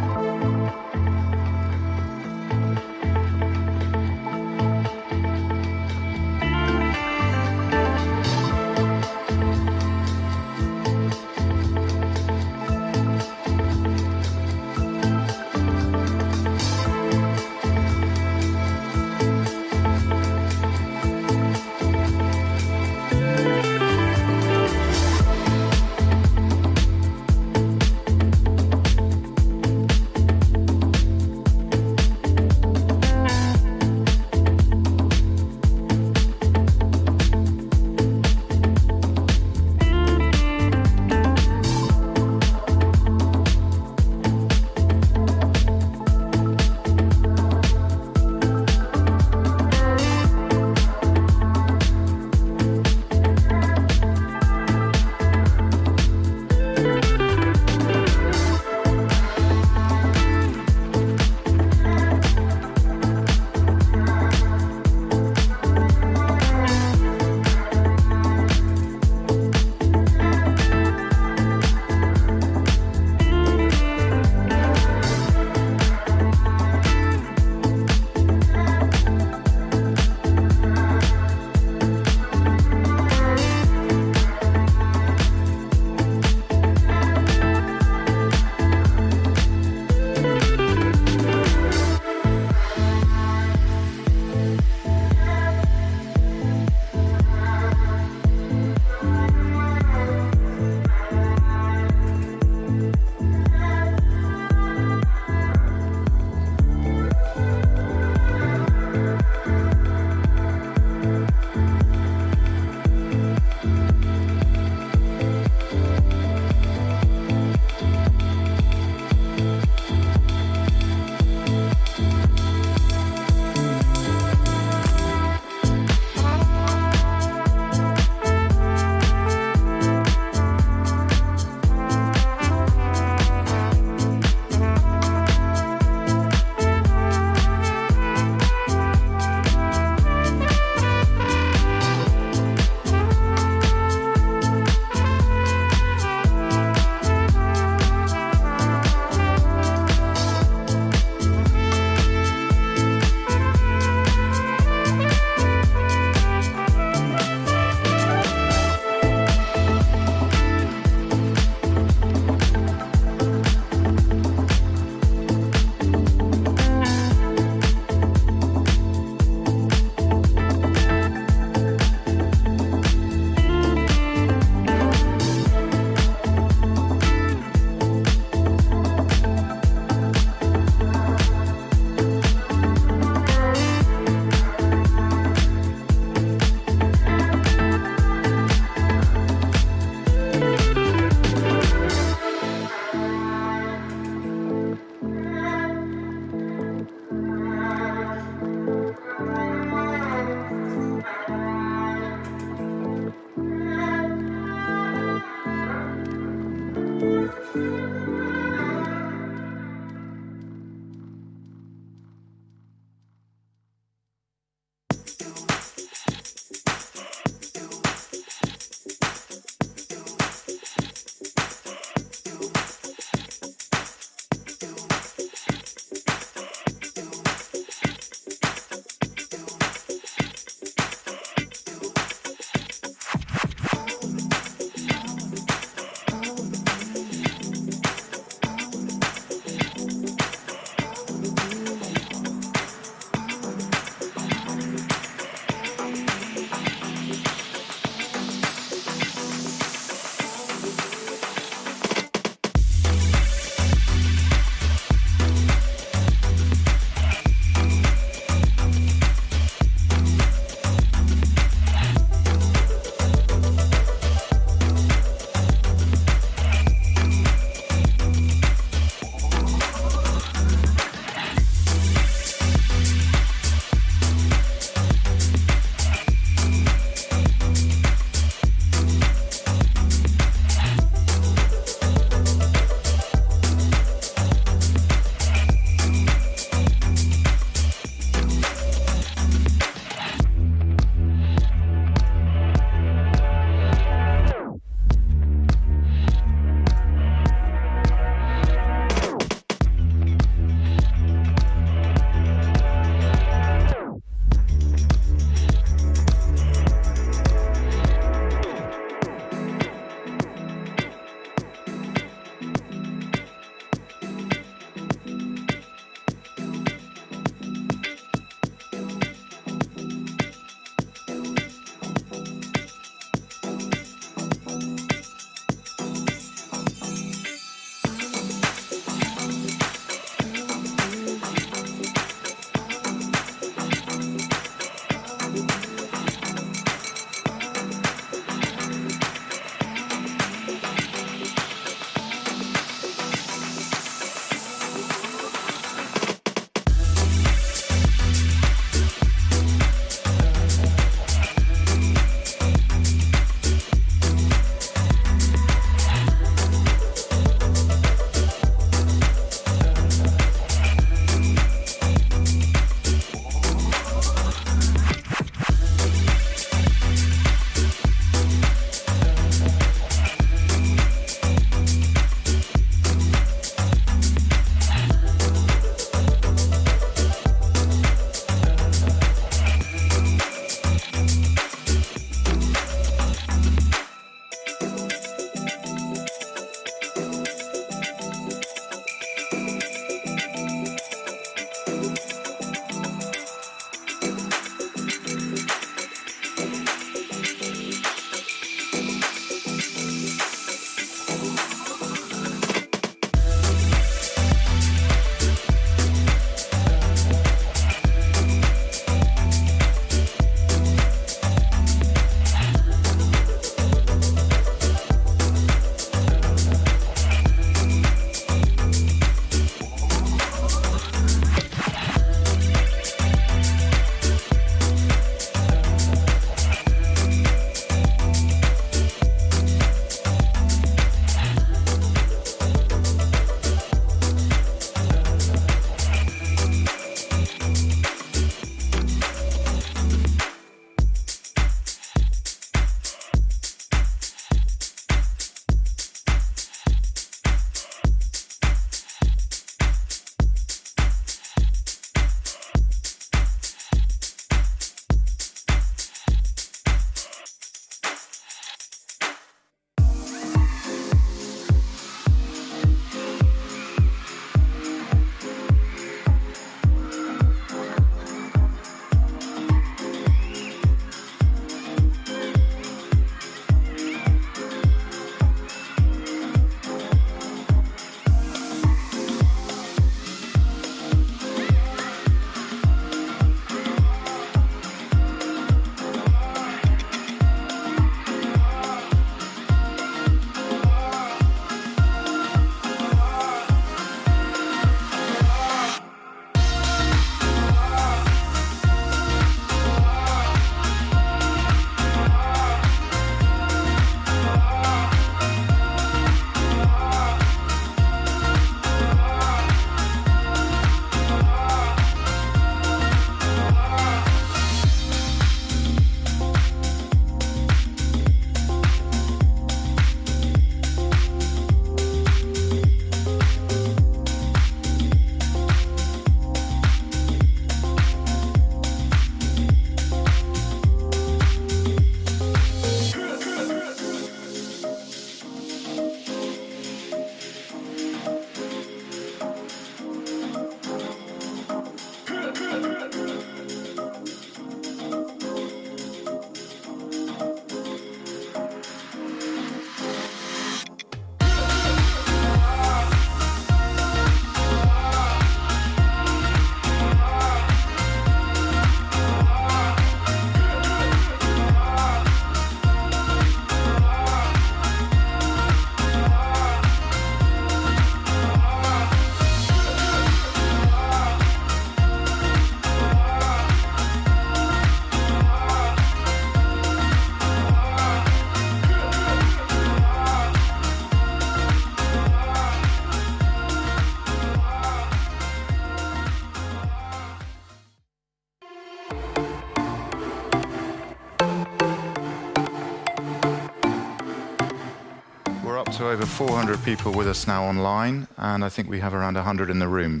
We're up to over 400 people with us now online, and I think we have around 100 in the room.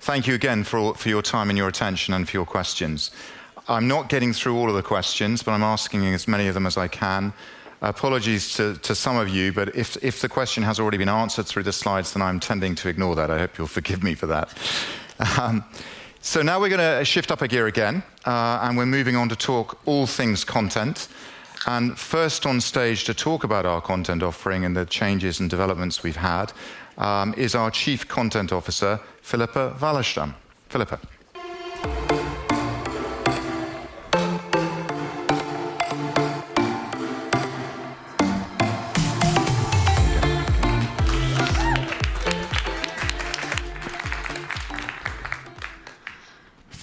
Thank you again for your time and your attention and for your questions. I'm not getting through all of the questions, but I'm asking you as many of them as I can. Apologies to some of you, but if the question has already been answered through the slides, then I'm tending to ignore that. I hope you'll forgive me for that. Now we're gonna shift up a gear again, and we're moving on to talk all things content. First on stage to talk about our content offering and the changes and developments we've had, is our Chief Content Officer, Filippa Wallestam. Filippa.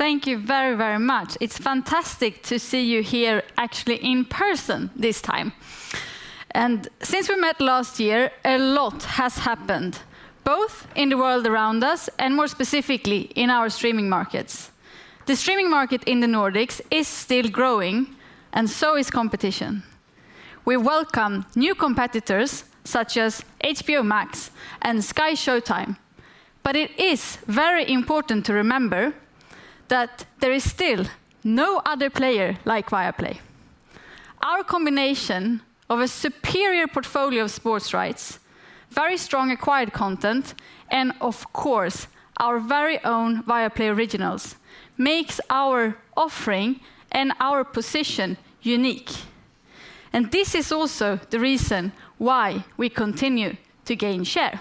Thank you very, very much. It's fantastic to see you here actually in person this time. Since we met last year, a lot has happened, both in the world around us and more specifically in our streaming markets. The streaming market in the Nordics is still growing, and so is competition. We welcome new competitors such as HBO Max and SkyShowtime. It is very important to remember that there is still no other player like Viaplay. Our combination of a superior portfolio of sports rights, very strong acquired content, and of course, our very own Viaplay originals, makes our offering and our position unique. This is also the reason why we continue to gain share.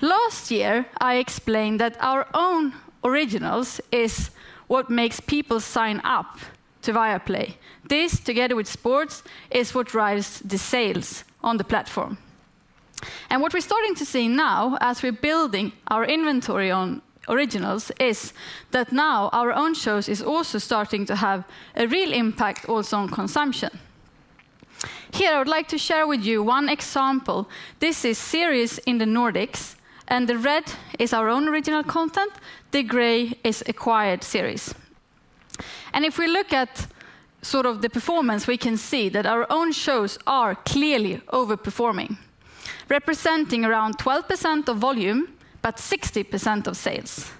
Last year, I explained that our own originals is what makes people sign up to Viaplay. This, together with sports, is what drives the sales on the platform. What we're starting to see now as we're building our inventory on originals, is that now our own shows is also starting to have a real impact also on consumption. Here, I would like to share with you one example. This is series in the Nordics, and the red is our own original content, the gray is acquired series. If we look at sort of the performance, we can see that our own shows are clearly overperforming, representing around 12% of volume, but 60% of sales.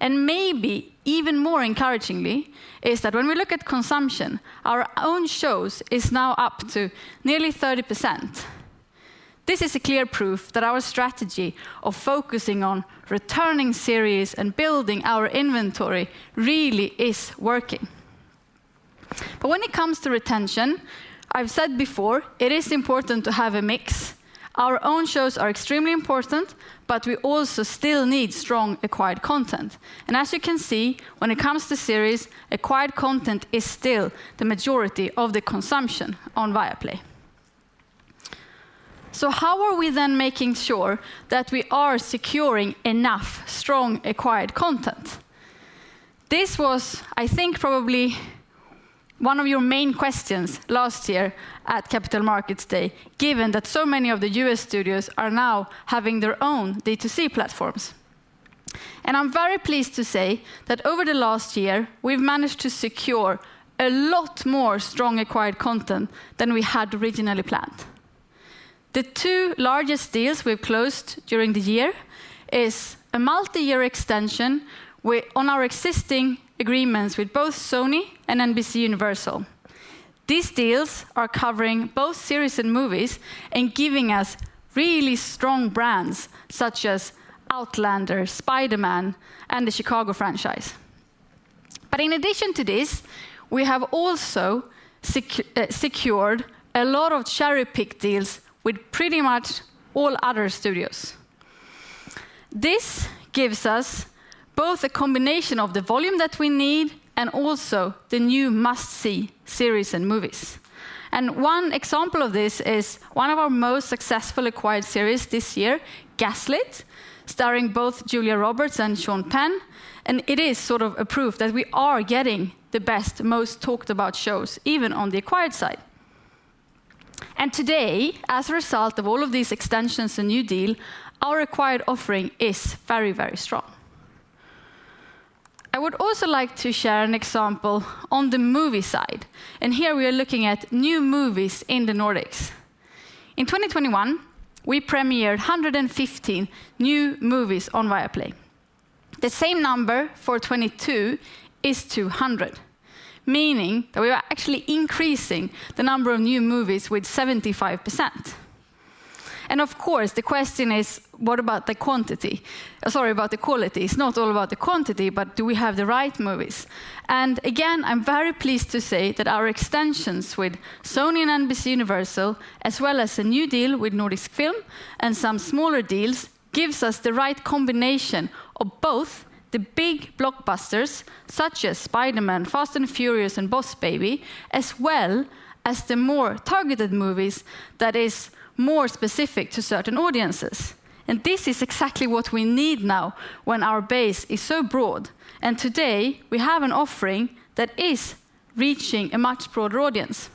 Maybe even more encouragingly, is that when we look at consumption, our own shows is now up to nearly 30%. This is a clear proof that our strategy of focusing on returning series and building our inventory really is working. When it comes to retention, I've said before, it is important to have a mix. Our own shows are extremely important, but we also still need strong acquired content. As you can see, when it comes to series, acquired content is still the majority of the consumption on Viaplay. How are we then making sure that we are securing enough strong acquired content? This was, I think, probably one of your main questions last year at Capital Markets Day, given that so many of the US studios are now having their own D2C platforms. I'm very pleased to say that over the last year, we've managed to secure a lot more strong acquired content than we had originally planned. The two largest deals we've closed during the year is a multi-year extension on our existing agreements with both Sony and NBCUniversal. These deals are covering both series and movies and giving us really strong brands such as Outlander, Spider-Man, and the Chicago franchise. In addition to this, we have also secured a lot of cherry-pick deals with pretty much all other studios. This gives us both a combination of the volume that we need and also the new must-see series and movies. One example of this is one of our most successful acquired series this year, Gaslit, starring both Julia Roberts and Sean Penn, and it is sort of a proof that we are getting the best, most talked about shows, even on the acquired side. Today, as a result of all of these extensions and new deal, our acquired offering is very, very strong. I would also like to share an example on the movie side, and here we are looking at new movies in the Nordics. In 2021, we premiered 115 new movies on Viaplay. The same number for 2022 is 200, meaning that we are actually increasing the number of new movies with 75%. Of course, the question is, what about the quantity? About the quality. It's not all about the quantity, but do we have the right movies? Again, I'm very pleased to say that our extensions with Sony and NBCUniversal, as well as a new deal with Nordisk Film and some smaller deals, gives us the right combination of both the big blockbusters such as Spider-Man, Fast & Furious, and Boss Baby, as well as the more targeted movies that is more specific to certain audiences. This is exactly what we need now when our base is so broad. Today, we have an offering that is reaching a much broader audience.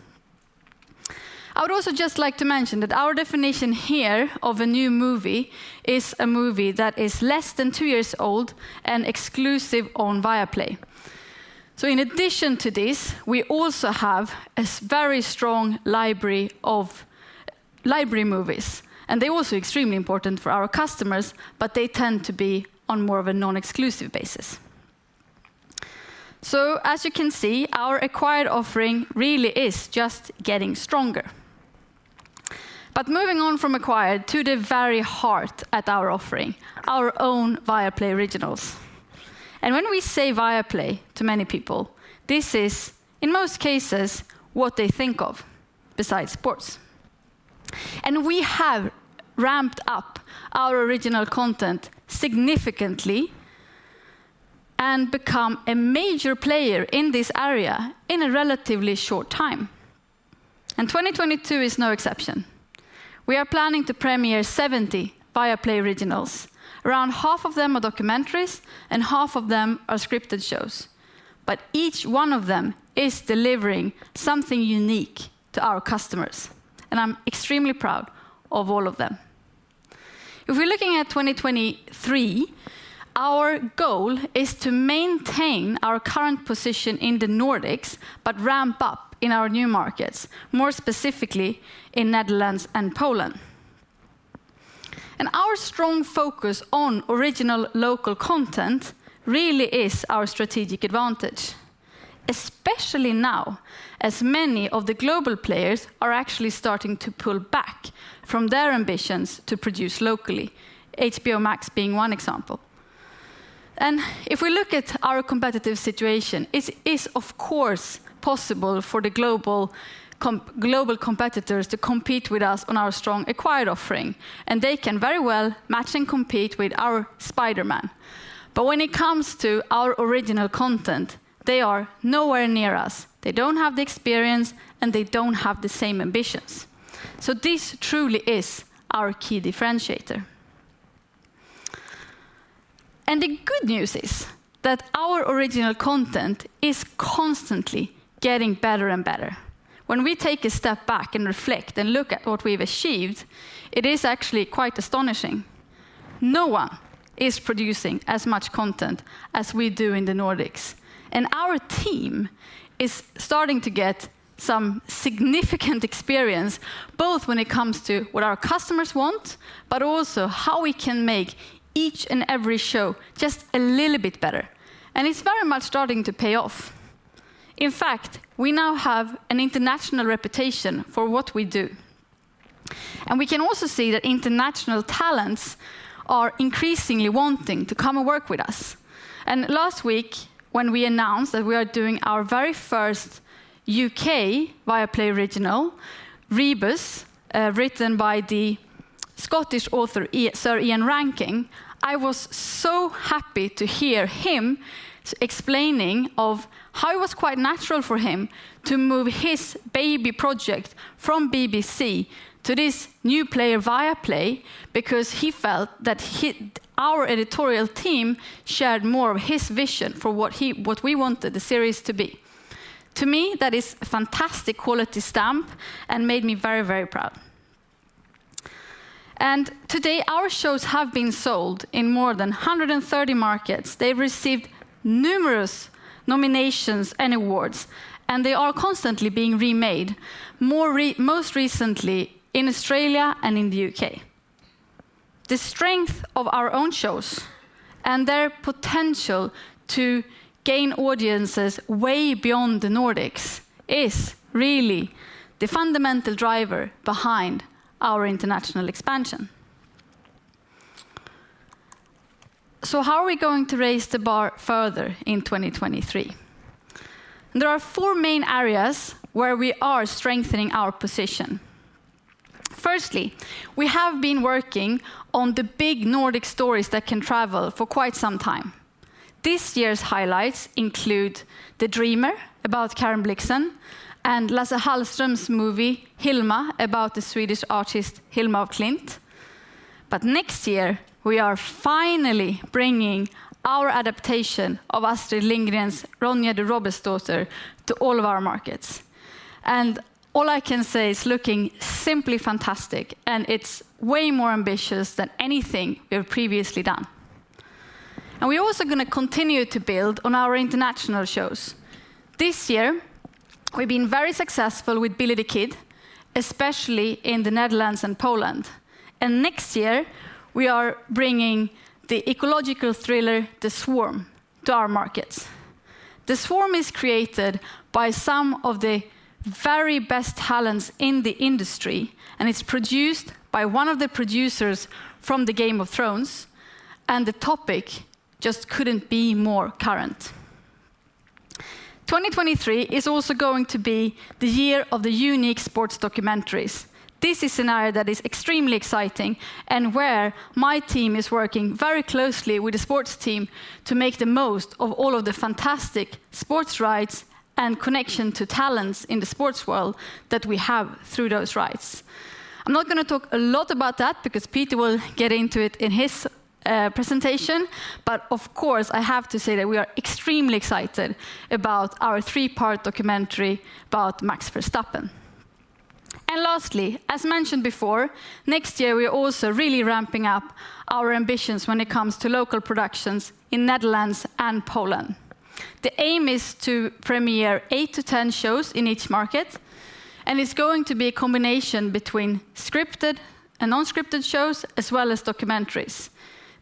I would also just like to mention that our definition here of a new movie is a movie that is less than two years old and exclusive on Viaplay. In addition to this, we also have a very strong library of library movies, and they're also extremely important for our customers, but they tend to be on more of a non-exclusive basis. As you can see, our acquired offering really is just getting stronger. Moving on from acquired to the very heart of our offering, our own Viaplay originals. When we say Viaplay to many people, this is, in most cases, what they think of besides sports. We have ramped up our original content significantly and become a major player in this area in a relatively short time. 2022 is no exception. We are planning to premiere 70 Viaplay Originals. Around half of them are documentaries, and half of them are scripted shows. Each one of them is delivering something unique to our customers, and I'm extremely proud of all of them. If we're looking at 2023, our goal is to maintain our current position in the Nordics, but ramp up in our new markets, more specifically in Netherlands and Poland. Our strong focus on original local content really is our strategic advantage, especially now, as many of the global players are actually starting to pull back from their ambitions to produce locally, HBO Max being one example. If we look at our competitive situation, it is of course possible for the global competitors to compete with us on our strong acquired offering, and they can very well match and compete with our Spider-Man. When it comes to our original content, they are nowhere near us. They don't have the experience, and they don't have the same ambitions. This truly is our key differentiator. The good news is that our original content is constantly getting better and better. When we take a step back and reflect and look at what we've achieved, it is actually quite astonishing. No one is producing as much content as we do in the Nordics, and our team is starting to get some significant experience, both when it comes to what our customers want, but also how we can make each and every show just a little bit better. It's very much starting to pay off. In fact, we now have an international reputation for what we do. We can also see that international talents are increasingly wanting to come and work with us. Last week, when we announced that we are doing our very first U.K. Viaplay original, Rebus, written by the Scottish author Sir Ian Rankin, I was so happy to hear him explaining of how it was quite natural for him to move his baby project from BBC to this new player, Viaplay, because he felt that our editorial team shared more of his vision for what we wanted the series to be. To me, that is fantastic quality stamp and made me very, very proud. Today, our shows have been sold in more than 130 markets. They've received numerous nominations and awards, and they are constantly being remade, most recently in Australia and in the U.K. The strength of our own shows and their potential to gain audiences way beyond the Nordics is really the fundamental driver behind our international expansion. How are we going to raise the bar further in 2023? There are four main areas where we are strengthening our position. Firstly, we have been working on the big Nordic stories that can travel for quite some time. This year's highlights include The Dreamer about Karen Blixen and Lasse Hallström's movie, Hilma, about the Swedish artist Hilma af Klint. Next year, we are finally bringing our adaptation of Astrid Lindgren's Ronja the Robber's Daughter to all of our markets. All I can say, it's looking simply fantastic, and it's way more ambitious than anything we have previously done. We're also gonna continue to build on our international shows. This year, we've been very successful with Billy the Kid, especially in the Netherlands and Poland. Next year, we are bringing the ecological thriller, The Swarm, to our markets. The Swarm is created by some of the very best talents in the industry, and it's produced by one of the producers from the Game of Thrones, and the topic just couldn't be more current. 2023 is also going to be the year of the unique sports documentaries. This is an area that is extremely exciting and where my team is working very closely with the sports team to make the most of all of the fantastic sports rights and connection to talents in the sports world that we have through those rights. I'm not gonna talk a lot about that because Peter will get into it in his presentation. Of course, I have to say that we are extremely excited about our three-part documentary about Max Verstappen. Lastly, as mentioned before, next year, we're also really ramping up our ambitions when it comes to local productions in the Netherlands and Poland. The aim is to premiere eight-10 shows in each market, and it's going to be a combination between scripted and unscripted shows, as well as documentaries.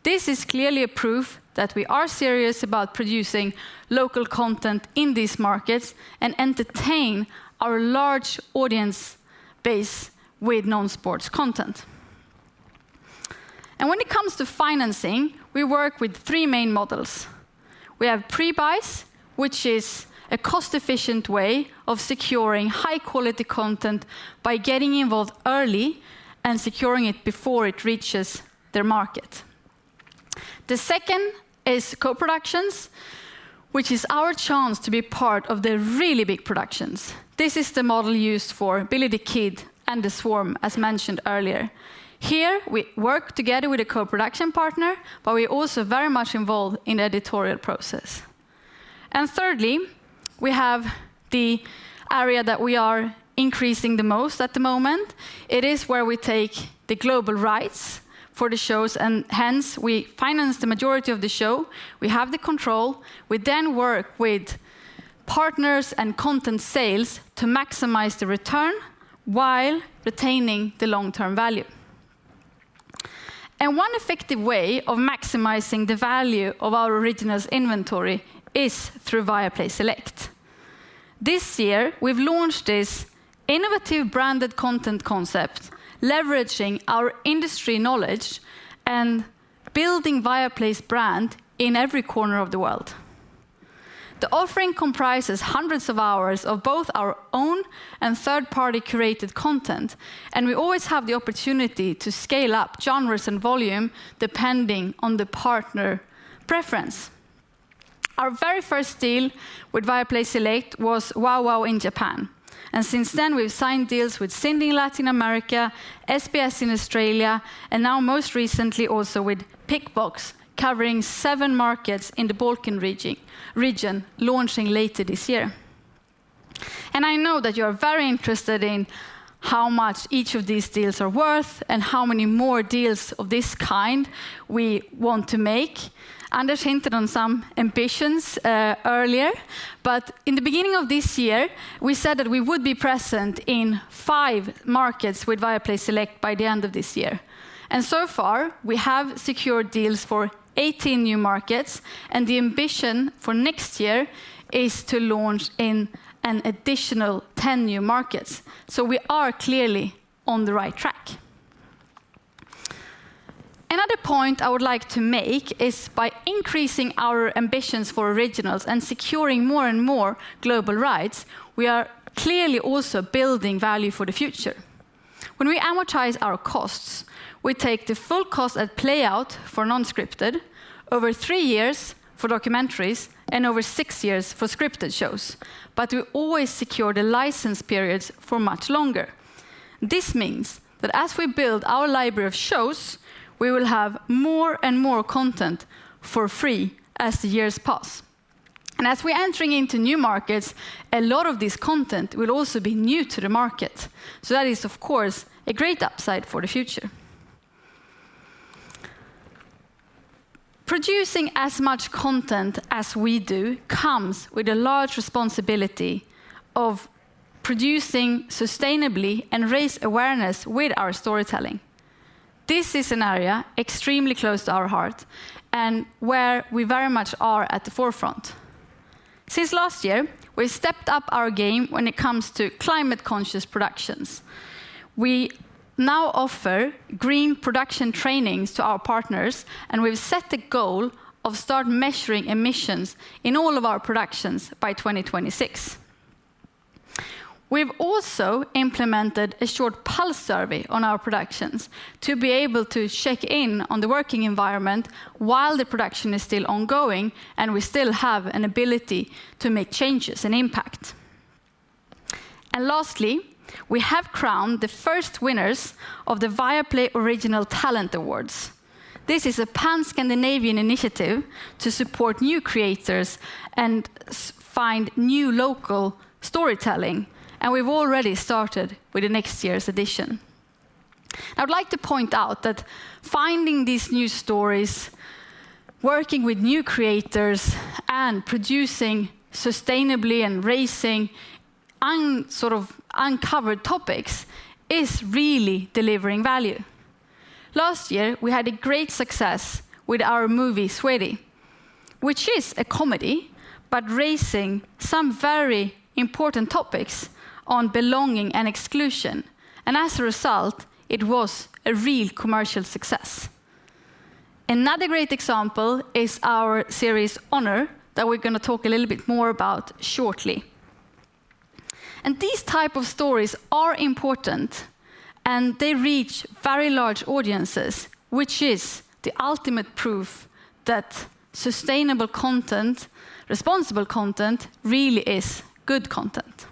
This is clearly a proof that we are serious about producing local content in these markets and entertain our large audience base with non-sports content. When it comes to financing, we work with three main models. We have pre-buys, which is a cost-efficient way of securing high-quality content by getting involved early and securing it before it reaches their market. The second is co-productions, which is our chance to be part of the really big productions. This is the model used for Billy the Kid and The Swarm, as mentioned earlier. Here, we work together with a co-production partner, but we're also very much involved in the editorial process. Thirdly, we have the area that we are increasing the most at the moment. It is where we take the global rights for the shows, and hence we finance the majority of the show. We have the control. We then work with partners and content sales to maximize the return while retaining the long-term value. One effective way of maximizing the value of our originals inventory is through Viaplay Select. This year, we've launched this innovative branded content concept, leveraging our industry knowledge and building Viaplay's brand in every corner of the world. The offering comprises hundreds of hours of both our own and third-party curated content, and we always have the opportunity to scale up genres and volume depending on the partner preference. Our very first deal with Viaplay Select was Wowow in Japan, and since then, we've signed deals with CINDIE in Latin America, SBS in Australia, and now most recently also with Pickbox, covering seven markets in the Balkan region, launching later this year. I know that you are very interested in how much each of these deals are worth and how many more deals of this kind we want to make. Anders hinted on some ambitions earlier, but in the beginning of this year, we said that we would be present in five markets with Viaplay Select by the end of this year. So far, we have secured deals for 18 new markets, and the ambition for next year is to launch in an additional 10 new markets. We are clearly on the right track. Another point I would like to make is by increasing our ambitions for originals and securing more and more global rights, we are clearly also building value for the future. When we amortize our costs, we take the full cost up front for non-scripted over three years for documentaries and over six years for scripted shows. We always secure the license periods for much longer. This means that as we build our library of shows, we will have more and more content for free as the years pass. As we're entering into new markets, a lot of this content will also be new to the market. That is, of course, a great upside for the future. Producing as much content as we do comes with a large responsibility of producing sustainably and raise awareness with our storytelling. This is an area extremely close to our heart and where we very much are at the forefront. Since last year, we stepped up our game when it comes to climate-conscious productions. We now offer green production trainings to our partners, and we've set the goal of start measuring emissions in all of our productions by 2026. We've also implemented a short pulse survey on our productions to be able to check in on the working environment while the production is still ongoing and we still have an ability to make changes and impact. Lastly, we have crowned the first winners of the Viaplay Original Talent Awards. This is a pan-Scandinavian initiative to support new creators and find new local storytelling, and we've already started with the next year's edition. I would like to point out that finding these new stories, working with new creators, and producing sustainably and raising sort of uncovered topics is really delivering value. Last year, we had a great success with our movie, Sweaty, which is a comedy, but raising some very important topics on belonging and exclusion. As a result, it was a real commercial success. Another great example is our series, Honour, that we're gonna talk a little bit more about shortly. These type of stories are important, and they reach very large audiences, which is the ultimate proof that sustainable content, responsible content, really is good content.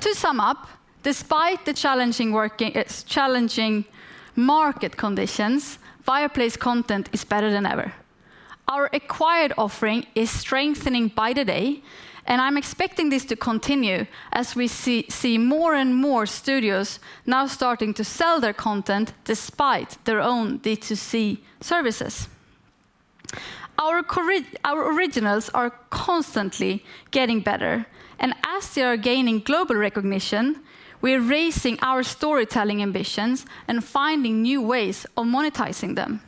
To sum up, despite the challenging market conditions, Viaplay's content is better than ever. Our acquired offering is strengthening by the day, and I'm expecting this to continue as we see more and more studios now starting to sell their content despite their own D2C services. Our originals are constantly getting better. As they are gaining global recognition, we are raising our storytelling ambitions and finding new ways of monetizing them.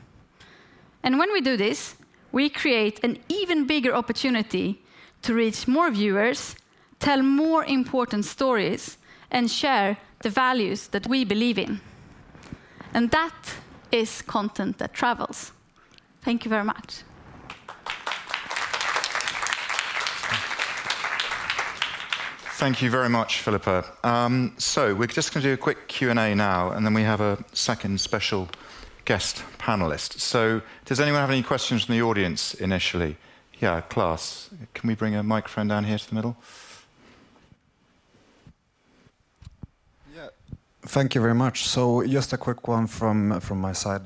When we do this, we create an even bigger opportunity to reach more viewers, tell more important stories, and share the values that we believe in. That is content that travels. Thank you very much. Thank you very much, Filippa. We're just gonna do a quick Q&A now, and then we have a second special guest panelist. Does anyone have any questions from the audience initially? Yeah, Klas. Can we bring a microphone down here to the middle? Thank you very much. Just a quick one from my side.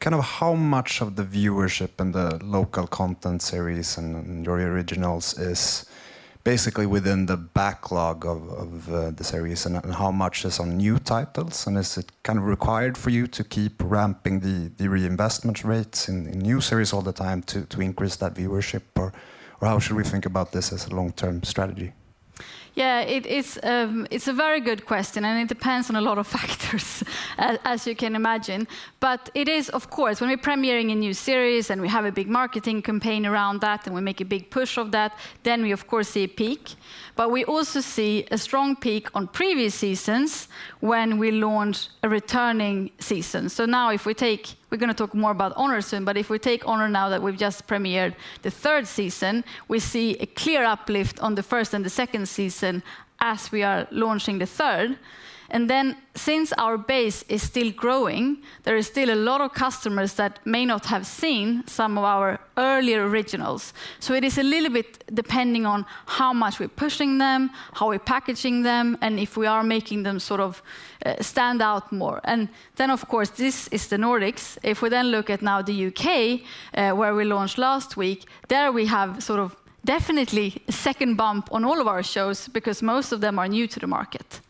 Kind of how much of the viewership in the local content series and your originals is basically within the backlog of the series and how much is on new titles? Is it kind of required for you to keep ramping the reinvestment rates in new series all the time to increase that viewership? How should we think about this as a long-term strategy? Yeah. It is, it's a very good question, and it depends on a lot of factors as you can imagine. It is of course, when we're premiering a new series and we have a big marketing campaign around that, and we make a big push of that, then we of course see a peak. We also see a strong peak on previous seasons when we launch a returning season. Now if we take Honour, we're gonna talk more about Honour soon, but if we take Honour now that we've just premiered the third season, we see a clear uplift on the first and the second season as we are launching the third. Then since our base is still growing, there is still a lot of customers that may not have seen some of our earlier originals. It is a little bit depending on how much we're pushing them, how we're packaging them, and if we are making them sort of stand out more. Of course, this is the Nordics. If we then look at now the U.K., where we launched last week, there we have sort of definitely a second bump on all of our shows because most of them are new to the market.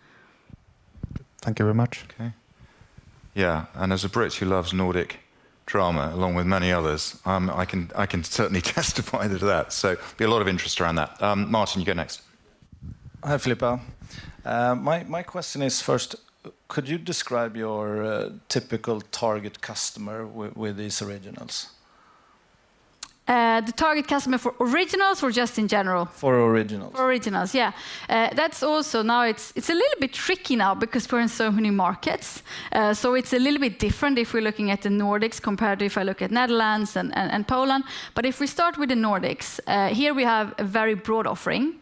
Thank you very much. Okay. Yeah. As a Brit who loves Nordic drama, along with many others, I can certainly testify to that. There'll be a lot of interest around that. Martin, you go next. Hi, Filippa. My question is first, could you describe your typical target customer with these originals? The target customer for originals or just in general? For originals. For originals, yeah. That's also. Now it's a little bit tricky now because we're in so many markets. It's a little bit different if we're looking at the Nordics compared to if I look at Netherlands and Poland. If we start with the Nordics, here we have a very broad offering,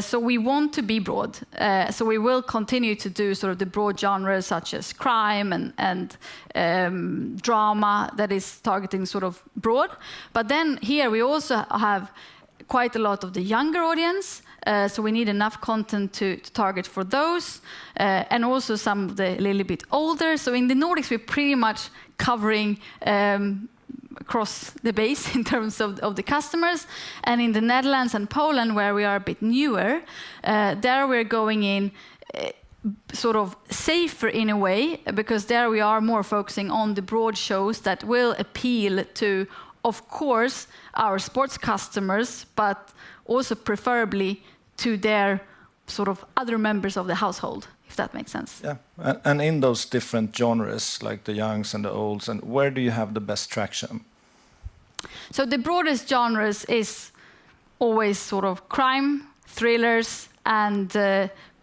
so we want to be broad. We will continue to do sort of the broad genres such as crime and drama that is targeting sort of broad. Here we also have quite a lot of the younger audience, so we need enough content to target for those. Also some of the little bit older. In the Nordics, we're pretty much covering across the base in terms of the customers. In the Netherlands and Poland, where we are a bit newer, there we're going in, sort of safer in a way because there we are more focusing on the broad shows that will appeal to, of course, our sports customers, but also preferably to their sort of other members of the household, if that makes sense. Yeah. In those different genres, like the youngs and the olds and where do you have the best traction? The broadest genres is always sort of crime, thrillers, and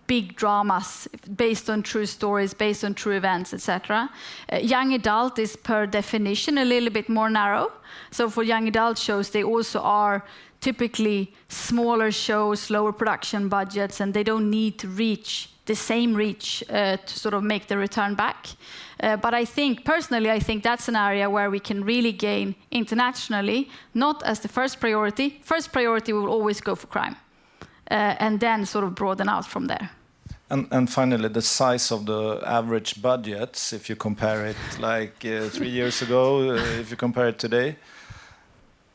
big dramas based on true stories, based on true events, et cetera. Young adult is per definition a little bit more narrow. For young adult shows, they also are typically smaller shows, lower production budgets, and they don't need to reach the same reach to sort of make the return back. I think personally, I think that's an area where we can really gain internationally, not as the first priority. First priority, we'll always go for crime. Sort of broaden out from there. Finally, the size of the average budgets, if you compare it like three years ago, if you compare it today.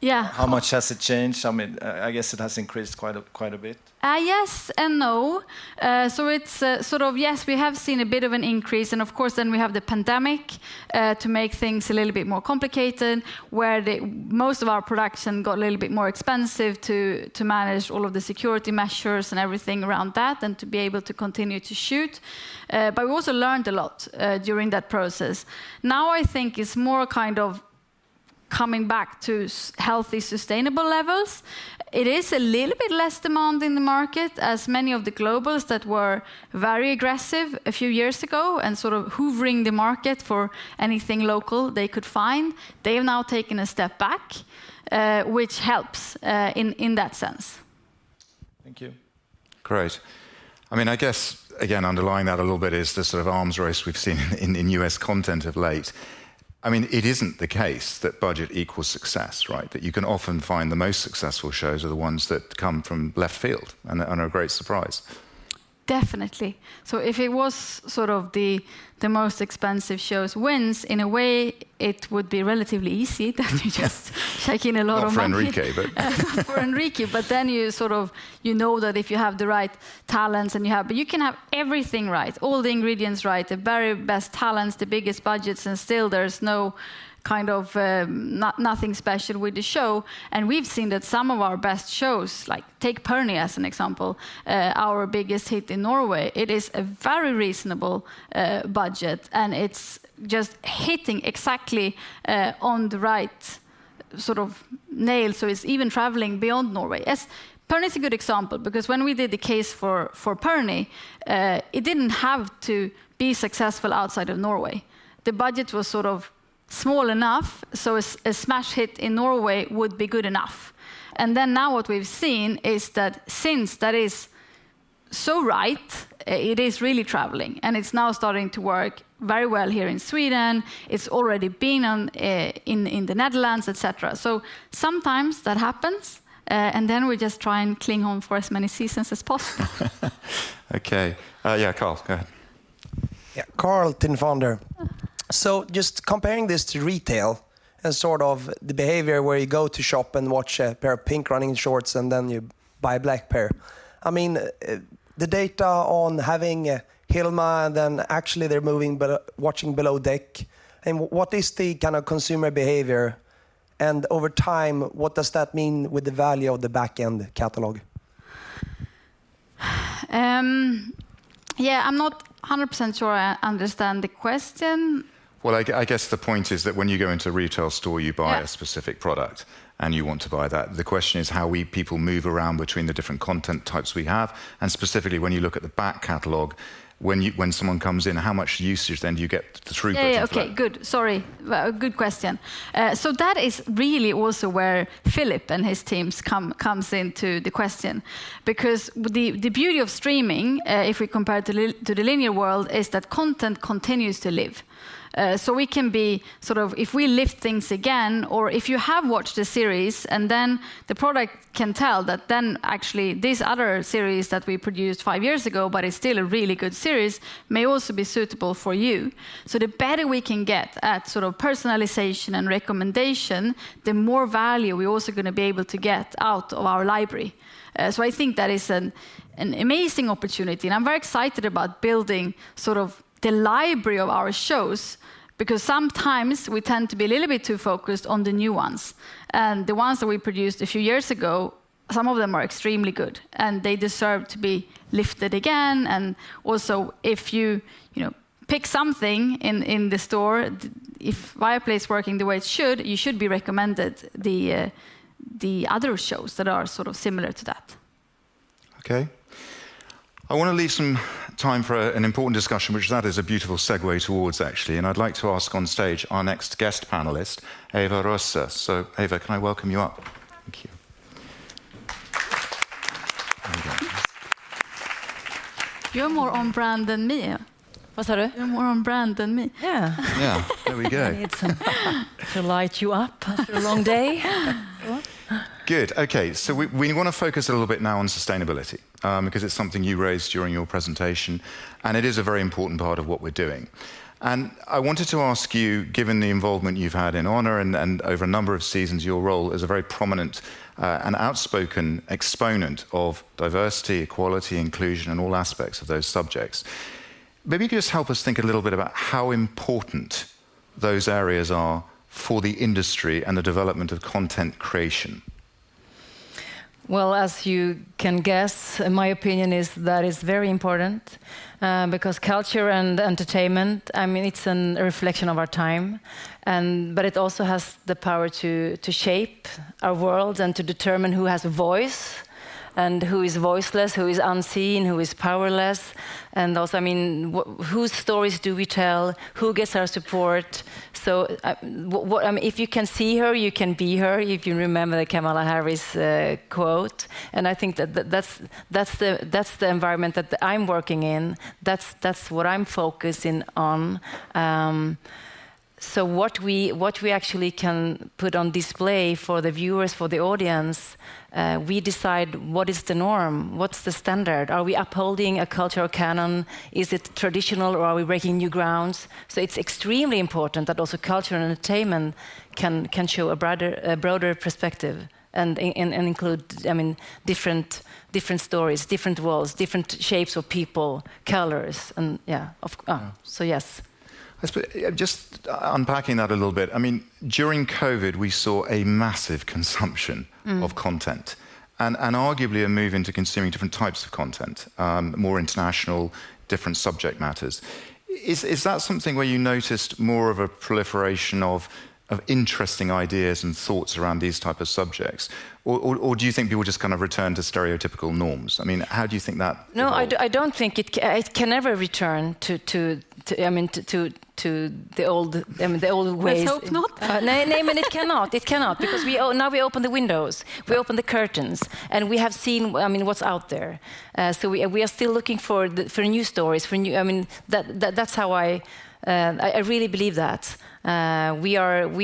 Yeah how much has it changed? I mean, I guess it has increased quite a bit. Yes and no. It's sort of yes, we have seen a bit of an increase, and of course then we have the pandemic to make things a little bit more complicated, where the most of our production got a little bit more expensive to manage all of the security measures and everything around that and to be able to continue to shoot. We also learned a lot during that process. Now I think it's more kind of coming back to healthy, sustainable levels. It is a little bit less demand in the market as many of the globals that were very aggressive a few years ago and sort of hoovering the market for anything local they could find, they've now taken a step back, which helps in that sense. Thank you. Great. I mean, I guess, again, underlying that a little bit is the sort of arms race we've seen in U.S. content of late. I mean, it isn't the case that budget equals success, right? That you can often find the most successful shows are the ones that come from left field and are a great surprise. Definitely. If it was sort of the most expensive shows wins, in a way it would be relatively easy to just take in a lot of money. Not for Enrique. For Enrique, then you sort of, you know that if you have the right talents and you have. You can have everything right, all the ingredients right, the very best talents, the biggest budgets, and still there's no kind of, nothing special with the show. We've seen that some of our best shows, like take Pørni as an example, our biggest hit in Norway. It is a very reasonable budget, and it's just hitting exactly on the right sort of nail, so it's even traveling beyond Norway. Yes, Pørni's a good example because when we did the case for Pørni, it didn't have to be successful outside of Norway. The budget was sort of small enough, so a smash hit in Norway would be good enough. Now what we've seen is that since that is so right, it is really traveling, and it's now starting to work very well here in Sweden. It's already been on in the Netherlands, et cetera. Sometimes that happens, and then we just try and cling on for as many seasons as possible. Okay. Yeah, Carl, go ahead. Yeah. Carl Cederschiöld. Just comparing this to retail and sort of the behavior where you go to shop and watch a pair of pink running shorts, and then you buy a black pair. I mean, the data on having Hilma, then actually they're moving below watching Below Deck. I mean, what is the kind of consumer behavior and over time what does that mean with the value of the back-end catalog? Yeah, I'm not 100% sure I understand the question. Well, I guess the point is that when you go into a retail store you buy. Yeah A specific product, and you want to buy that. The question is how we people move around between the different content types we have, and specifically when you look at the back catalog, when someone comes in how much usage then do you get through. Yeah. Okay. Good. Sorry. Good question. That is really also where Philip and his teams comes into the question, because the beauty of streaming, if we compare it to the linear world, is that content continues to live. We can be sort of if we lift things again, or if you have watched a series and then the product can tell that then actually this other series that we produced five years ago but is still a really good series may also be suitable for you. The better we can get at sort of personalization and recommendation, the more value we're also gonna be able to get out of our library. I think that is an amazing opportunity, and I'm very excited about building sort of the library of our shows, because sometimes we tend to be a little bit too focused on the new ones. The ones that we produced a few years ago, some of them are extremely good, and they deserve to be lifted again. Also if you know, pick something in the store, if Viaplay is working the way it should, you should be recommended the other shows that are sort of similar to that. Okay. I wanna leave some time for an important discussion, which is a beautiful segue toward actually. I'd like to ask on stage our next guest panelist, Eva Röse. Eva, can I welcome you up? Thank you. There we go. You're more on brand than me. What's that? You're more on brand than me. Yeah. Yeah. There we go. I need something to light you up after a long day. Good. Okay. We wanna focus a little bit now on sustainability, because it's something you raised during your presentation, and it is a very important part of what we're doing. I wanted to ask you, given the involvement you've had in Honour and over a number of seasons, your role as a very prominent and outspoken exponent of diversity, equality, inclusion in all aspects of those subjects. Maybe you can just help us think a little bit about how important those areas are for the industry and the development of content creation? As you can guess, my opinion is that it's very important because culture and entertainment, I mean, it's a reflection of our time, and it also has the power to shape our world and to determine who has a voice and who is voiceless, who is unseen, who is powerless, and also, I mean, whose stories do we tell, who gets our support. If you can see her, you can be her, if you remember the Kamala Harris quote. I think that's the environment that I'm working in. That's what I'm focusing on. What we actually can put on display for the viewers, for the audience, we decide what is the norm, what's the standard. Are we upholding a cultural canon? Is it traditional or are we breaking new ground? It's extremely important that also culture and entertainment can show a brighter, a broader perspective and include, I mean, different stories, different worlds, different shapes of people, colors and yeah. Yes. Just unpacking that a little bit. I mean, during COVID, we saw a massive consumption. Mm.... of content and arguably a move into consuming different types of content, more international, different subject matters. Is that something where you noticed more of a proliferation of interesting ideas and thoughts around these type of subjects? Or do you think people just kind of return to stereotypical norms? I mean, how do you think that evolved? No, I don't think it can never return to, I mean, to the old, I mean, the old ways. Let's hope not. No, I mean, it cannot because now we open the windows, we open the curtains, and we have seen, I mean, what's out there. We are still looking for new stories. I mean, that's how I really believe that. We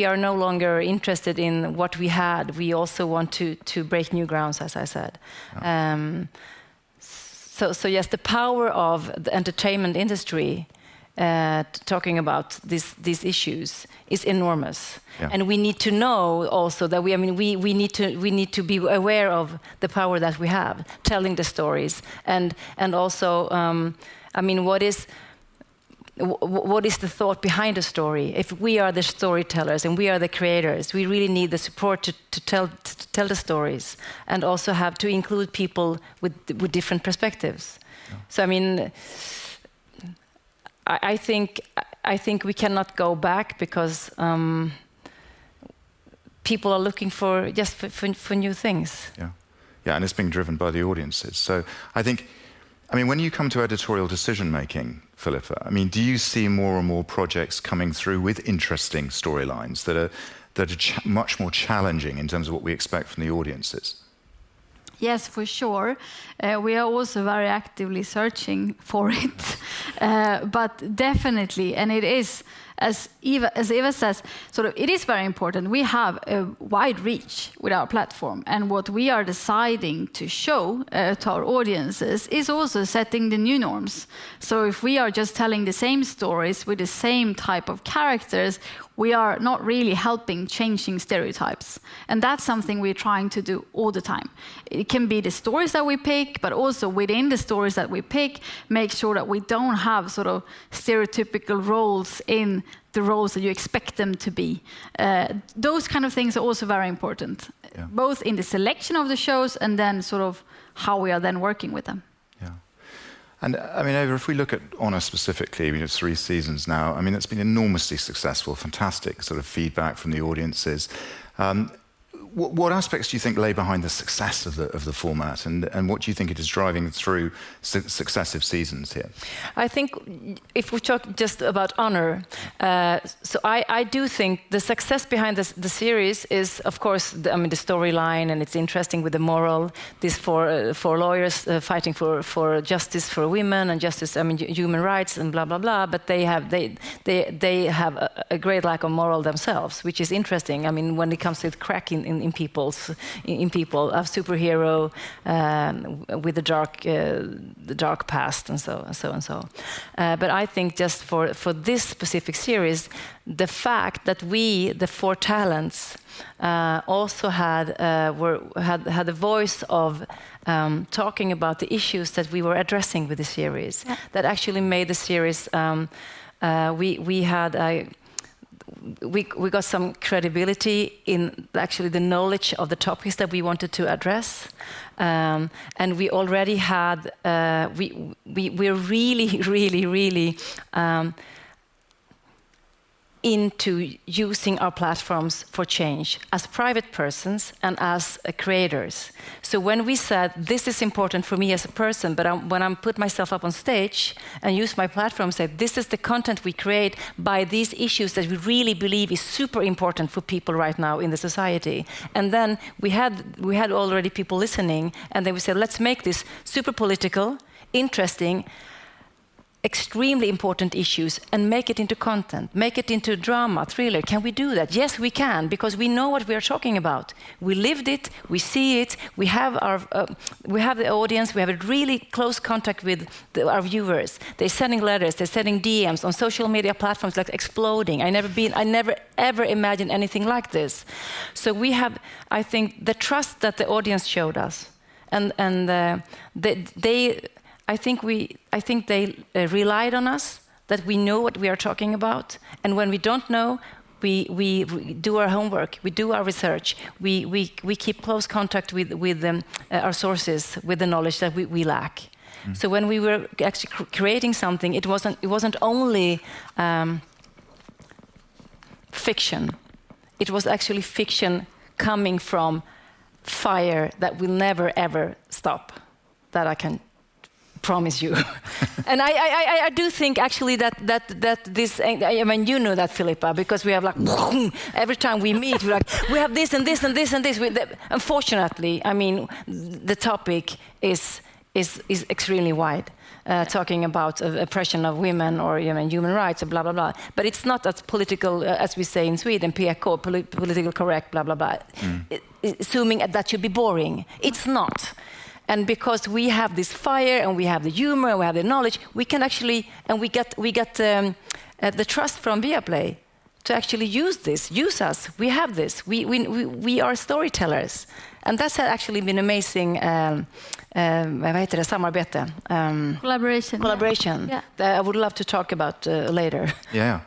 are no longer interested in what we had. We also want to break new grounds, as I said. Yeah. Yes, the power of the entertainment industry talking about these issues is enormous. Yeah. We need to know also that we need to be aware of the power that we have telling the stories. I mean, what is the thought behind a story? If we are the storytellers and we are the creators, we really need the support to tell the stories, and also have to include people with different perspectives. Yeah. I mean, I think we cannot go back because people are looking for new things. It's being driven by the audiences. I think I mean, when you come to editorial decision-making, Filippa, I mean, do you see more and more projects coming through with interesting storylines that are much more challenging in terms of what we expect from the audiences? Yes, for sure. We are also very actively searching for it. But definitely, it is as Eva says, sort of it is very important. We have a wide reach with our platform, and what we are deciding to show to our audiences is also setting the new norms. If we are just telling the same stories with the same type of characters, we are not really helping changing stereotypes, and that's something we're trying to do all the time. It can be the stories that we pick, but also within the stories that we pick, make sure that we don't have sort of stereotypical roles in the roles that you expect them to be. Those kind of things are also very important. Yeah... both in the selection of the shows and then sort of how we are then working with them. I mean, Eva, if we look at Honour specifically, we have three seasons now. I mean, it's been enormously successful, fantastic sort of feedback from the audiences. What aspects do you think lay behind the success of the format, and what do you think it is driving through successive seasons here? I think if we talk just about Honour, I do think the success behind the series is of course the, I mean, the storyline, and it's interesting with the morals, these four lawyers fighting for justice for women and justice, I mean, human rights and blah, blah. But they have a great lack of morals themselves, which is interesting, I mean, when it comes to cracking into people's superegos with a dark past and so on. But I think just for this specific series, the fact that we, the four talents, also had a voice of talking about the issues that we were addressing with the series. Yeah... that actually made the series, we got some credibility in actually the knowledge of the topics that we wanted to address. We were really into using our platforms for change as private persons and as creators. When we said, "This is important for me as a person," but when I put myself up on stage and use my platform, say, "This is the content we create by these issues that we really believe is super important for people right now in the society." We had already people listening, and then we said, "Let's make this super political, interesting, extremely important issues, and make it into content, make it into drama, thriller. Can we do that? Yes, we can because we know what we are talking about." We lived it. We see it. We have our audience. We have a really close contact with our viewers. They're sending letters. They're sending DMs on social media platforms that's exploding. I never ever imagined anything like this. We have, I think, the trust that the audience showed us and they relied on us, that we know what we are talking about, and when we don't know, we do our homework. We do our research. We keep close contact with them, our sources, with the knowledge that we lack. Mm-hmm. When we were actually creating something, it wasn't only fiction. It was actually fiction coming from fire that will never, ever stop, that I can promise you. I do think actually that this, and I mean, you know that, Filippa, because we are like every time we meet, we're like we have this and this and this and this. Unfortunately, I mean, the topic is extremely wide, talking about oppression of women or, you know, human rights and blah, blah. But it's not as political, as we say in Sweden, PK, politically correct, blah, blah. Mm-hmm. Assuming that should be boring. It's not. Because we have this fire and we have the humor and we have the knowledge, we can actually and we get the trust from Viaplay to actually use this, use us. We have this. We are storytellers, and that's actually been amazing. Yeah.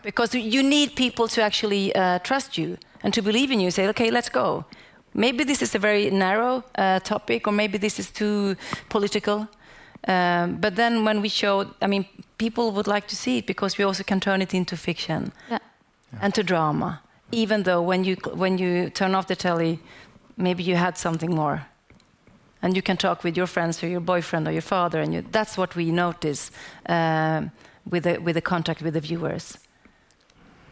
Because you need people to actually trust you and to believe in you, say, "Okay, let's go." Maybe this is a very narrow topic, or maybe this is too political. When we show, I mean, people would like to see it because we also can turn it into fiction. Yeah to drama. Even though when you turn off the telly, maybe you had something more, and you can talk with your friends or your boyfriend or your father. That's what we notice with the contact with the viewers.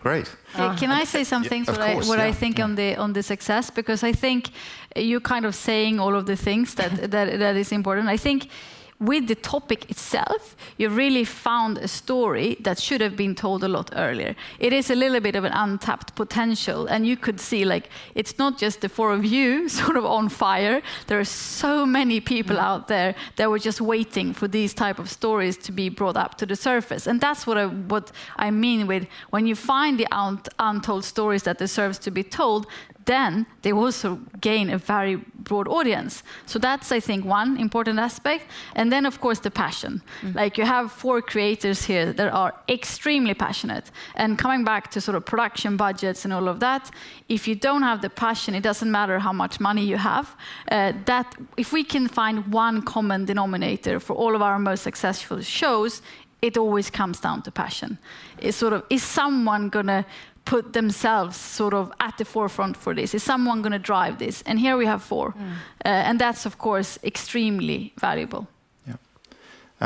Great. Can I say something what I Of course, yeah. What I think on the success? I think you're kind of saying all of the things that is important. I think with the topic itself, you really found a story that should have been told a lot earlier. It is a little bit of an untapped potential, and you could see, like, it's not just the four of you sort of on fire. There are so many people out there that were just waiting for these type of stories to be brought up to the surface, and that's what I mean with when you find the untold stories that deserves to be told, then they also gain a very broad audience. That's, I think, one important aspect, and then of course, the passion. Mm-hmm. Like, you have four creators here that are extremely passionate, and coming back to sort of production budgets and all of that, if you don't have the passion, it doesn't matter how much money you have. That, if we can find one common denominator for all of our most successful shows, it always comes down to passion. It's sort of is someone gonna put themselves sort of at the forefront for this? Is someone gonna drive this? Here we have four. Mm-hmm. That's of course extremely valuable. Yeah.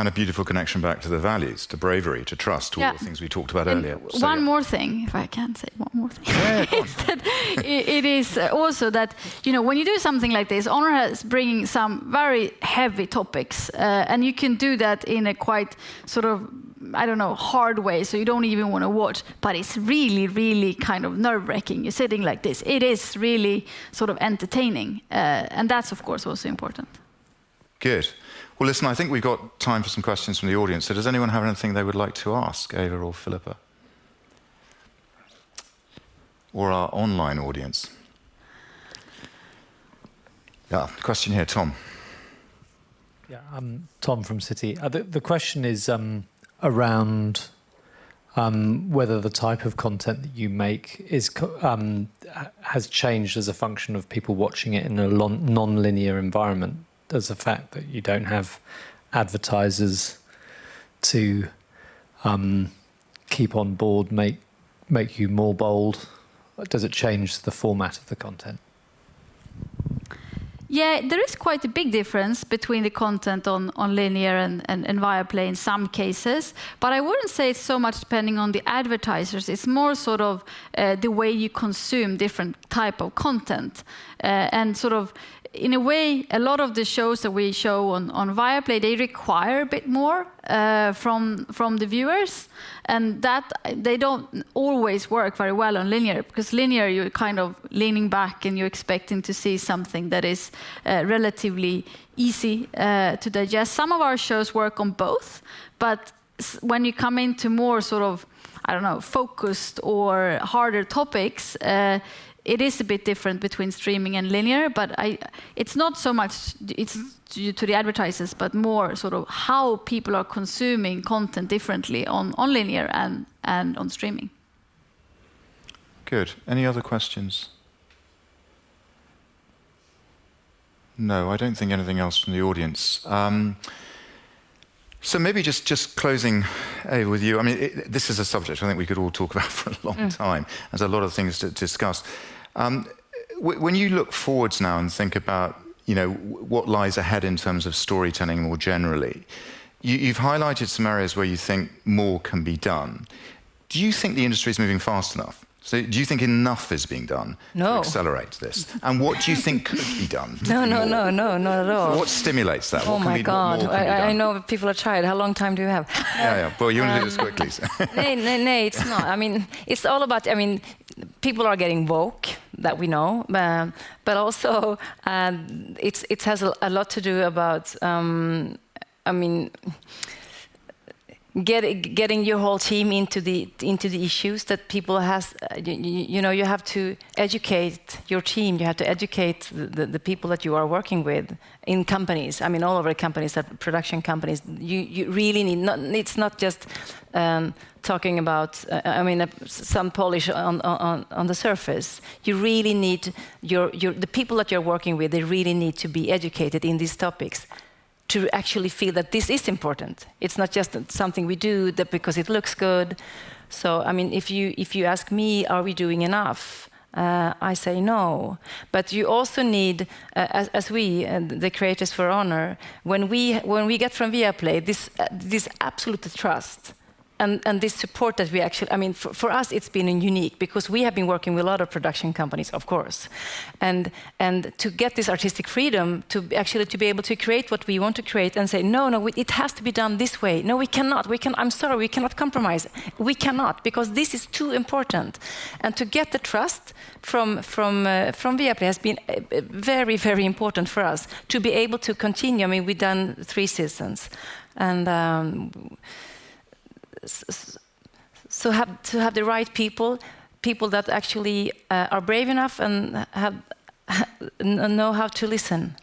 A beautiful connection back to the values, to bravery, to trust. Yeah to all the things we talked about earlier. One more thing, if I can say one more thing. Yeah, of course. It is also that, you know, when you do something like this, Honour is bringing some very heavy topics. You can do that in a quite sort of, I don't know, hard way, so you don't even wanna watch. It's really, really kind of nerve-wracking. You're sitting like this. It is really sort of entertaining. That's, of course, also important. Good. Well, listen, I think we've got time for some questions from the audience. Does anyone have anything they would like to ask Eva or Filippa? Or our online audience? Question here. Tom. Yeah, I'm Tom from Citi. The question is around whether the type of content that you make has changed as a function of people watching it in a non-linear environment. Does the fact that you don't have advertisers to keep on board make you more bold? Does it change the format of the content? Yeah. There is quite a big difference between the content on linear and Viaplay in some cases, but I wouldn't say it's so much depending on the advertisers. It's more sort of the way you consume different type of content. Sort of in a way, a lot of the shows that we show on Viaplay, they require a bit more from the viewers, and that they don't always work very well on linear. Because linear, you're kind of leaning back and you're expecting to see something that is relatively easy to digest. Some of our shows work on both, but when you come into more sort of, I don't know, focused or harder topics, it is a bit different between streaming and linear, but I... It's not so much it's due to the advertisers, but more sort of how people are consuming content differently on linear and on streaming. Good. Any other questions? No, I don't think anything else from the audience. Maybe just closing, Eva, with you. I mean, this is a subject I think we could all talk about for a long time. Mm-hmm. There's a lot of things to discuss. When you look forward now and think about, you know, what lies ahead in terms of storytelling more generally, you've highlighted some areas where you think more can be done. Do you think the industry is moving fast enough? Do you think enough is being done? No. To accelerate this? What do you think could be done to do more? No, no. Not at all. What stimulates that? Oh my God. More can be done? I know people are tired. How long time do we have? Yeah, yeah. Well, you wanna do this quickly, so. No, no, it's not. I mean, it's all about. I mean, people are getting woke, that we know. Also, it's has a lot to do about, I mean, getting your whole team into the issues that people has. You know, you have to educate your team. You have to educate the people that you are working with in companies. I mean, all of our companies have production companies. You really need. And it's not just talking about, I mean, some polish on the surface. You really need your the people that you're working with, they really need to be educated in these topics to actually feel that this is important. It's not just something we do that because it looks good. I mean, if you ask me, "Are we doing enough?" I say no. You also need, as we and the creators for Honour, when we get from Viaplay this absolute trust and this support that we actually I mean, for us it's been unique because we have been working with a lot of production companies, of course, to get this artistic freedom to actually be able to create what we want to create and say, "No, it has to be done this way. No, we cannot. I'm sorry, we cannot compromise. We cannot because this is too important." To get the trust from Viaplay has been very important for us to be able to continue. I mean, we've done three seasons and so have to have the right people that actually are brave enough and have know how to listen.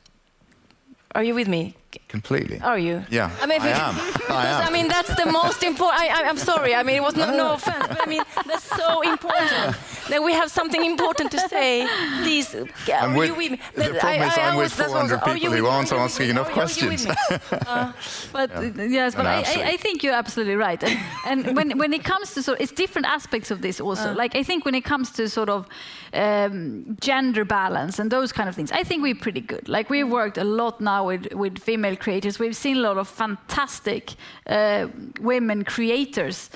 Are you with me? Completely. Are you? Yeah. I mean, because. I am. Because I mean, that's the most important. I'm sorry. I mean, it was not. No. No offense, but I mean, that's so important. Yeah that we have something important to say. Please, are you with me? And with- I was there once. Are you with me? The problem is I'm with 400 people who aren't asking enough questions. Are you with me? Yeah. Yes, I. Actually. I think you're absolutely right. When it comes to, it's different aspects of this also. Mm-hmm. Like, I think when it comes to sort of, gender balance and those kind of things, I think we're pretty good. Like, we've worked a lot now with female creators. We've seen a lot of fantastic women creators.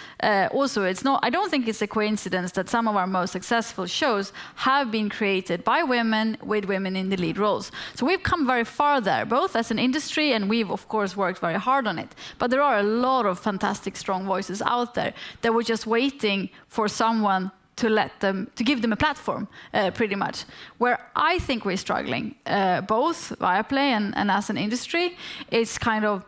Also, I don't think it's a coincidence that some of our most successful shows have been created by women with women in the lead roles. We've come very far there, both as an industry and we've of course worked very hard on it. There are a lot of fantastic strong voices out there that were just waiting for someone to let them, to give them a platform, pretty much. Where I think we're struggling, both Viaplay and as an industry, is kind of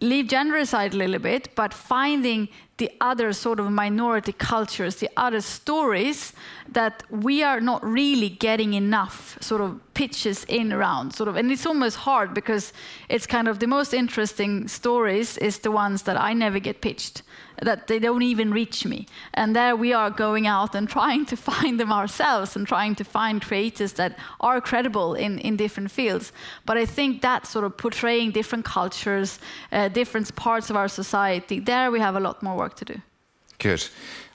leave gender aside a little bit, but finding the other sort of minority cultures, the other stories that we are not really getting enough sort of pitches in around sort of. It's almost hard because it's kind of the most interesting stories is the ones that I never get pitched, that they don't even reach me. There we are going out and trying to find them ourselves and trying to find creators that are credible in different fields. I think that sort of portraying different cultures, different parts of our society, there we have a lot more work to do. Good.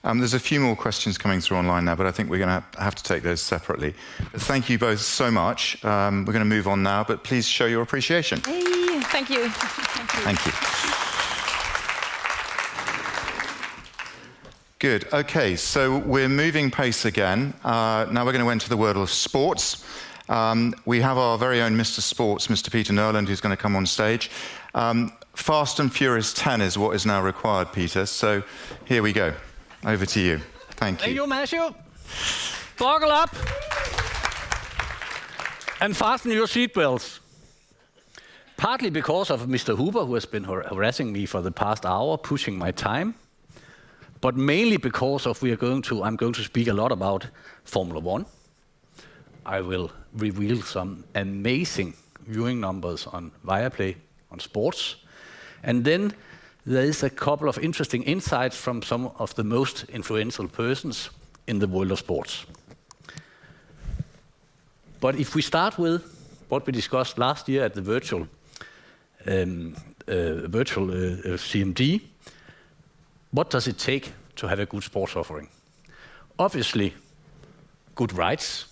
There's a few more questions coming through online now, but I think we're gonna have to take those separately. Thank you both so much. We're gonna move on now, but please show your appreciation. Yay. Thank you. Thank you. Thank you. Good. Okay, we're moving apace again. Now we're gonna enter the world of sports. We have our very own Mr. Sports, Mr. Peter Nørrelund, who's gonna come on stage. Fast & Furious 10 is what is now required, Peter. Here we go. Over to you. Thank you. Thank you, Matthew. Buckle up and fasten your seatbelts. Partly because of Mr. Hooper, who has been harassing me for the past hour, pushing my time, but mainly because I'm going to speak a lot about Formula One. I will reveal some amazing viewing numbers on Viaplay on sports, and then there is a couple of interesting insights from some of the most influential persons in the world of sports. If we start with what we discussed last year at the virtual CMD, what does it take to have a good sports offering? Obviously, good rights,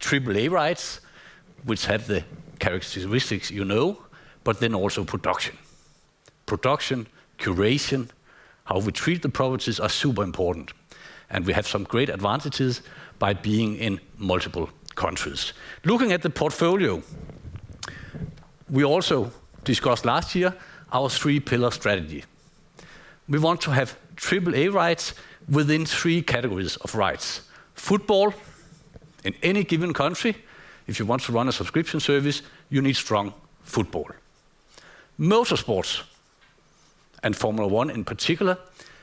AAA rights, which have the characteristics you know, but then also production. Production, curation, how we treat the properties are super important, and we have some great advantages by being in multiple countries. Looking at the portfolio, we also discussed last year our three-pillar strategy. We want to have AAA rights within three categories of rights. Football in any given country, if you want to run a subscription service, you need strong football. Motorsports, and Formula One in particular,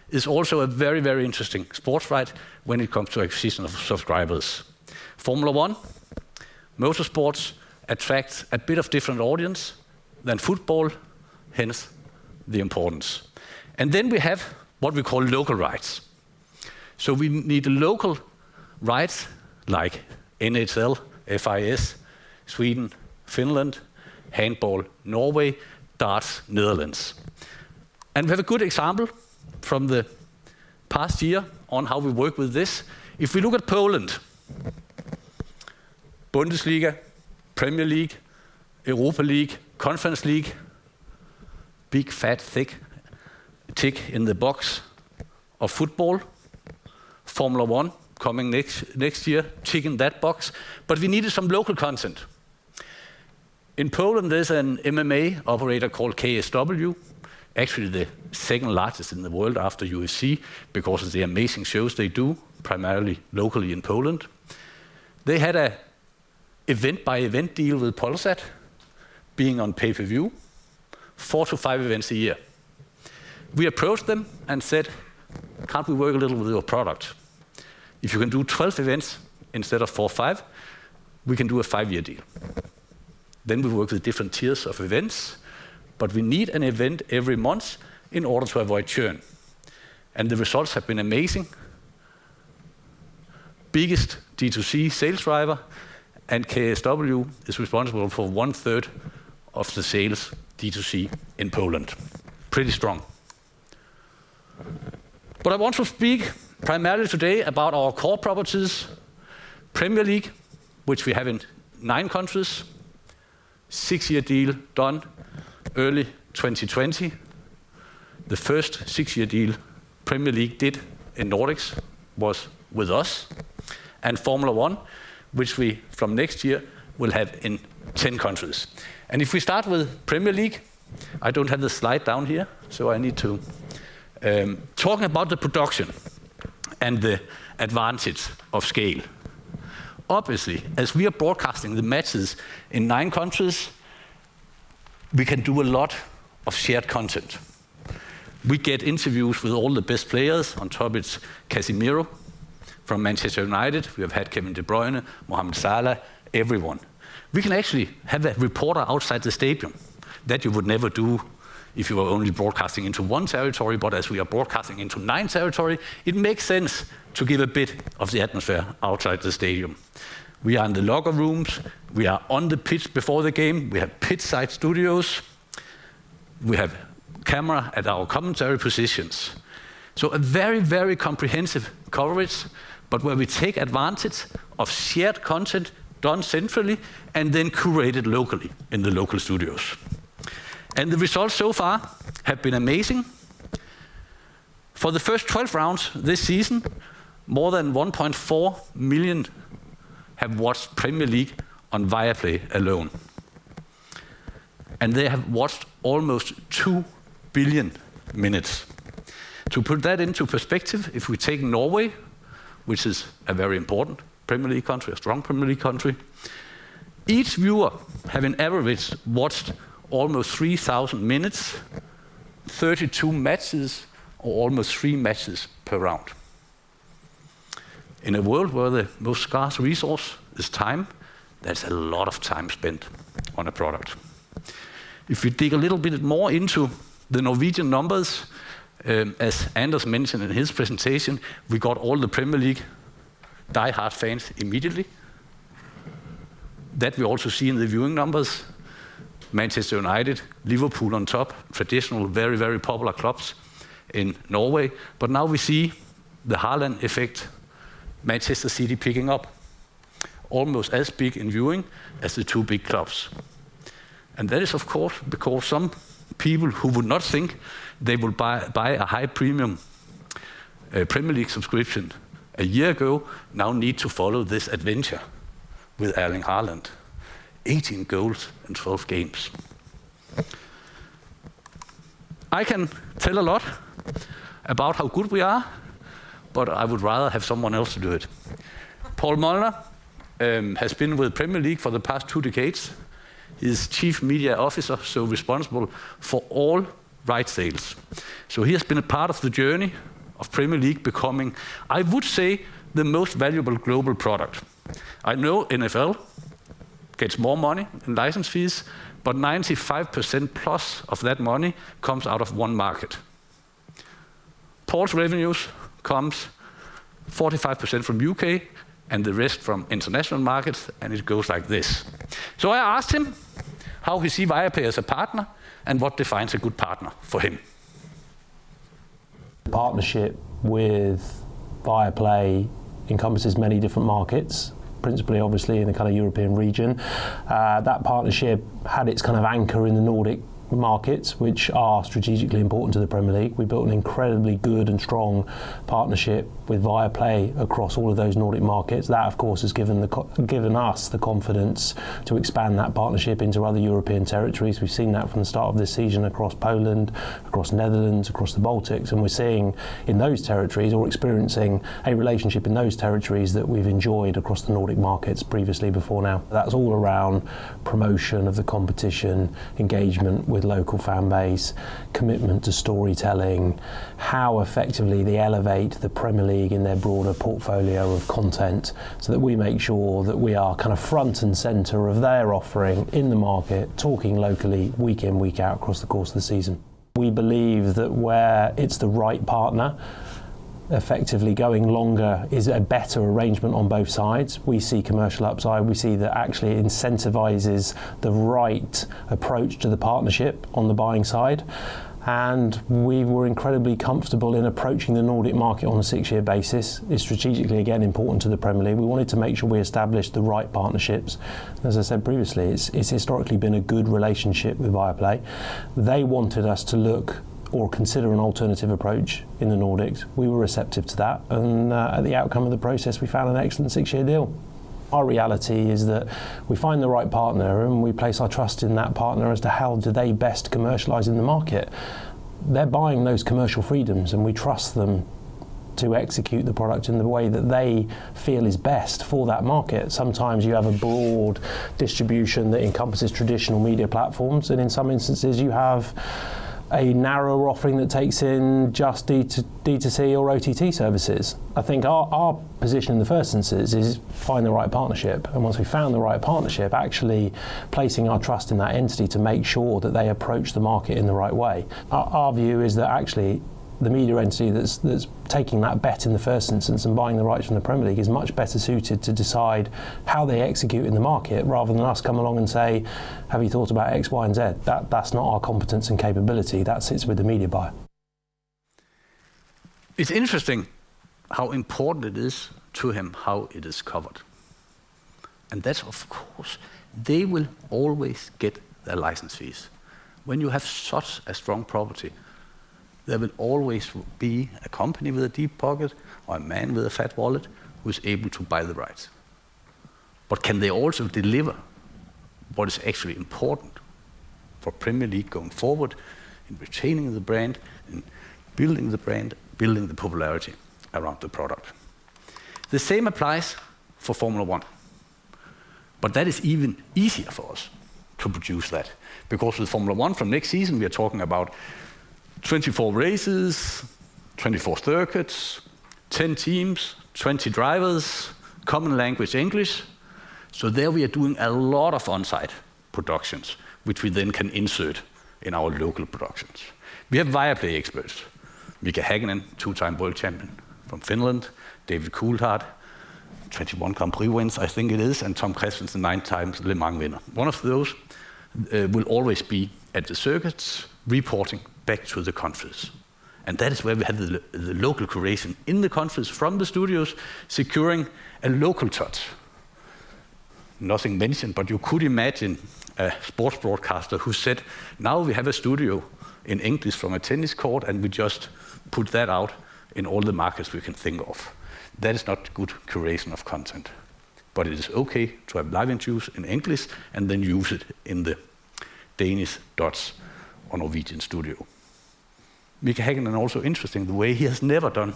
is also a very, very interesting sports right when it comes to acquisition of subscribers. Formula One, motorsports attracts a bit of different audience than football, hence the importance. Then we have what we call local rights. We need local rights like NHL, FIS, Sweden, Finland, handball Norway, Darts Netherlands. We have a good example from the past year on how we work with this. If we look at Poland, Bundesliga, Premier League, Europa League, Conference League, big, fat, thick tick in the box of football. Formula One coming next year, tick in that box. We needed some local content. In Poland, there's an MMA operator called KSW, actually the second largest in the world after UFC because of the amazing shows they do, primarily locally in Poland. They had an event-by-event deal with Polsat being on pay-per-view, four-five events a year. We approached them and said, "Can't we work a little with your product? If you can do 12 events instead of four or five, we can do a five-year deal." We work with different tiers of events, but we need an event every month in order to avoid churn. The results have been amazing. Biggest D2C sales driver, and KSW is responsible for 1/3 of the sales D2C in Poland. Pretty strong. I want to speak primarily today about our core properties. Premier League, which we have in nine countries, six-year deal done early 2020. The first six-year deal Premier League did in Nordics was with us and Formula One, which we from next year will have in 10 countries. If we start with Premier League, I don't have the slide down here, so I need to talk about the production and the advantage of scale. Obviously, as we are broadcasting the matches in nine countries, we can do a lot of shared content. We get interviews with all the best players. On top it's Casemiro from Manchester United. We have had Kevin De Bruyne, Mohamed Salah, everyone. We can actually have a reporter outside the stadium that you would never do if you were only broadcasting into one territory. As we are broadcasting into nine territories, it makes sense to give a bit of the atmosphere outside the stadium. We are in the locker rooms. We are on the pitch before the game. We have pitchside studios. We have camera at our commentary positions. A very, very comprehensive coverage, but where we take advantage of shared content done centrally and then curated locally in the local studios. The results so far have been amazing. For the first 12 rounds this season, more than 1.4 million have watched Premier League on Viaplay alone, and they have watched almost 2 billion minutes. To put that into perspective, if we take Norway, which is a very important Premier League country, a strong Premier League country, each viewer have on average watched almost 3,000 minutes, 32 matches, or almost three matches per round. In a world where the most scarce resource is time, that's a lot of time spent on a product. If we dig a little bit more into the Norwegian numbers, as Anders mentioned in his presentation, we got all the Premier League diehard fans immediately. That we also see in the viewing numbers. Manchester United, Liverpool on top, traditional very, very popular clubs in Norway. Now we see the Haaland effect, Manchester City picking up almost as big in viewing as the two big clubs. That is, of course, because some people who would not think they will buy a high premium Premier League subscription a year ago now need to follow this adventure with Erling Haaland. 18 goals in 12 games. I can tell a lot about how good we are, but I would rather have someone else do it. Paul Molnar has been with Premier League for the past two decades. He's Chief Media Officer, so responsible for all rights sales. He has been a part of the journey of Premier League becoming, I would say, the most valuable global product. I know NFL gets more money in license fees, but 95%+ of that money comes out of one market. Paul's revenues comes 45% from U.K. and the rest from international markets, and it goes like this. I asked him how he see Viaplay as a partner and what defines a good partner for him. The partnership with Viaplay encompasses many different markets, principally obviously in the kind of European region. That partnership had its kind of anchor in the Nordic markets, which are strategically important to the Premier League. We built an incredibly good and strong partnership with Viaplay across all of those Nordic markets. That, of course, has given us the confidence to expand that partnership into other European territories. We've seen that from the start of this season across Poland, across Netherlands, across the Baltics. We're seeing in those territories or experiencing a relationship in those territories that we've enjoyed across the Nordic markets previously before now. That's all around promotion of the competition, engagement with local fan base, commitment to storytelling, how effectively they elevate the Premier League in their broader portfolio of content, so that we make sure that we are kind of front and center of their offering in the market, talking locally week in, week out across the course of the season. We believe that where it's the right partner, effectively going longer is a better arrangement on both sides. We see commercial upside. We see that actually incentivizes the right approach to the partnership on the buying side. We were incredibly comfortable in approaching the Nordic market on a six-year basis. It's strategically, again, important to the Premier League. We wanted to make sure we established the right partnerships. As I said previously, it's historically been a good relationship with Viaplay. They wanted us to look or consider an alternative approach in the Nordics. We were receptive to that. At the outcome of the process, we found an excellent six-year deal. Our reality is that we find the right partner, and we place our trust in that partner as to how do they best commercialize in the market. They're buying those commercial freedoms, and we trust them to execute the product in the way that they feel is best for that market. Sometimes you have a broad distribution that encompasses traditional media platforms, and in some instances, you have a narrower offering that takes in just D2C or OTT services. I think our position in the first instance is find the right partnership. Once we've found the right partnership, actually placing our trust in that entity to make sure that they approach the market in the right way. Our view is that actually the media entity that's taking that bet in the first instance and buying the rights from the Premier League is much better suited to decide how they execute in the market rather than us come along and say, "Have you thought about X, Y, and Z?" That's not our competence and capability. That sits with the media buyer. It's interesting how important it is to him how it is covered. That's of course, they will always get their license fees. When you have such a strong property, there will always be a company with a deep pocket or a man with a fat wallet who's able to buy the rights. But can they also deliver what is actually important for Premier League going forward in retaining the brand, in building the brand, building the popularity around the product? The same applies for Formula One, but that is even easier for us to produce that because with Formula One from next season, we are talking about 24 races, 24 circuits, 10 teams, 20 drivers, common language, English. There we are doing a lot of on-site productions, which we then can insert in our local productions. We have Viaplay experts, Mika Häkkinen, two-time world champion from Finland, David Coulthard, 21 Grand Prix wins, I think it is, and Tom Kristensen, nine-time Le Mans winner. One of those will always be at the circuits reporting back to the countries. That is where we have the local curation in the countries from the studios securing a local touch. Nothing mentioned, but you could imagine a sports broadcaster who said, "Now we have a studio in English from a tennis court, and we just put that out in all the markets we can think of." That is not good curation of content. It is okay to have live interviews in English and then use it in the Danish dubs or Norwegian studio. Mika Häkkinen is also interesting the way he has never done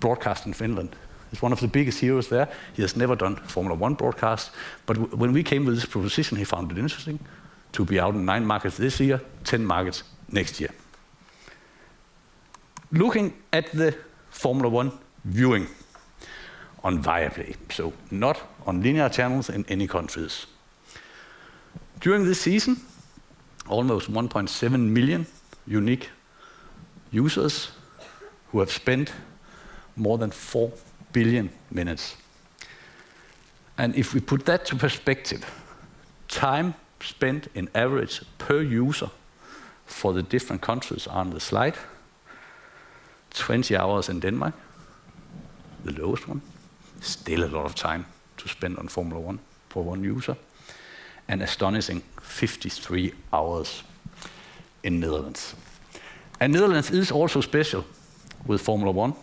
broadcasting in Finland. He's one of the biggest heroes there. He has never done Formula One broadcast. When we came with this proposition, he found it interesting to be out in nine markets this year, 10 markets next year. Looking at the Formula One viewing on Viaplay, so not on linear channels in any countries. During this season, almost 1.7 million unique users who have spent more than 4 billion minutes. If we put that to perspective, time spent in average per user for the different countries on the slide, 20 hours in Denmark, the lowest one, still a lot of time to spend on Formula One for one user, an astonishing 53 hours in Netherlands. Netherlands is also special with Formula One.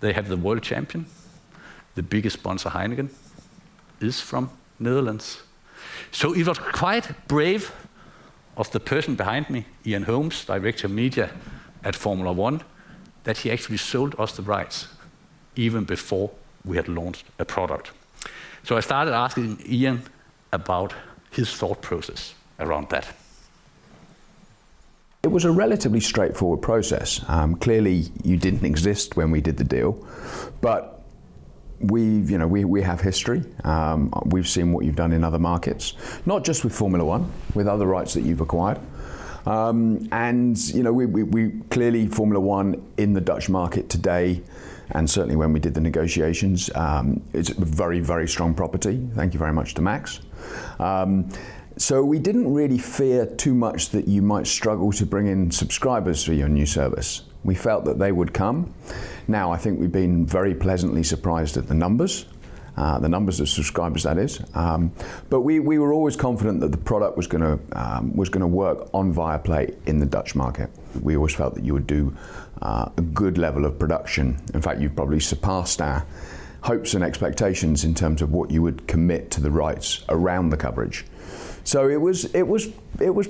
They have the world champion. The biggest sponsor, Heineken, is from Netherlands. It was quite brave of the person behind me, Ian Holmes, Director of Media Rights, Formula One, that he actually sold us the rights even before we had launched a product. I started asking Ian about his thought process around that. It was a relatively straightforward process. Clearly, you didn't exist when we did the deal. We've, you know, we have history. We've seen what you've done in other markets, not just with Formula One, with other rights that you've acquired. You know, we clearly Formula One in the Dutch market today, and certainly when we did the negotiations, it's a very, very strong property. Thank you very much to Max. We didn't really fear too much that you might struggle to bring in subscribers for your new service. We felt that they would come. Now, I think we've been very pleasantly surprised at the numbers, the numbers of subscribers, that is. We were always confident that the product was gonna work on Viaplay in the Dutch market. We always felt that you would do a good level of production. In fact, you've probably surpassed our hopes and expectations in terms of what you would commit to the rights around the coverage. It was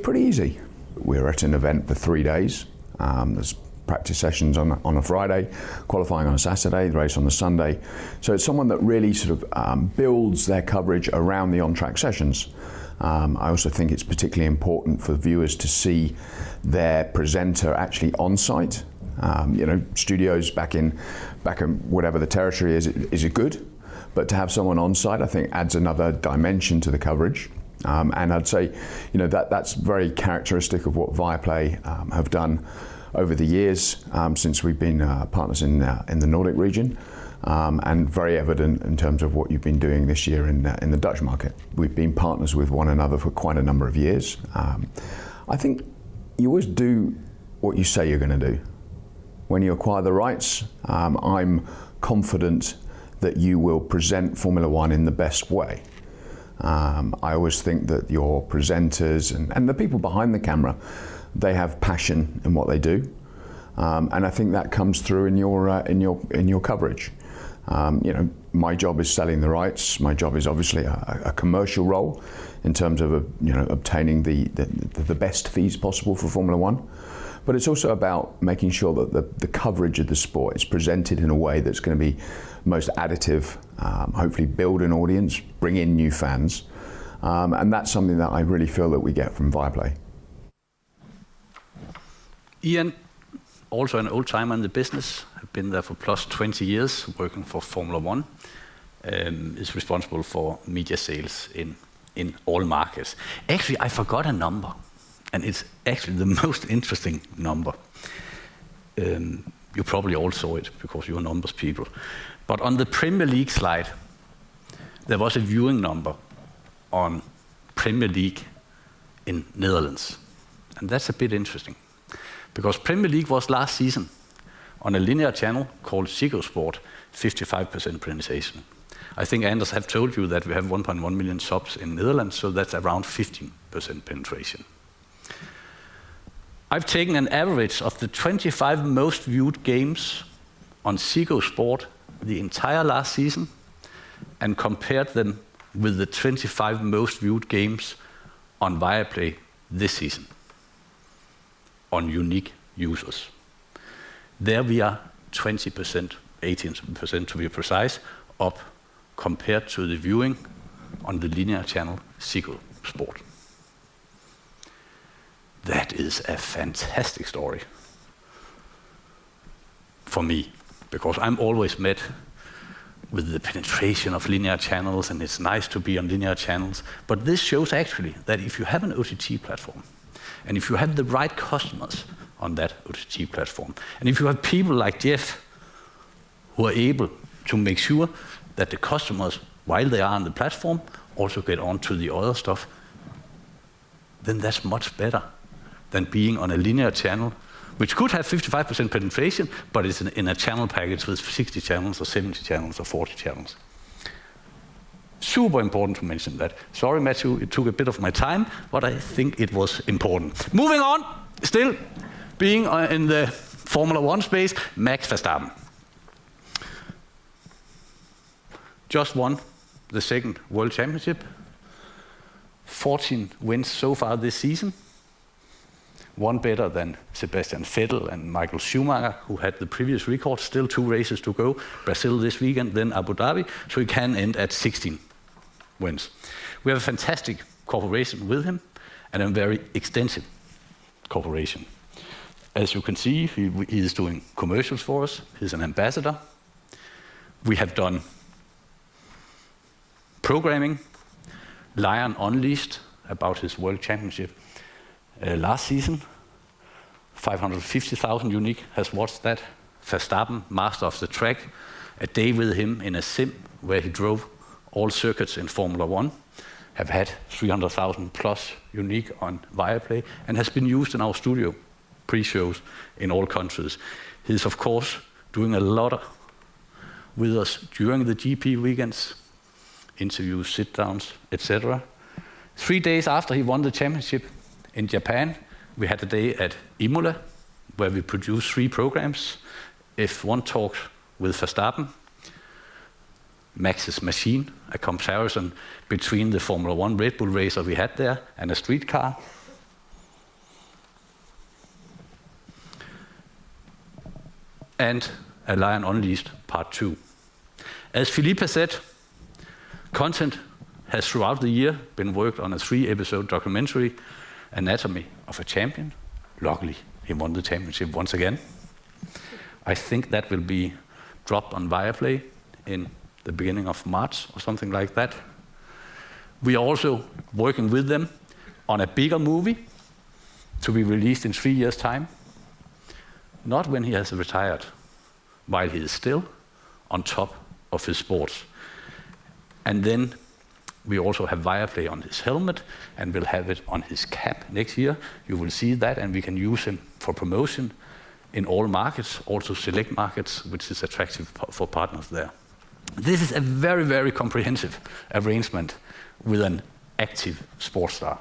pretty easy. We're at an event for three days. There's practice sessions on a Friday, qualifying on a Saturday, the race on a Sunday. It's someone that really sort of builds their coverage around the on-track sessions. I also think it's particularly important for viewers to see their presenter actually on-site. You know, studios back in whatever the territory is good, but to have someone on-site, I think adds another dimension to the coverage. I'd say, you know, that's very characteristic of what Viaplay have done over the years since we've been partners in the Nordic region, and very evident in terms of what you've been doing this year in the Dutch market. We've been partners with one another for quite a number of years. I think you always do what you say you're gonna do. When you acquire the rights, I'm confident that you will present Formula One in the best way. I always think that your presenters and the people behind the camera, they have passion in what they do. I think that comes through in your coverage. You know, my job is selling the rights. My job is obviously a commercial role in terms of, you know, obtaining the best fees possible for Formula One. It's also about making sure that the coverage of the sport is presented in a way that's gonna be most additive, hopefully build an audience, bring in new fans. That's something that I really feel that we get from Viaplay. Ian Holmes, also an old-timer in the business, have been there for +20 years working for Formula One, is responsible for media sales in all markets. Actually, I forgot a number, and it's actually the most interesting number. You probably all saw it because you're numbers people. On the Premier League slide, there was a viewing number on Premier League in Netherlands, and that's a bit interesting because Premier League was last season on a linear channel called Ziggo Sport, 55% penetration. I think Anders Jensen have told you that we have 1.1 million subs in Netherlands, so that's around 15% penetration. I've taken an average of the 25 most viewed games on Ziggo Sport the entire last season and compared them with the 25 most viewed games on Viaplay this season on unique users. There we are 20%, 18% to be precise, up compared to the viewing on the linear channel, Ziggo Sport. That is a fantastic story for me because I'm always met with the penetration of linear channels, and it's nice to be on linear channels. This shows actually that if you have an OTT platform, and if you have the right customers on that OTT platform, and if you have people like Jeff who are able to make sure that the customers, while they are on the platform, also get onto the other stuff, then that's much better than being on a linear channel which could have 55% penetration, but it's in a channel package with 60 channels or 70 channels or 40 channels. Super important to mention that. Sorry, Matthew, it took a bit of my time, but I think it was important. Moving on, still being in the Formula One space, Max Verstappen just won the second world championship. 14 wins so far this season. One better than Sebastian Vettel and Michael Schumacher, who had the previous record. Still two races to go. Brazil this weekend, then Abu Dhabi, so he can end at 16 wins. We have a fantastic cooperation with him and a very extensive cooperation. As you can see, he's doing commercials for us. He's an ambassador. We have done programming Verstappen - Lion Unleashed about his world championship last season. 550,000 unique has watched that. Verstappen: Master of the Track, a day with him in a sim where he drove all circuits in Formula One, have had 300,000+ unique on Viaplay and has been used in our studio pre-shows in all countries. He's of course doing a lot with us during the GP weekends, interviews, sit downs, et cetera. Three days after he won the championship in Japan, we had a day at Imola where we produced three programs. F1 Talk with Verstappen, Max's Machine, a comparison between the Formula One Red Bull racer we had there and a street car. A Lion Unleashed part two. As Philip has said, content has throughout the year been worked on a three-episode documentary, Anatomy of a Champion. Luckily, he won the championship once again. I think that will be dropped on Viaplay in the beginning of March or something like that. We are also working with them on a bigger movie to be released in three years' time. Not when he has retired, while he's still on top of his sports. Then we also have Viaplay on his helmet, and we'll have it on his cap next year. You will see that, and we can use him for promotion in all markets, also select markets, which is attractive for partners there. This is a very, very comprehensive arrangement with an active sports star.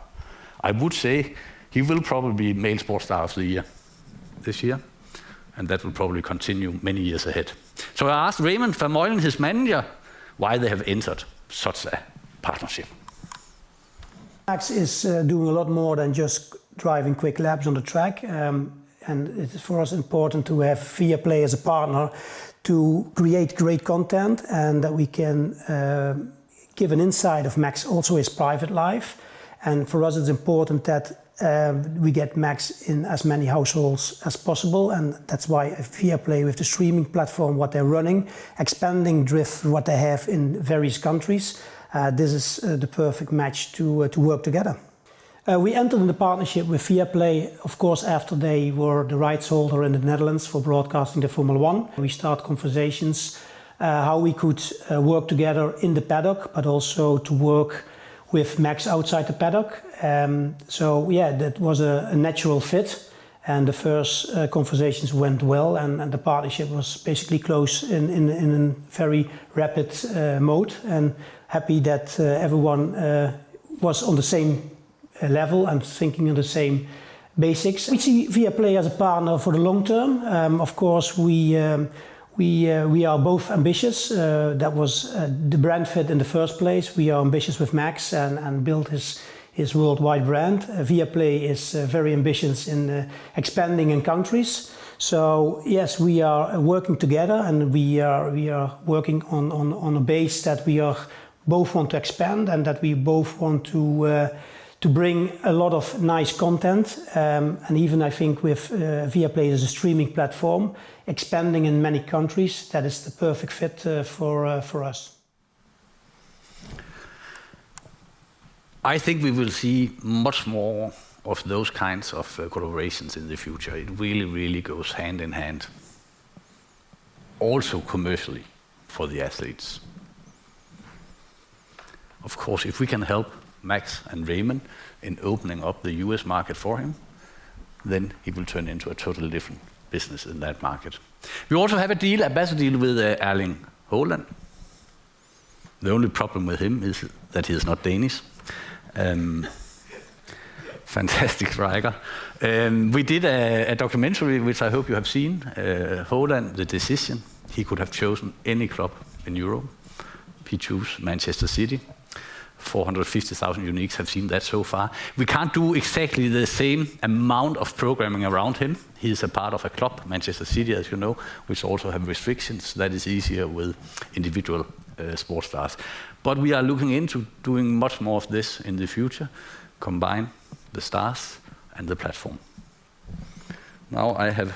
I would say he will probably be main sports star of the year this year, and that will probably continue many years ahead. I asked Raymond Vermeulen, his manager, why they have entered such a partnership. Max is doing a lot more than just driving quick laps on the track. It is for us important to have Viaplay as a partner to create great content and that we can give an insight of Max also his private life. For us, it's important that we get Max in as many households as possible. That's why Viaplay with the streaming platform, what they're running, expanding footprint, what they have in various countries, this is the perfect match to work together. We entered in the partnership with Viaplay, of course, after they were the rights holder in the Netherlands for broadcasting the Formula One. We start conversations how we could work together in the paddock, but also to work with Max outside the paddock. Yeah, that was a natural fit, and the first conversations went well, and the partnership was basically closed in very rapid mode, and happy that everyone was on the same level and thinking of the same basics. We see Viaplay as a partner for the long term. Of course, we are both ambitious. That was the brand fit in the first place. We are ambitious with Max and build his worldwide brand. Viaplay is very ambitious in expanding in countries. Yes, we are working together, and we are working on a base that we both want to expand and that we both want to bring a lot of nice content. Even I think with Viaplay as a streaming platform, expanding in many countries, that is the perfect fit for us. I think we will see much more of those kinds of collaborations in the future. It really, really goes hand in hand also commercially for the athletes. Of course, if we can help Max and Raymond in opening up the US market for him, then he will turn into a totally different business in that market. We also have a deal, ambassador deal with Erling Haaland. The only problem with him is that he is not Danish. Fantastic striker. We did a documentary which I hope you have seen, Haaland – The Decision. He could have chosen any club in Europe. He chose Manchester City. 450,000 uniques have seen that so far. We can't do exactly the same amount of programming around him. He's a part of a club, Manchester City, as you know, which also have restrictions that is easier with individual sports stars. But we are looking into doing much more of this in the future, combine the stars and the platform. Now I have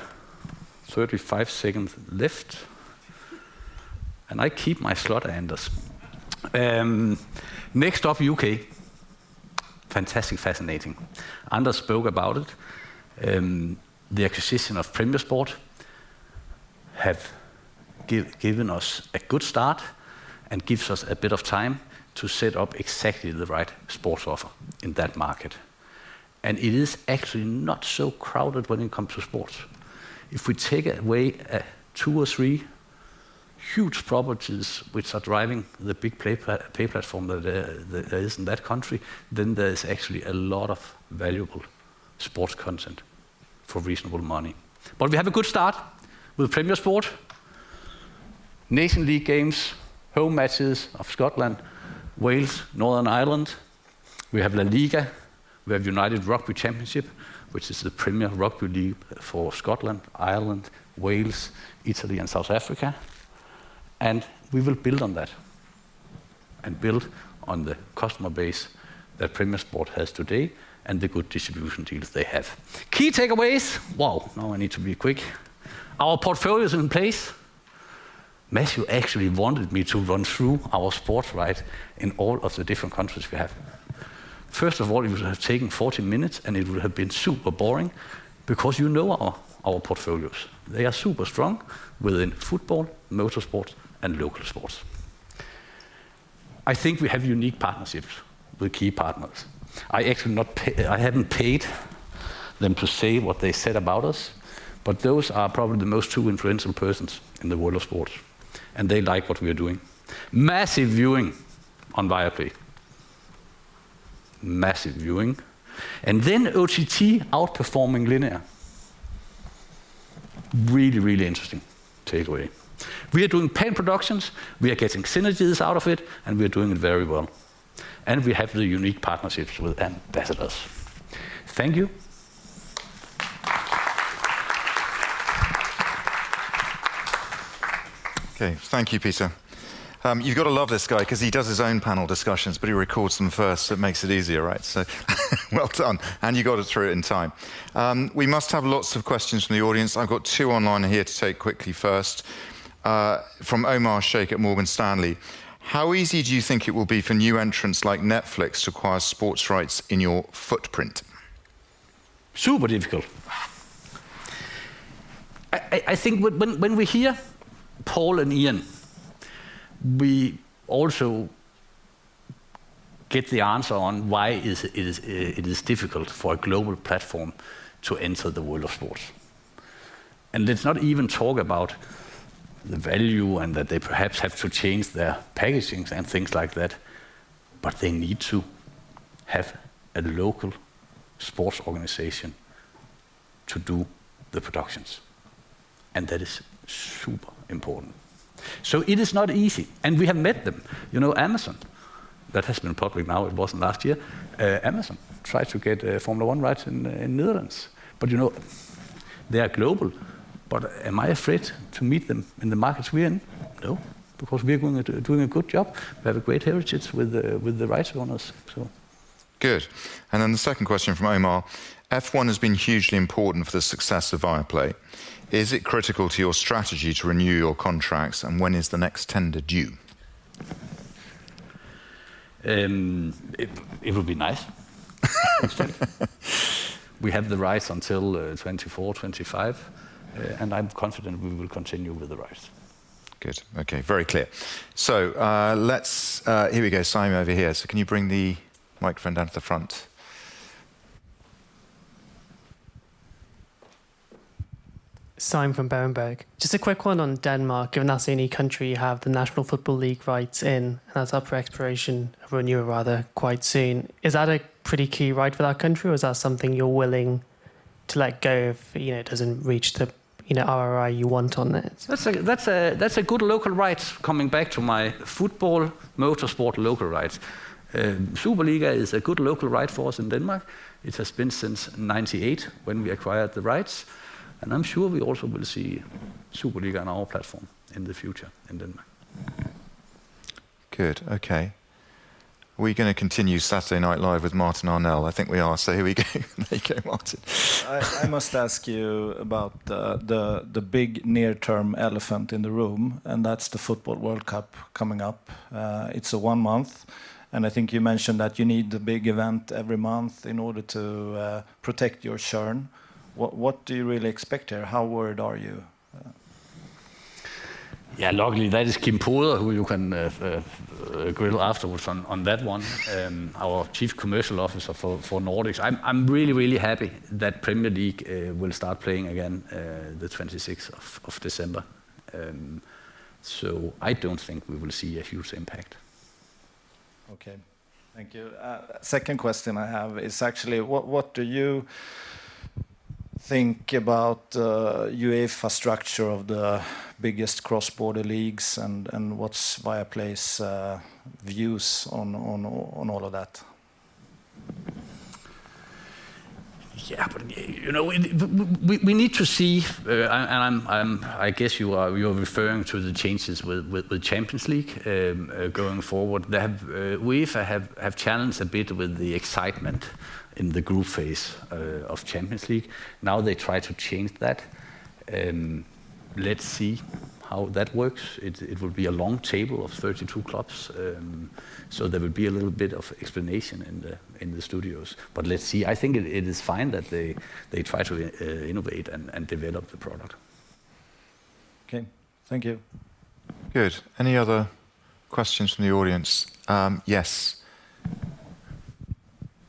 35 seconds left, and I keep my slot, Anders. Next up, U.K. Fantastic, fascinating. Anders spoke about it. The acquisition of Premier Sports have given us a good start and gives us a bit of time to set up exactly the right sports offer in that market. It is actually not so crowded when it comes to sports. If we take away two or three huge properties which are driving the big pay platform that there is in that country, then there is actually a lot of valuable sports content for reasonable money. We have a good start with Premier Sports, Nations League games, home matches of Scotland, Wales, Northern Ireland. We have LaLiga. We have United Rugby Championship, which is the premier rugby league for Scotland, Ireland, Wales, Italy, and South Africa. We will build on that. We will build on the customer base that Premier Sports has today and the good distribution deals they have. Key takeaways. Wow, now I need to be quick. Our portfolio's in place. Matthew actually wanted me to run through our sports rights in all of the different countries we have. First of all, it would have taken 40 minutes, and it would have been super boring because you know our portfolios. They are super strong within football, motorsport, and local sports. I think we have unique partnerships with key partners. I actually haven't paid them to say what they said about us, but those are probably the two most influential persons in the world of sports, and they like what we are doing. Massive viewing on Viaplay. Massive viewing. OTT outperforming linear. Really, really interesting takeaway. We are doing paid productions, we are getting synergies out of it, and we are doing it very well. We have the unique partnerships with ambassadors. Thank you. Okay, thank you, Peter. You've got to love this guy 'cause he does his own panel discussions, but he records them first, so it makes it easier, right? Well done. You got it through in time. We must have lots of questions from the audience. I've got two online here to take quickly first. From Omar Sheikh at Morgan Stanley. How easy do you think it will be for new entrants like Netflix to acquire sports rights in your footprint? Super difficult. I think when we hear Paul and Ian, we also get the answer on why it is difficult for a global platform to enter the world of sports. Let's not even talk about the value and that they perhaps have to change their packagings and things like that, but they need to have a local sports organization to do the productions, and that is super important. It is not easy, and we have met them. You know, Amazon, that has been public now, it wasn't last year. Amazon tried to get Formula One rights in Netherlands. You know, they are global, but am I afraid to meet them in the markets we're in? No, because we are going to do a good job. We have a great heritage with the rights owners, so. Good. The second question from Omar. F1 has been hugely important for the success of Viaplay. Is it critical to your strategy to renew your contracts, and when is the next tender due? It would be nice. We have the rights until 2024, 2025. I'm confident we will continue with the rights. Good. Okay. Very clear. Let's here we go. Simon over here. Can you bring the microphone down to the front? Simon from Berenberg. Just a quick one on Denmark, given that's the only country you have the National Football League rights in, and that's up for expiration, or renewal rather, quite soon. Is that a pretty key right for that country, or is that something you're willing to let go of if, you know, it doesn't reach the, you know, ROI you want on it? That's a good local right, coming back to my football, motorsport, local rights. Superliga is a good local right for us in Denmark. It has been since 1998 when we acquired the rights, and I'm sure we also will see Superliga on our platform in the future in Denmark. Good. Okay. Are we gonna continue Saturday Night Live with Martin Arnell? I think we are. Here we go. Okay, Martin. I must ask you about the big near term elephant in the room, and that's the football World Cup coming up. It's a one month, and I think you mentioned that you need the big event every month in order to protect your churn. What do you really expect here? How worried are you? Yeah, luckily, that is Kim Poder, who you can grill afterwards on that one, our Chief Commercial Officer for Nordics. I'm really happy that Premier League will start playing again the 26th of December. I don't think we will see a huge impact. Okay. Thank you. Second question I have is actually, what do you think about UEFA structure of the biggest cross-border leagues and what's Viaplay's views on all of that? Yeah, you know, we need to see, and I guess you're referring to the changes with the Champions League going forward. UEFA have challenged a bit with the excitement in the group phase of Champions League. Now they try to change that. Let's see how that works. It will be a long table of 32 clubs, so there will be a little bit of explanation in the studios. Let's see. I think it is fine that they try to innovate and develop the product. Okay. Thank you. Good. Any other questions from the audience? Yes.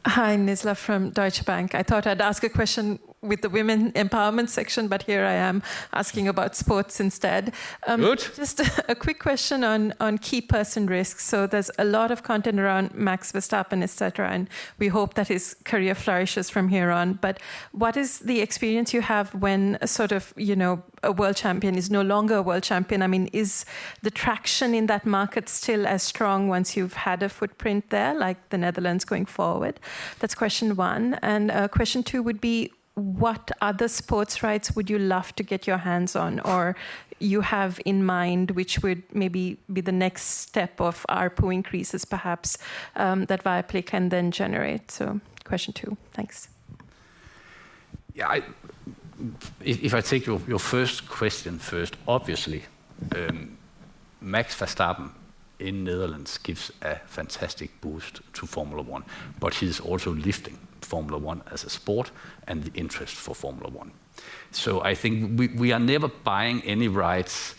Hi, Nizla from Deutsche Bank. I thought I'd ask a question with the women empowerment section, but here I am asking about sports instead. Good. Just a quick question on key person risks. There's a lot of content around Max Verstappen, et cetera, and we hope that his career flourishes from here on. What is the experience you have when sort of, you know, a world champion is no longer a world champion? I mean, is the traction in that market still as strong once you've had a footprint there, like the Netherlands going forward? That's question one. Question two would be, what other sports rights would you love to get your hands on, or you have in mind which would maybe be the next step of ARPU increases perhaps, that Viaplay can then generate? Question two. Thanks. If I take your first question first, obviously, Max Verstappen in Netherlands gives a fantastic boost to Formula One, but he's also lifting Formula One as a sport and the interest for Formula One. I think we are never buying any rights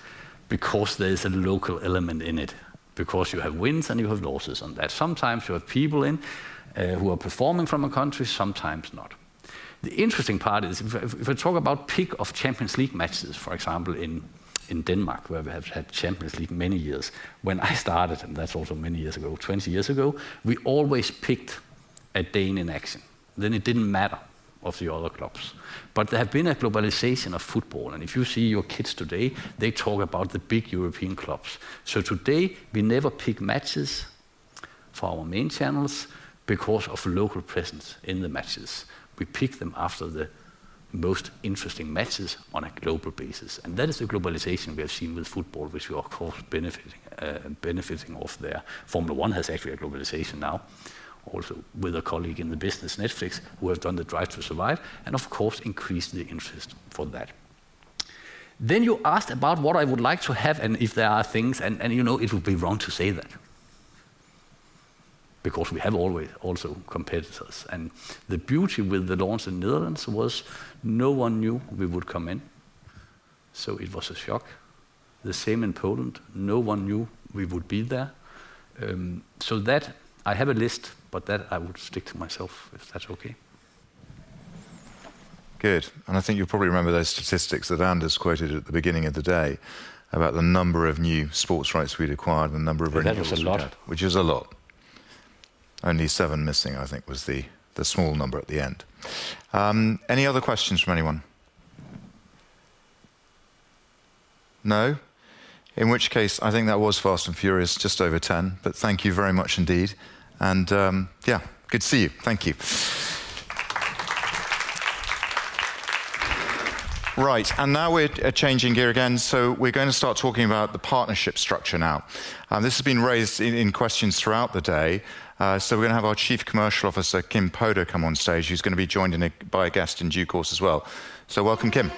because there's a local element in it, because you have wins and you have losses on that. Sometimes you have people who are performing from a country, sometimes not. The interesting part is if I talk about pick of Champions League matches, for example, in Denmark, where we have had Champions League many years, when I started, and that's also many years ago, 20 years ago, we always picked a Dane in action, then it didn't matter of the other clubs. There have been a globalization of football, and if you see your kids today, they talk about the big European clubs. Today, we never pick matches for our main channels because of local presence in the matches. We pick them after the most interesting matches on a global basis. That is the globalization we have seen with football, which we are of course benefiting off there. Formula One has actually a globalization now also with a colleague in the business, Netflix, who have done the Drive to Survive, and of course increased the interest for that. You asked about what I would like to have and if there are things. You know, it would be wrong to say that because we have always also competitors. The beauty with the launch in Netherlands was no one knew we would come in, so it was a shock. The same in Poland. No one knew we would be there. That I have a list, but that I would stick to myself, if that's okay. Good. I think you probably remember those statistics that Anders quoted at the beginning of the day about the number of new sports rights we'd acquired and the number of renewals. That was a lot. Which is a lot. Only seven missing, I think, was the small number at the end. Any other questions from anyone? No? In which case, I think that was fast and furious, just over 10. But thank you very much indeed. Yeah, good to see you. Thank you. Right. We're changing gear again, so we're gonna start talking about the partnership structure now. This has been raised in questions throughout the day. We're gonna have our Chief Commercial Officer, Kim Poder, come on stage, who's gonna be joined by a guest in due course as well. Welcome, Kim.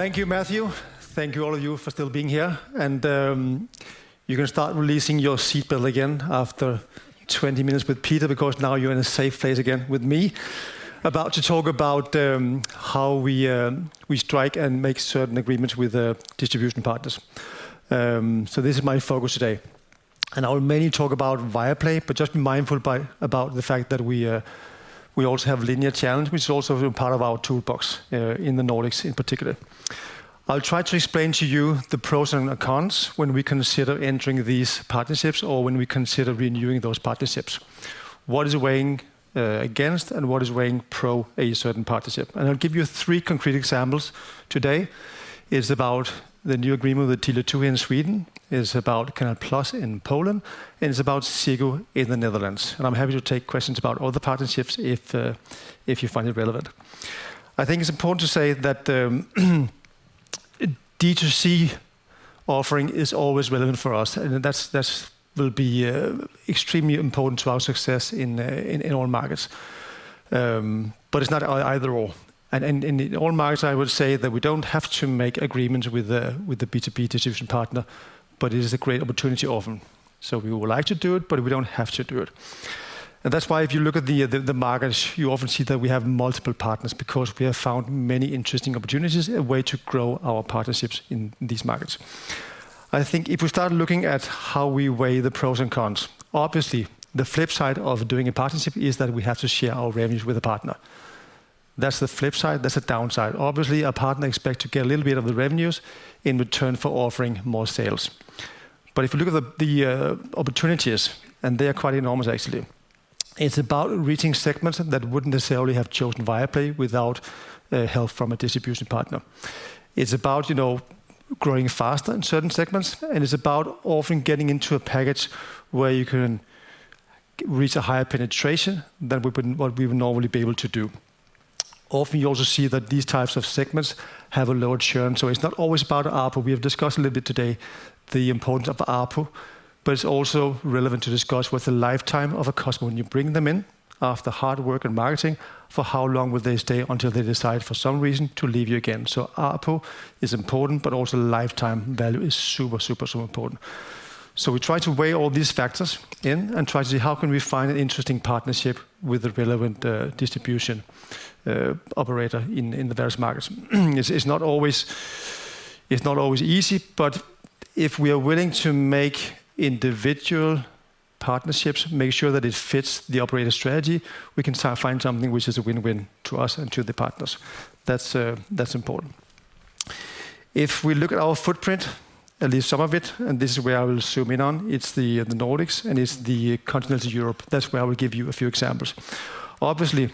Thank you, Matthew. Thank you all of you for still being here. You can start releasing your seatbelt again after 20 minutes with Peter, because now you're in a safe phase again with me, about to talk about how we strike and make certain agreements with distribution partners. This is my focus today. I'll mainly talk about Viaplay, but just be mindful about the fact that we also have linear channels, which is also part of our toolbox in the Nordics in particular. I'll try to explain to you the pros and cons when we consider entering these partnerships or when we consider renewing those partnerships. What is weighing against and what is weighing pro a certain partnership. I'll give you three concrete examples today. It's about the new agreement with Tele2 in Sweden. It's about Canal+ in Poland. And it's about Ziggo in the Netherlands. I'm happy to take questions about all the partnerships if you find it relevant. I think it's important to say that D2C offering is always relevant for us, and that will be extremely important to our success in all markets. It's not either or. In all markets, I would say that we don't have to make agreements with the B2B distribution partner, but it is a great opportunity often. We would like to do it, but we don't have to do it. That's why if you look at the markets, you often see that we have multiple partners because we have found many interesting opportunities, a way to grow our partnerships in these markets. I think if we start looking at how we weigh the pros and cons, obviously, the flip side of doing a partnership is that we have to share our revenues with a partner. That's the flip side. That's a downside. Obviously, a partner expect to get a little bit of the revenues in return for offering more sales. If you look at the opportunities, and they are quite enormous, actually, it's about reaching segments that wouldn't necessarily have chosen Viaplay without help from a distribution partner. It's about, you know, growing faster in certain segments, and it's about often getting into a package where you can reach a higher penetration than what we would normally be able to do. Often you also see that these types of segments have a lower churn. It's not always about ARPU. We have discussed a little bit today the importance of ARPU, but it's also relevant to discuss what the lifetime of a customer when you bring them in after hard work and marketing, for how long would they stay until they decide for some reason to leave you again. ARPU is important, but also lifetime value is super, super important. We try to weigh all these factors in and try to see how can we find an interesting partnership with the relevant distribution operator in the various markets. It's not always easy, but if we are willing to make individual partnerships, make sure that it fits the operator strategy, we can start find something which is a win-win to us and to the partners. That's important. If we look at our footprint, at least some of it, and this is where I will zoom in on, it's the Nordics, and it's the continental Europe. That's where I will give you a few examples. Obviously,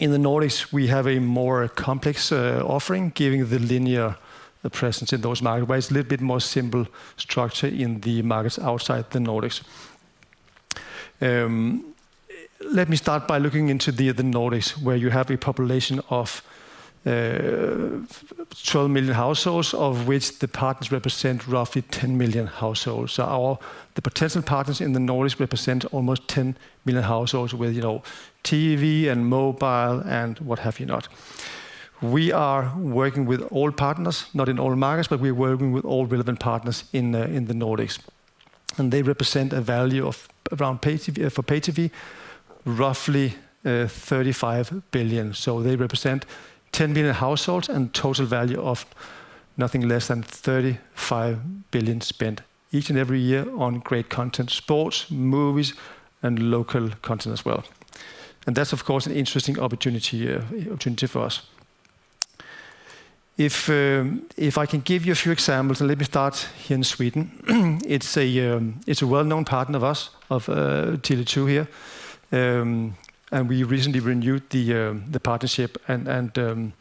in the Nordics, we have a more complex offering given the linear presence in those markets, but it's a little bit more simple structure in the markets outside the Nordics. Let me start by looking into the Nordics where you have a population of 12 million households of which the partners represent roughly 10 million households. The potential partners in the Nordics represent almost 10 million households with, you know, TV and mobile and what have you not. We are working with all partners, not in all markets, but we're working with all relevant partners in the Nordics. They represent a value of around pay TV for pay TV, roughly, 35 billion. They represent 10 million households and total value of nothing less than 35 billion spent each and every year on great content, sports, movies, and local content as well. That's, of course, an interesting opportunity for us. If I can give you a few examples, and let me start here in Sweden. It's a well-known partner of us, of Tele2 here. We recently renewed the partnership and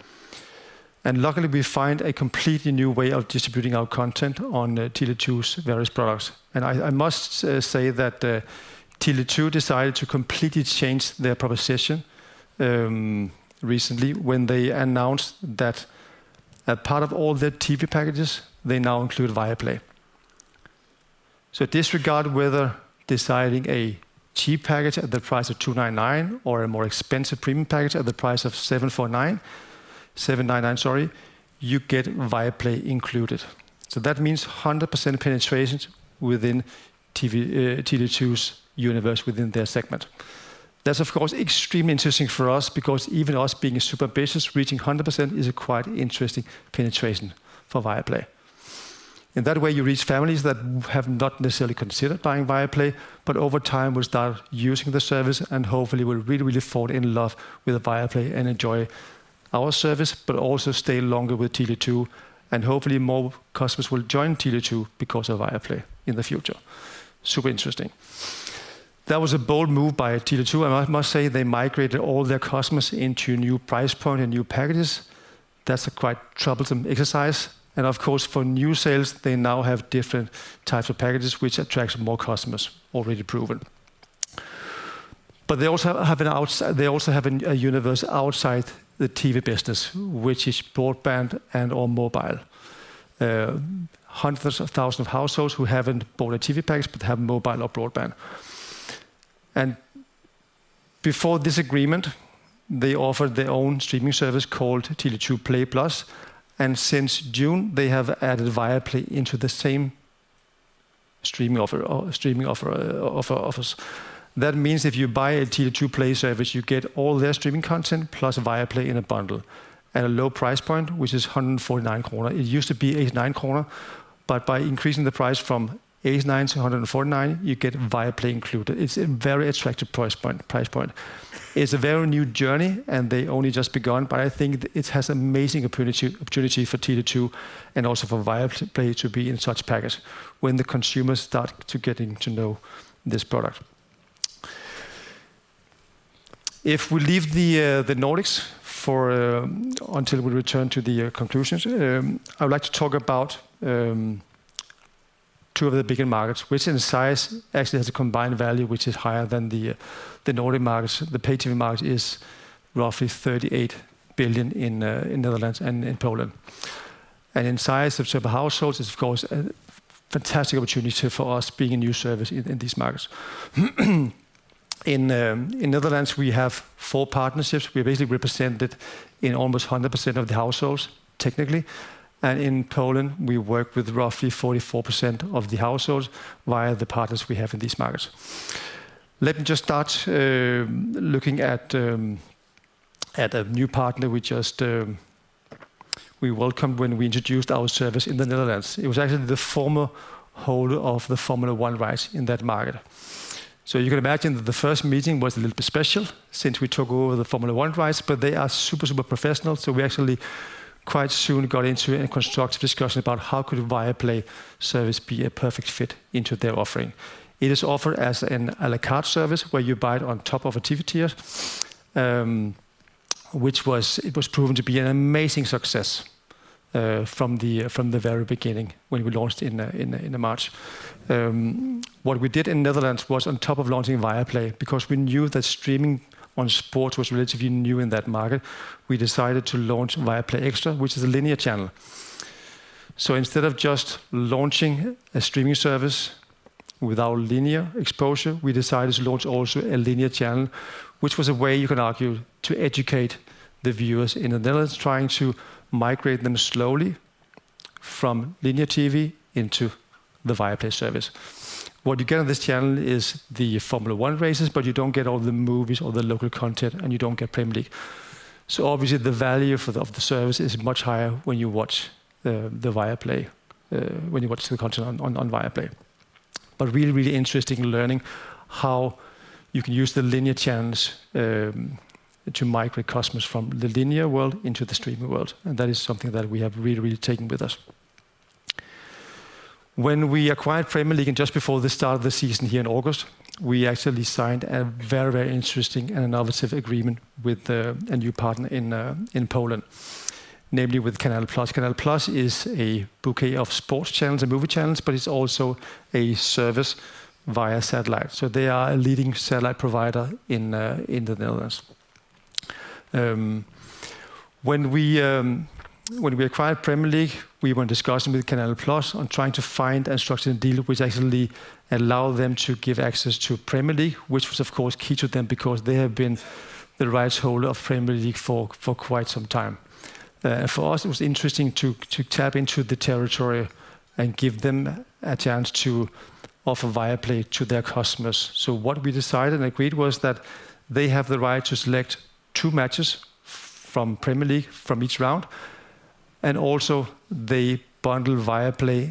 luckily, we find a completely new way of distributing our content on Tele2's various products. I must say that Tele2 decided to completely change their proposition recently when they announced that a part of all their TV packages they now include Viaplay. Disregard whether deciding a cheap package at the price of 299 or a more expensive premium package at the price of 799, you get Viaplay included. That means 100% penetration within TV Tele2's universe within their segment. That's, of course, extremely interesting for us because even us being a super business, reaching 100% is a quite interesting penetration for Viaplay. In that way, you reach families that have not necessarily considered buying Viaplay, but over time will start using the service and hopefully will really, really fall in love with Viaplay and enjoy our service, but also stay longer with Tele2, and hopefully more customers will join Tele2 because of Viaplay in the future. Super interesting. That was a bold move by Tele2, and I must say they migrated all their customers into new price point and new packages. That's a quite troublesome exercise. Of course, for new sales, they now have different types of packages which attracts more customers, already proven. They also have a universe outside the TV business, which is broadband and/or mobile. Hundreds of thousands of households who haven't bought a TV package but have mobile or broadband. Before this agreement, they offered their own streaming service called Tele2 Play+, and since June, they have added Viaplay into the same streaming offers. That means if you buy a Tele2 Play+ service, you get all their streaming content plus Viaplay in a bundle at a low price point, which is 149 kronor. It used to be 89 kronor, but by increasing the price from 89-149, you get Viaplay included. It's a very attractive price point. It's a very new journey, and they only just begun, but I think it has amazing opportunity for Tele2 and also for Viaplay to be in such package when the consumers start to getting to know this product. If we leave the Nordics until we return to the conclusions, I would like to talk about two of the bigger markets, which in size actually has a combined value which is higher than the Nordic markets. The pay TV market is roughly 38 billion in Netherlands and in Poland. In size of several households, it's of course a fantastic opportunity for us being a new service in these markets. In Netherlands, we have four partnerships. We're basically represented in almost 100% of the households, technically. In Poland, we work with roughly 44% of the households via the partners we have in these markets. Let me just start looking at a new partner we just welcomed when we introduced our service in the Netherlands. It was actually the former holder of the Formula One rights in that market. You can imagine that the first meeting was a little bit special since we took over the Formula One rights, but they are super professional, so we actually quite soon got into a constructive discussion about how could Viaplay service be a perfect fit into their offering. It is offered as an à la carte service where you buy it on top of a TV tier, which was proven to be an amazing success from the very beginning when we launched in March. What we did in Netherlands was on top of launching Viaplay because we knew that streaming on sports was relatively new in that market, we decided to launch Viaplay Extra, which is a linear channel. Instead of just launching a streaming service without linear exposure, we decided to launch also a linear channel, which was a way you could argue to educate the viewers in the Netherlands trying to migrate them slowly from linear TV into the Viaplay service. What you get on this channel is the Formula One races, but you don't get all the movies or the local content, and you don't get Premier League. Obviously, the value of the service is much higher when you watch the Viaplay when you watch the content on Viaplay. Really, really interesting learning how you can use the linear channels to migrate customers from the linear world into the streaming world. That is something that we have really, really taken with us. When we acquired Premier League and just before the start of the season here in August, we actually signed a very, very interesting and innovative agreement with a new partner in Poland, namely with Canal+. Canal+ is a bouquet of sports channels and movie channels, but it's also a service via satellite. They are a leading satellite provider in Poland. When we acquired Premier League, we were in discussion with Canal+ on trying to find and structure the deal which actually allow them to give access to Premier League, which was of course key to them because they have been the rights holder of Premier League for quite some time. For us it was interesting to tap into the territory and give them a chance to offer Viaplay to their customers. What we decided and agreed was that they have the right to select two matches from Premier League from each round, and also they bundle Viaplay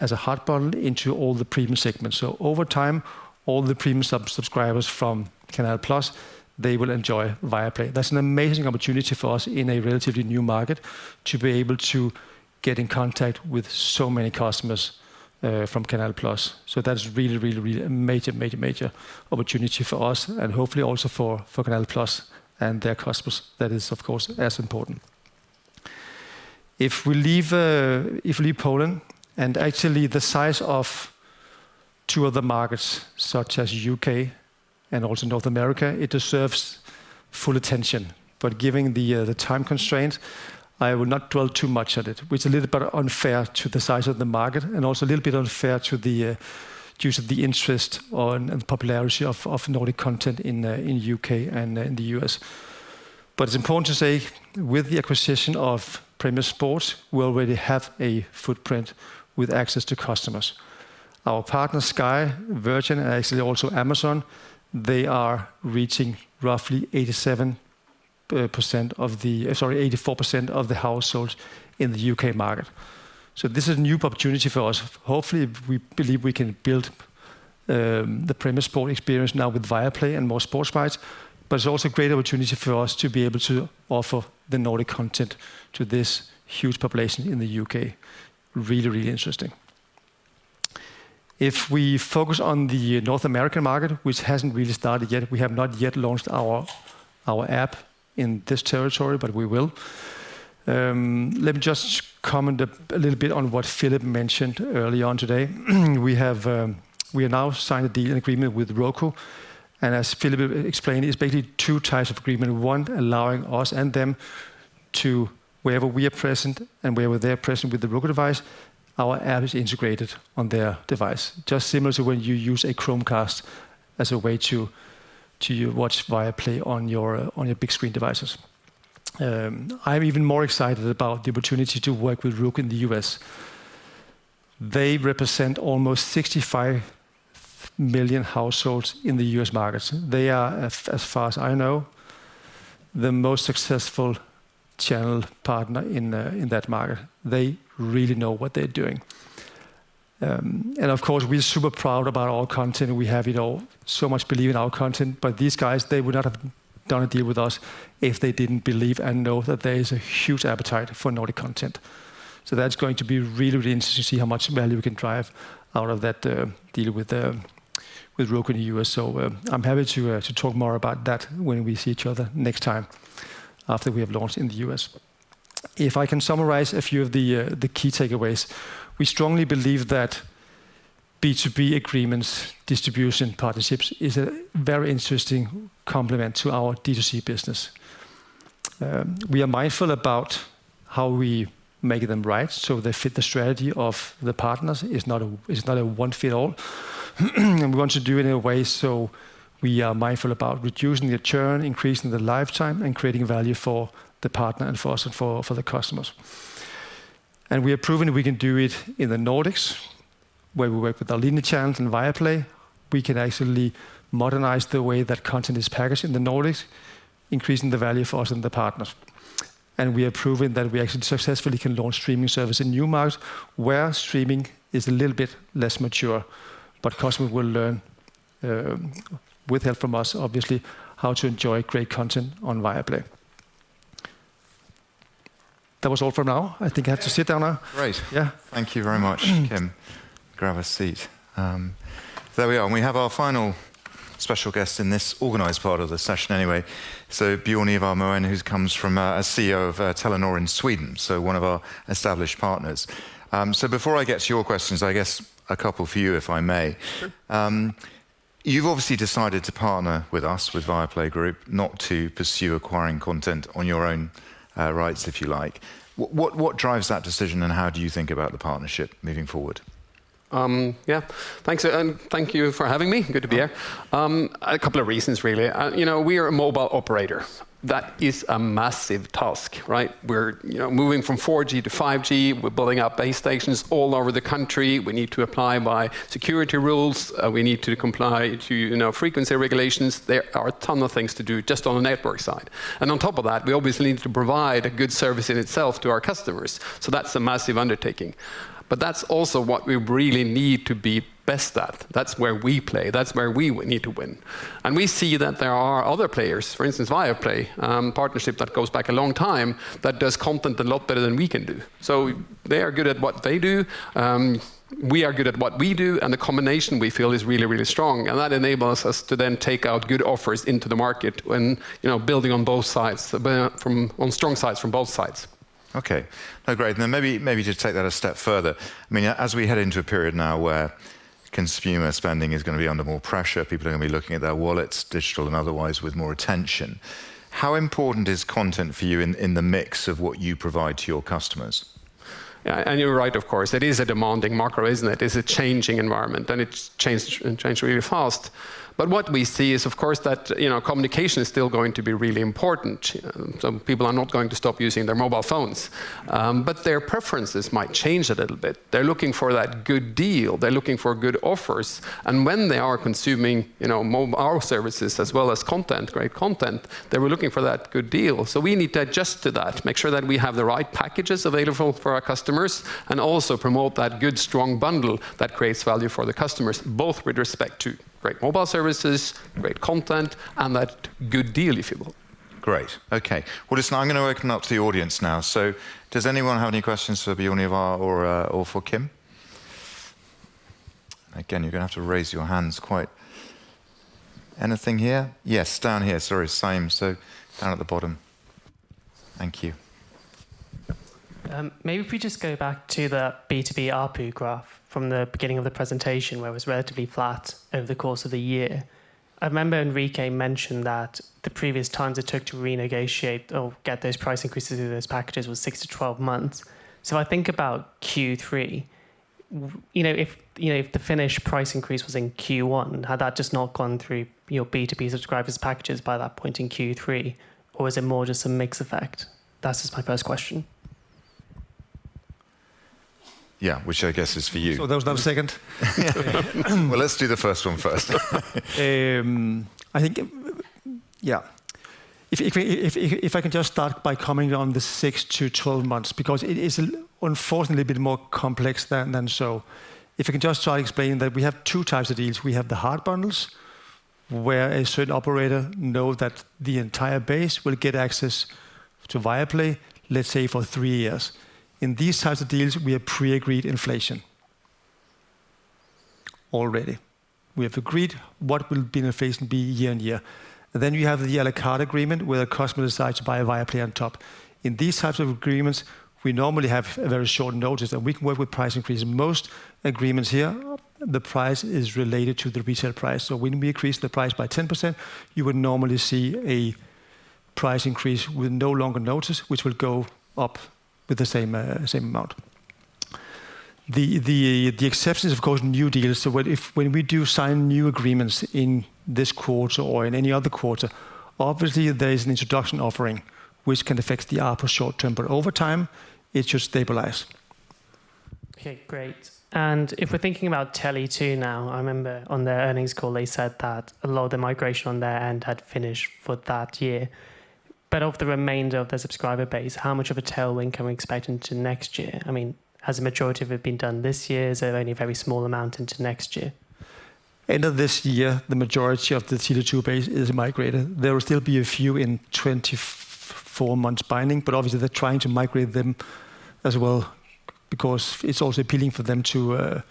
as a hot bundle into all the premium segments. Over time, all the premium sub-subscribers from Canal+, they will enjoy Viaplay. That's an amazing opportunity for us in a relatively new market to be able to get in contact with so many customers from Canal+. That is really a major opportunity for us and hopefully also for Canal+ and their customers. That is of course as important. If we leave Poland and actually the size of two other markets such as U.K. and also North America, it deserves full attention. But given the time constraint, I will not dwell too much on it. It's a little bit unfair to the size of the market and also a little bit unfair due to the interest in and popularity of Nordic content in the U.K. and in the U.S. It's important to say with the acquisition of Premier Sports, we already have a footprint with access to customers. Our partner Sky, Virgin, and actually also Amazon, they are reaching roughly 84% of the households in the UK market. This is a new opportunity for us. We believe we can build the Premier Sports experience now with Viaplay and more sports rights. It's also a great opportunity for us to be able to offer the Nordic content to this huge population in the U.K. Really interesting. If we focus on the North American market, which hasn't really started yet, we have not yet launched our app in this territory, but we will. Let me just comment a little bit on what Philip mentioned early on today. We have now signed a deal, an agreement with Roku, and as Philip explained, it's basically two types of agreement. One allowing us and them to, wherever we are present and wherever they are present with the Roku device, our app is integrated on their device. Just similar to when you use a Chromecast as a way to watch Viaplay on your big screen devices. I'm even more excited about the opportunity to work with Roku in the U.S. They represent almost 65 million households in the US markets. They are, as far as I know, the most successful channel partner in that market. They really know what they're doing. Of course, we're super proud about our content and we have, you know, so much belief in our content, but these guys, they would not have done a deal with us if they didn't believe and know that there is a huge appetite for Nordic content. That's going to be really, really interesting to see how much value we can drive out of that deal with Roku in the U.S. I'm happy to talk more about that when we see each other next time after we have launched in the U.S. If I can summarize a few of the key takeaways. We strongly believe that B2B agreements, distribution partnerships, is a very interesting complement to our D2C business. We are mindful about how we make them right so they fit the strategy of the partners. It's not a one fit all. We want to do it in a way so we are mindful about reducing the churn, increasing the lifetime, and creating value for the partner and for us and for the customers. We have proven we can do it in the Nordics, where we work with our linear channels and Viaplay. We can actually modernize the way that content is packaged in the Nordics, increasing the value for us and the partners. We are proving that we actually successfully can launch streaming service in new markets where streaming is a little bit less mature. Customers will learn, with help from us, obviously, how to enjoy great content on Viaplay. That was all for now. I think I have to sit down now. Great. Yeah. Thank you very much, Kim. Grab a seat. We have our final special guest in this organized part of the session anyway. Bjørn Ivar Moen who comes from as CEO of Telenor in Sweden, so one of our established partners. Before I get to your questions, I guess a couple for you, if I may. Sure. You've obviously decided to partner with us, with Viaplay Group, not to pursue acquiring content on your own rights, if you like. What drives that decision, and how do you think about the partnership moving forward? Yeah. Thanks, and thank you for having me. Good to be here. A couple of reasons really. You know, we are a mobile operator. That is a massive task, right? You know, we're moving from 4G-5G. We're building out base stations all over the country. We need to abide by security rules. We need to comply with, you know, frequency regulations. There are a ton of things to do just on the network side. On top of that, we obviously need to provide a good service in itself to our customers. That's a massive undertaking. That's also what we really need to be best at. That's where we play. That's where we need to win. We see that there are other players, for instance, Viaplay partnership that goes back a long time, that does content a lot better than we can do. They are good at what they do, we are good at what we do, and the combination we feel is really, really strong, and that enables us to then take out good offers into the market when, you know, building on both sides, on strong sides from both sides. Okay. No, great. Now maybe just take that a step further. I mean, as we head into a period now where consumer spending is gonna be under more pressure, people are gonna be looking at their wallets, digital and otherwise, with more attention, how important is content for you in the mix of what you provide to your customers? Yeah, you're right, of course. It is a demanding market, isn't it? It's a changing environment, and it's changed, and changed really fast. What we see is, of course, that, you know, communication is still going to be really important. Some people are not going to stop using their mobile phones. But their preferences might change a little bit. They're looking for that good deal. They're looking for good offers. And when they are consuming, you know, our services as well as content, great content, they were looking for that good deal. We need to adjust to that, make sure that we have the right packages available for our customers, and also promote that good, strong bundle that creates value for the customers, both with respect to great mobile services, great content, and that good deal, if you will. Great. Okay. Well, listen, I'm gonna open it up to the audience now. Does anyone have any questions for Bjørn or for Kim? Again, you're gonna have to raise your hands. Anything here? Yes, down here. Sorry, same. Down at the bottom. Thank you. Maybe if we just go back to the B2B ARPU graph from the beginning of the presentation where it was relatively flat over the course of the year. I remember Enrique mentioned that the previous times it took to renegotiate or get those price increases or those packages was six-12 months. I think about Q3. You know, if the finished price increase was in Q1, had that just not gone through your B2B subscribers packages by that point in Q3? Or is it more just a mix effect? That's just my first question. Yeah, which I guess is for you. There was no second? Well, let's do the first one first. I think, yeah. If I can just start by commenting on the six-12 months because it is, unfortunately, a bit more complex than so. If I can just try to explain that we have two types of deals. We have the hard bundles, where a certain operator know that the entire base will get access to Viaplay, let's say, for three years. In these types of deals, we have pre-agreed inflation already. We have agreed what will the inflation be year on year. Then you have the a la carte agreement, where the customer decides to buy Viaplay on top. In these types of agreements, we normally have a very short notice that we can work with price increase. Most agreements here, the price is related to the resale price. When we increase the price by 10%, you would normally see an ARPU increase with no elasticity, which will go up with the same amount. The exception is, of course, new deals. When we do sign new agreements in this quarter or in any other quarter, obviously, there is an introductory offering which can affect the ARPU short-term, but over time, it should stabilize. Okay, great. If we're thinking about Tele2 now, I remember on their earnings call, they said that a lot of the migration on their end had finished for that year. Of the remainder of their subscriber base, how much of a tailwind can we expect into next year? I mean, has the majority of it been done this year? Is there only a very small amount into next year? End of this year, the majority of the Tele2 base is migrated. There will still be a few in 24 months binding, but obviously, they're trying to migrate them as well because it's also appealing for them to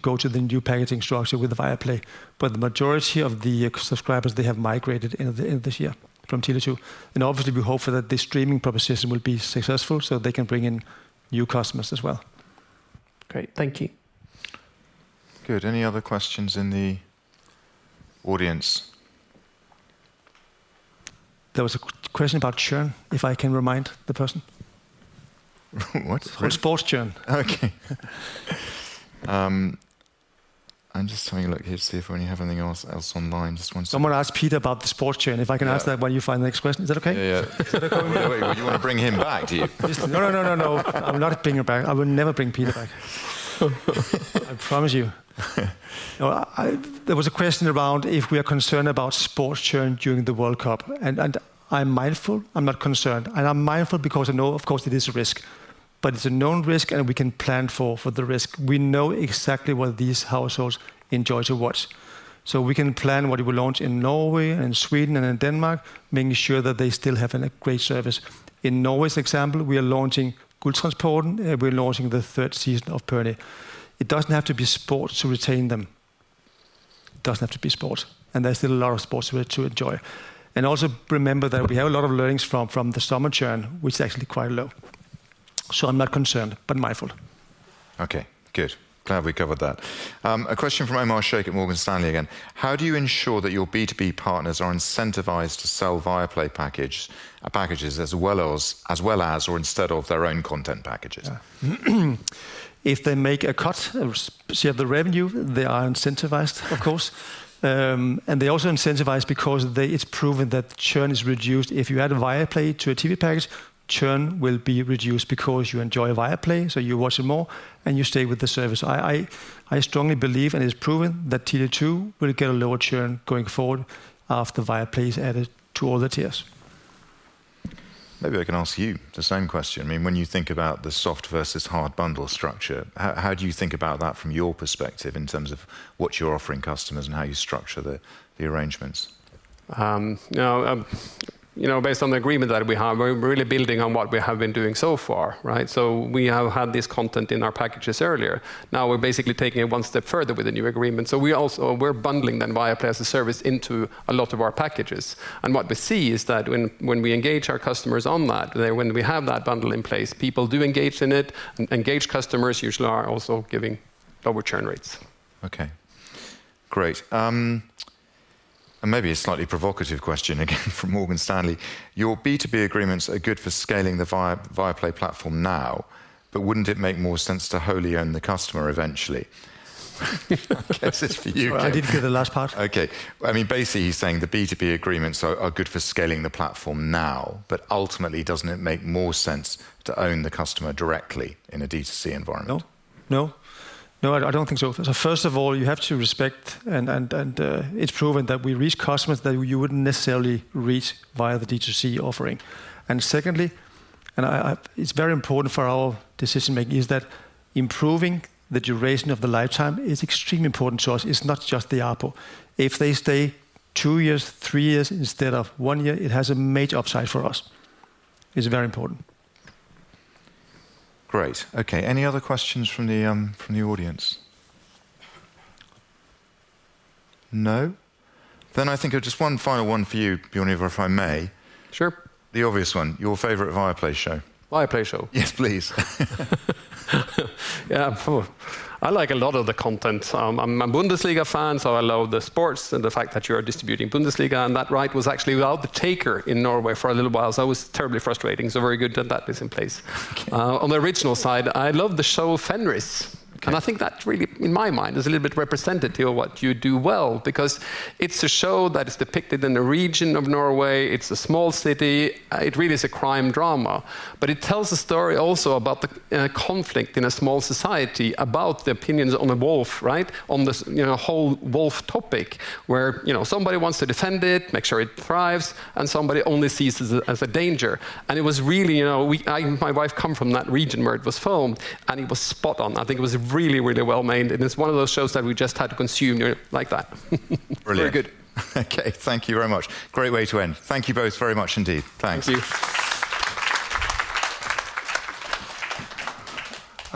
go to the new packaging structure with Viaplay. The majority of the subscribers they have migrated end of this year from Tele2. Obviously, we hope that the streaming proposition will be successful, so they can bring in new customers as well. Great. Thank you. Good. Any other questions in the audience? There was a question about churn, if I can remind the person. What? Sorry. Sports churn. Okay. I'm just having a look here to see if we have anything else online. Just one second. Someone asked Peter about the sports churn. If I can answer that while you find the next question. Is that okay? Yeah. Is that okay with you? Wait, you wanna bring him back, do you? No. I'm not bringing him back. I would never bring Peter Nørlund back. I promise you. No, there was a question around if we are concerned about sports churn during the World Cup. I'm mindful. I'm not concerned. I'm mindful because I know, of course, it is a risk. It's a known risk and we can plan for the risk. We know exactly what these households enjoy to watch. We can plan what we will launch in Norway and Sweden and in Denmark, making sure that they still have a great service. In Norway's example, we are launching Gulltransporten, and we're launching the third season of Pørni. It doesn't have to be sport to retain them. It doesn't have to be sport. There's still a lot of sports we're yet to enjoy. Also remember that we have a lot of learnings from the summer churn, which is actually quite low. I'm not concerned, but mindful. Okay, good. Glad we covered that. A question from Omar Sheikh at Morgan Stanley again. How do you ensure that your B2B partners are incentivized to sell Viaplay packages as well as or instead of their own content packages? Yeah. If they make a cut of the revenue, they are incentivized, of course. They're also incentivized because it's proven that churn is reduced. If you add Viaplay to a TV package, churn will be reduced because you enjoy Viaplay, so you watch it more, and you stay with the service. I strongly believe, and it's proven, that Tele2 will get a lower churn going forward after Viaplay is added to all the tiers. Maybe I can ask you the same question. I mean, when you think about the soft versus hard bundle structure, how do you think about that from your perspective in terms of what you're offering customers and how you structure the arrangements? You know, based on the agreement that we have, we're really building on what we have been doing so far, right? We have had this content in our packages earlier. Now we're basically taking it one step further with the new agreement. We also, we're bundling then Viaplay as a service into a lot of our packages. What we see is that when we engage our customers on that, when we have that bundle in place, people do engage in it. Engaged customers usually are also giving low return rates. Okay, great. Maybe a slightly provocative question again from Morgan Stanley. Your B2B agreements are good for scaling the Viaplay platform now, but wouldn't it make more sense to wholly own the customer eventually? Guess it's for you, Björn. Sorry, I didn't hear the last part. Okay. I mean, basically he's saying the B2B agreements are good for scaling the platform now, but ultimately doesn't it make more sense to own the customer directly in a D2C environment? No, I don't think so. First of all, you have to respect and it's proven that we reach customers that you wouldn't necessarily reach via the D2C offering. Secondly, it's very important for our decision-making, is that improving the duration of the lifetime is extremely important to us. It's not just the ARPU. If they stay two years, three years instead of one year, it has a major upside for us. It's very important. Great. Okay. Any other questions from the audience? No? I think just one final one for you, Björn, if I may. Sure. The obvious one, your favorite Viaplay show. Viaplay show. Yes, please. Yeah. Phew. I like a lot of the content. I'm a Bundesliga fan. I love the sports and the fact that you are distributing Bundesliga, and that right was actually without a taker in Norway for a little while. That was terribly frustrating. Very good that that is in place. Okay. On the original side, I love the show Fenris. Okay. I think that really, in my mind, is a little bit representative of what you do well, because it's a show that is depicted in a region of Norway. It's a small city. It really is a crime drama, but it tells a story also about the conflict in a small society about the opinions on the wolf, right? On this, you know, whole wolf topic where, you know, somebody wants to defend it, make sure it thrives, and somebody only sees it as a danger. It was really, you know, I and my wife come from that region where it was filmed, and it was spot on. I think it was really, really well made, and it's one of those shows that we just had to consume like that. Brilliant. Very good. Okay, thank you very much. Great way to end. Thank you both very much indeed. Thanks. Thank you.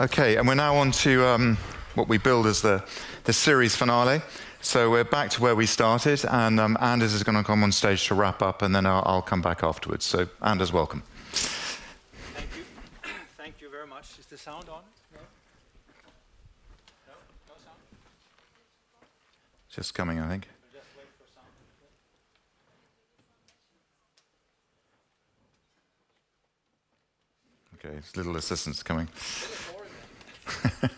Okay, we're now on to what we bill as the series finale. We're back to where we started. Anders is gonna come on stage to wrap up, and then I'll come back afterwards. Anders, welcome. Thank you. Thank you very much. Is the sound on? No? No? No sound? It's just coming, I think. We'll just wait for sound. Okay. Okay, his little assistant's coming. Matthew,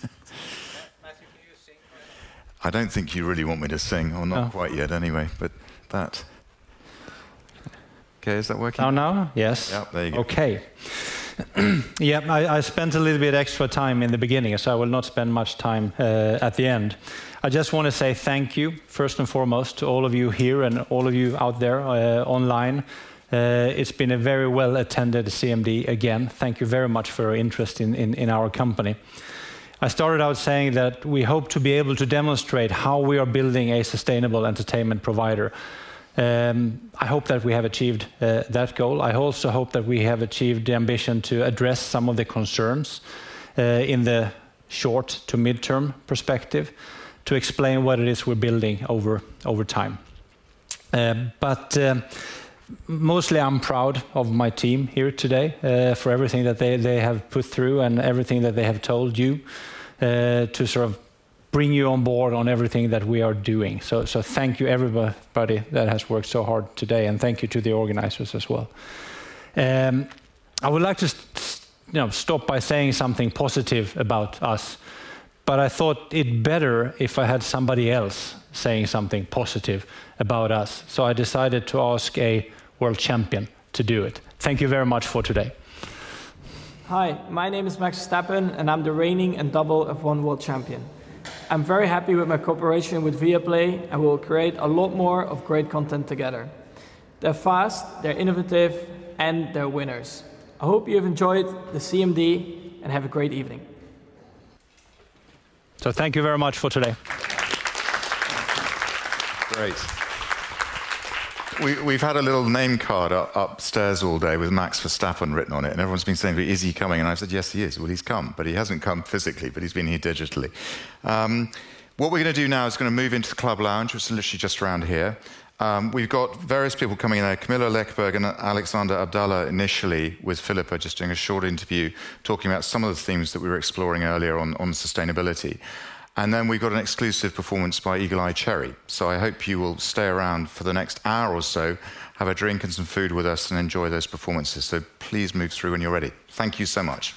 can you sing for us? I don't think you really want me to sing. No. Not quite yet, anyway. Okay, is that working? Now, now? Yes. Yep, there you go. Okay. Yep. I spent a little bit extra time in the beginning, so I will not spend much time at the end. I just wanna say thank you, first and foremost, to all of you here and all of you out there online. It's been a very well-attended CMD again. Thank you very much for your interest in our company. I started out saying that we hope to be able to demonstrate how we are building a sustainable entertainment provider. I hope that we have achieved that goal. I also hope that we have achieved the ambition to address some of the concerns in the short to midterm perspective to explain what it is we're building over time. Mostly I'm proud of my team here today, for everything that they have put through and everything that they have told you, to sort of bring you on board on everything that we are doing. Thank you everybody, buddy, that has worked so hard today, and thank you to the organizers as well. I would like to, you know, stop by saying something positive about us, but I thought it better if I had somebody else saying something positive about us. I decided to ask a world champion to do it. Thank you very much for today. Hi, my name is Max Verstappen, and I'm the reigning and double F1 world champion. I'm very happy with my cooperation with Viaplay and we'll create a lot more of great content together. They're fast, they're innovative, and they're winners. I hope you've enjoyed the CMD, and have a great evening. Thank you very much for today. Great. We've had a little name card upstairs all day with Max Verstappen written on it, and everyone's been saying, "But is he coming?" I've said, "Yes, he is." Well, he's come, but he hasn't come physically, but he's been here digitally. What we're gonna do now is move into the club lounge, which is literally just around here. We've got various people coming in there. Camilla Läckberg and Alexander Abdallah initially with Filippa just doing a short interview talking about some of the themes that we were exploring earlier on sustainability. We've got an exclusive performance by Eagle-Eye Cherry. I hope you will stay around for the next hour or so, have a drink and some food with us, and enjoy those performances. Please move through when you're ready. Thank you so much.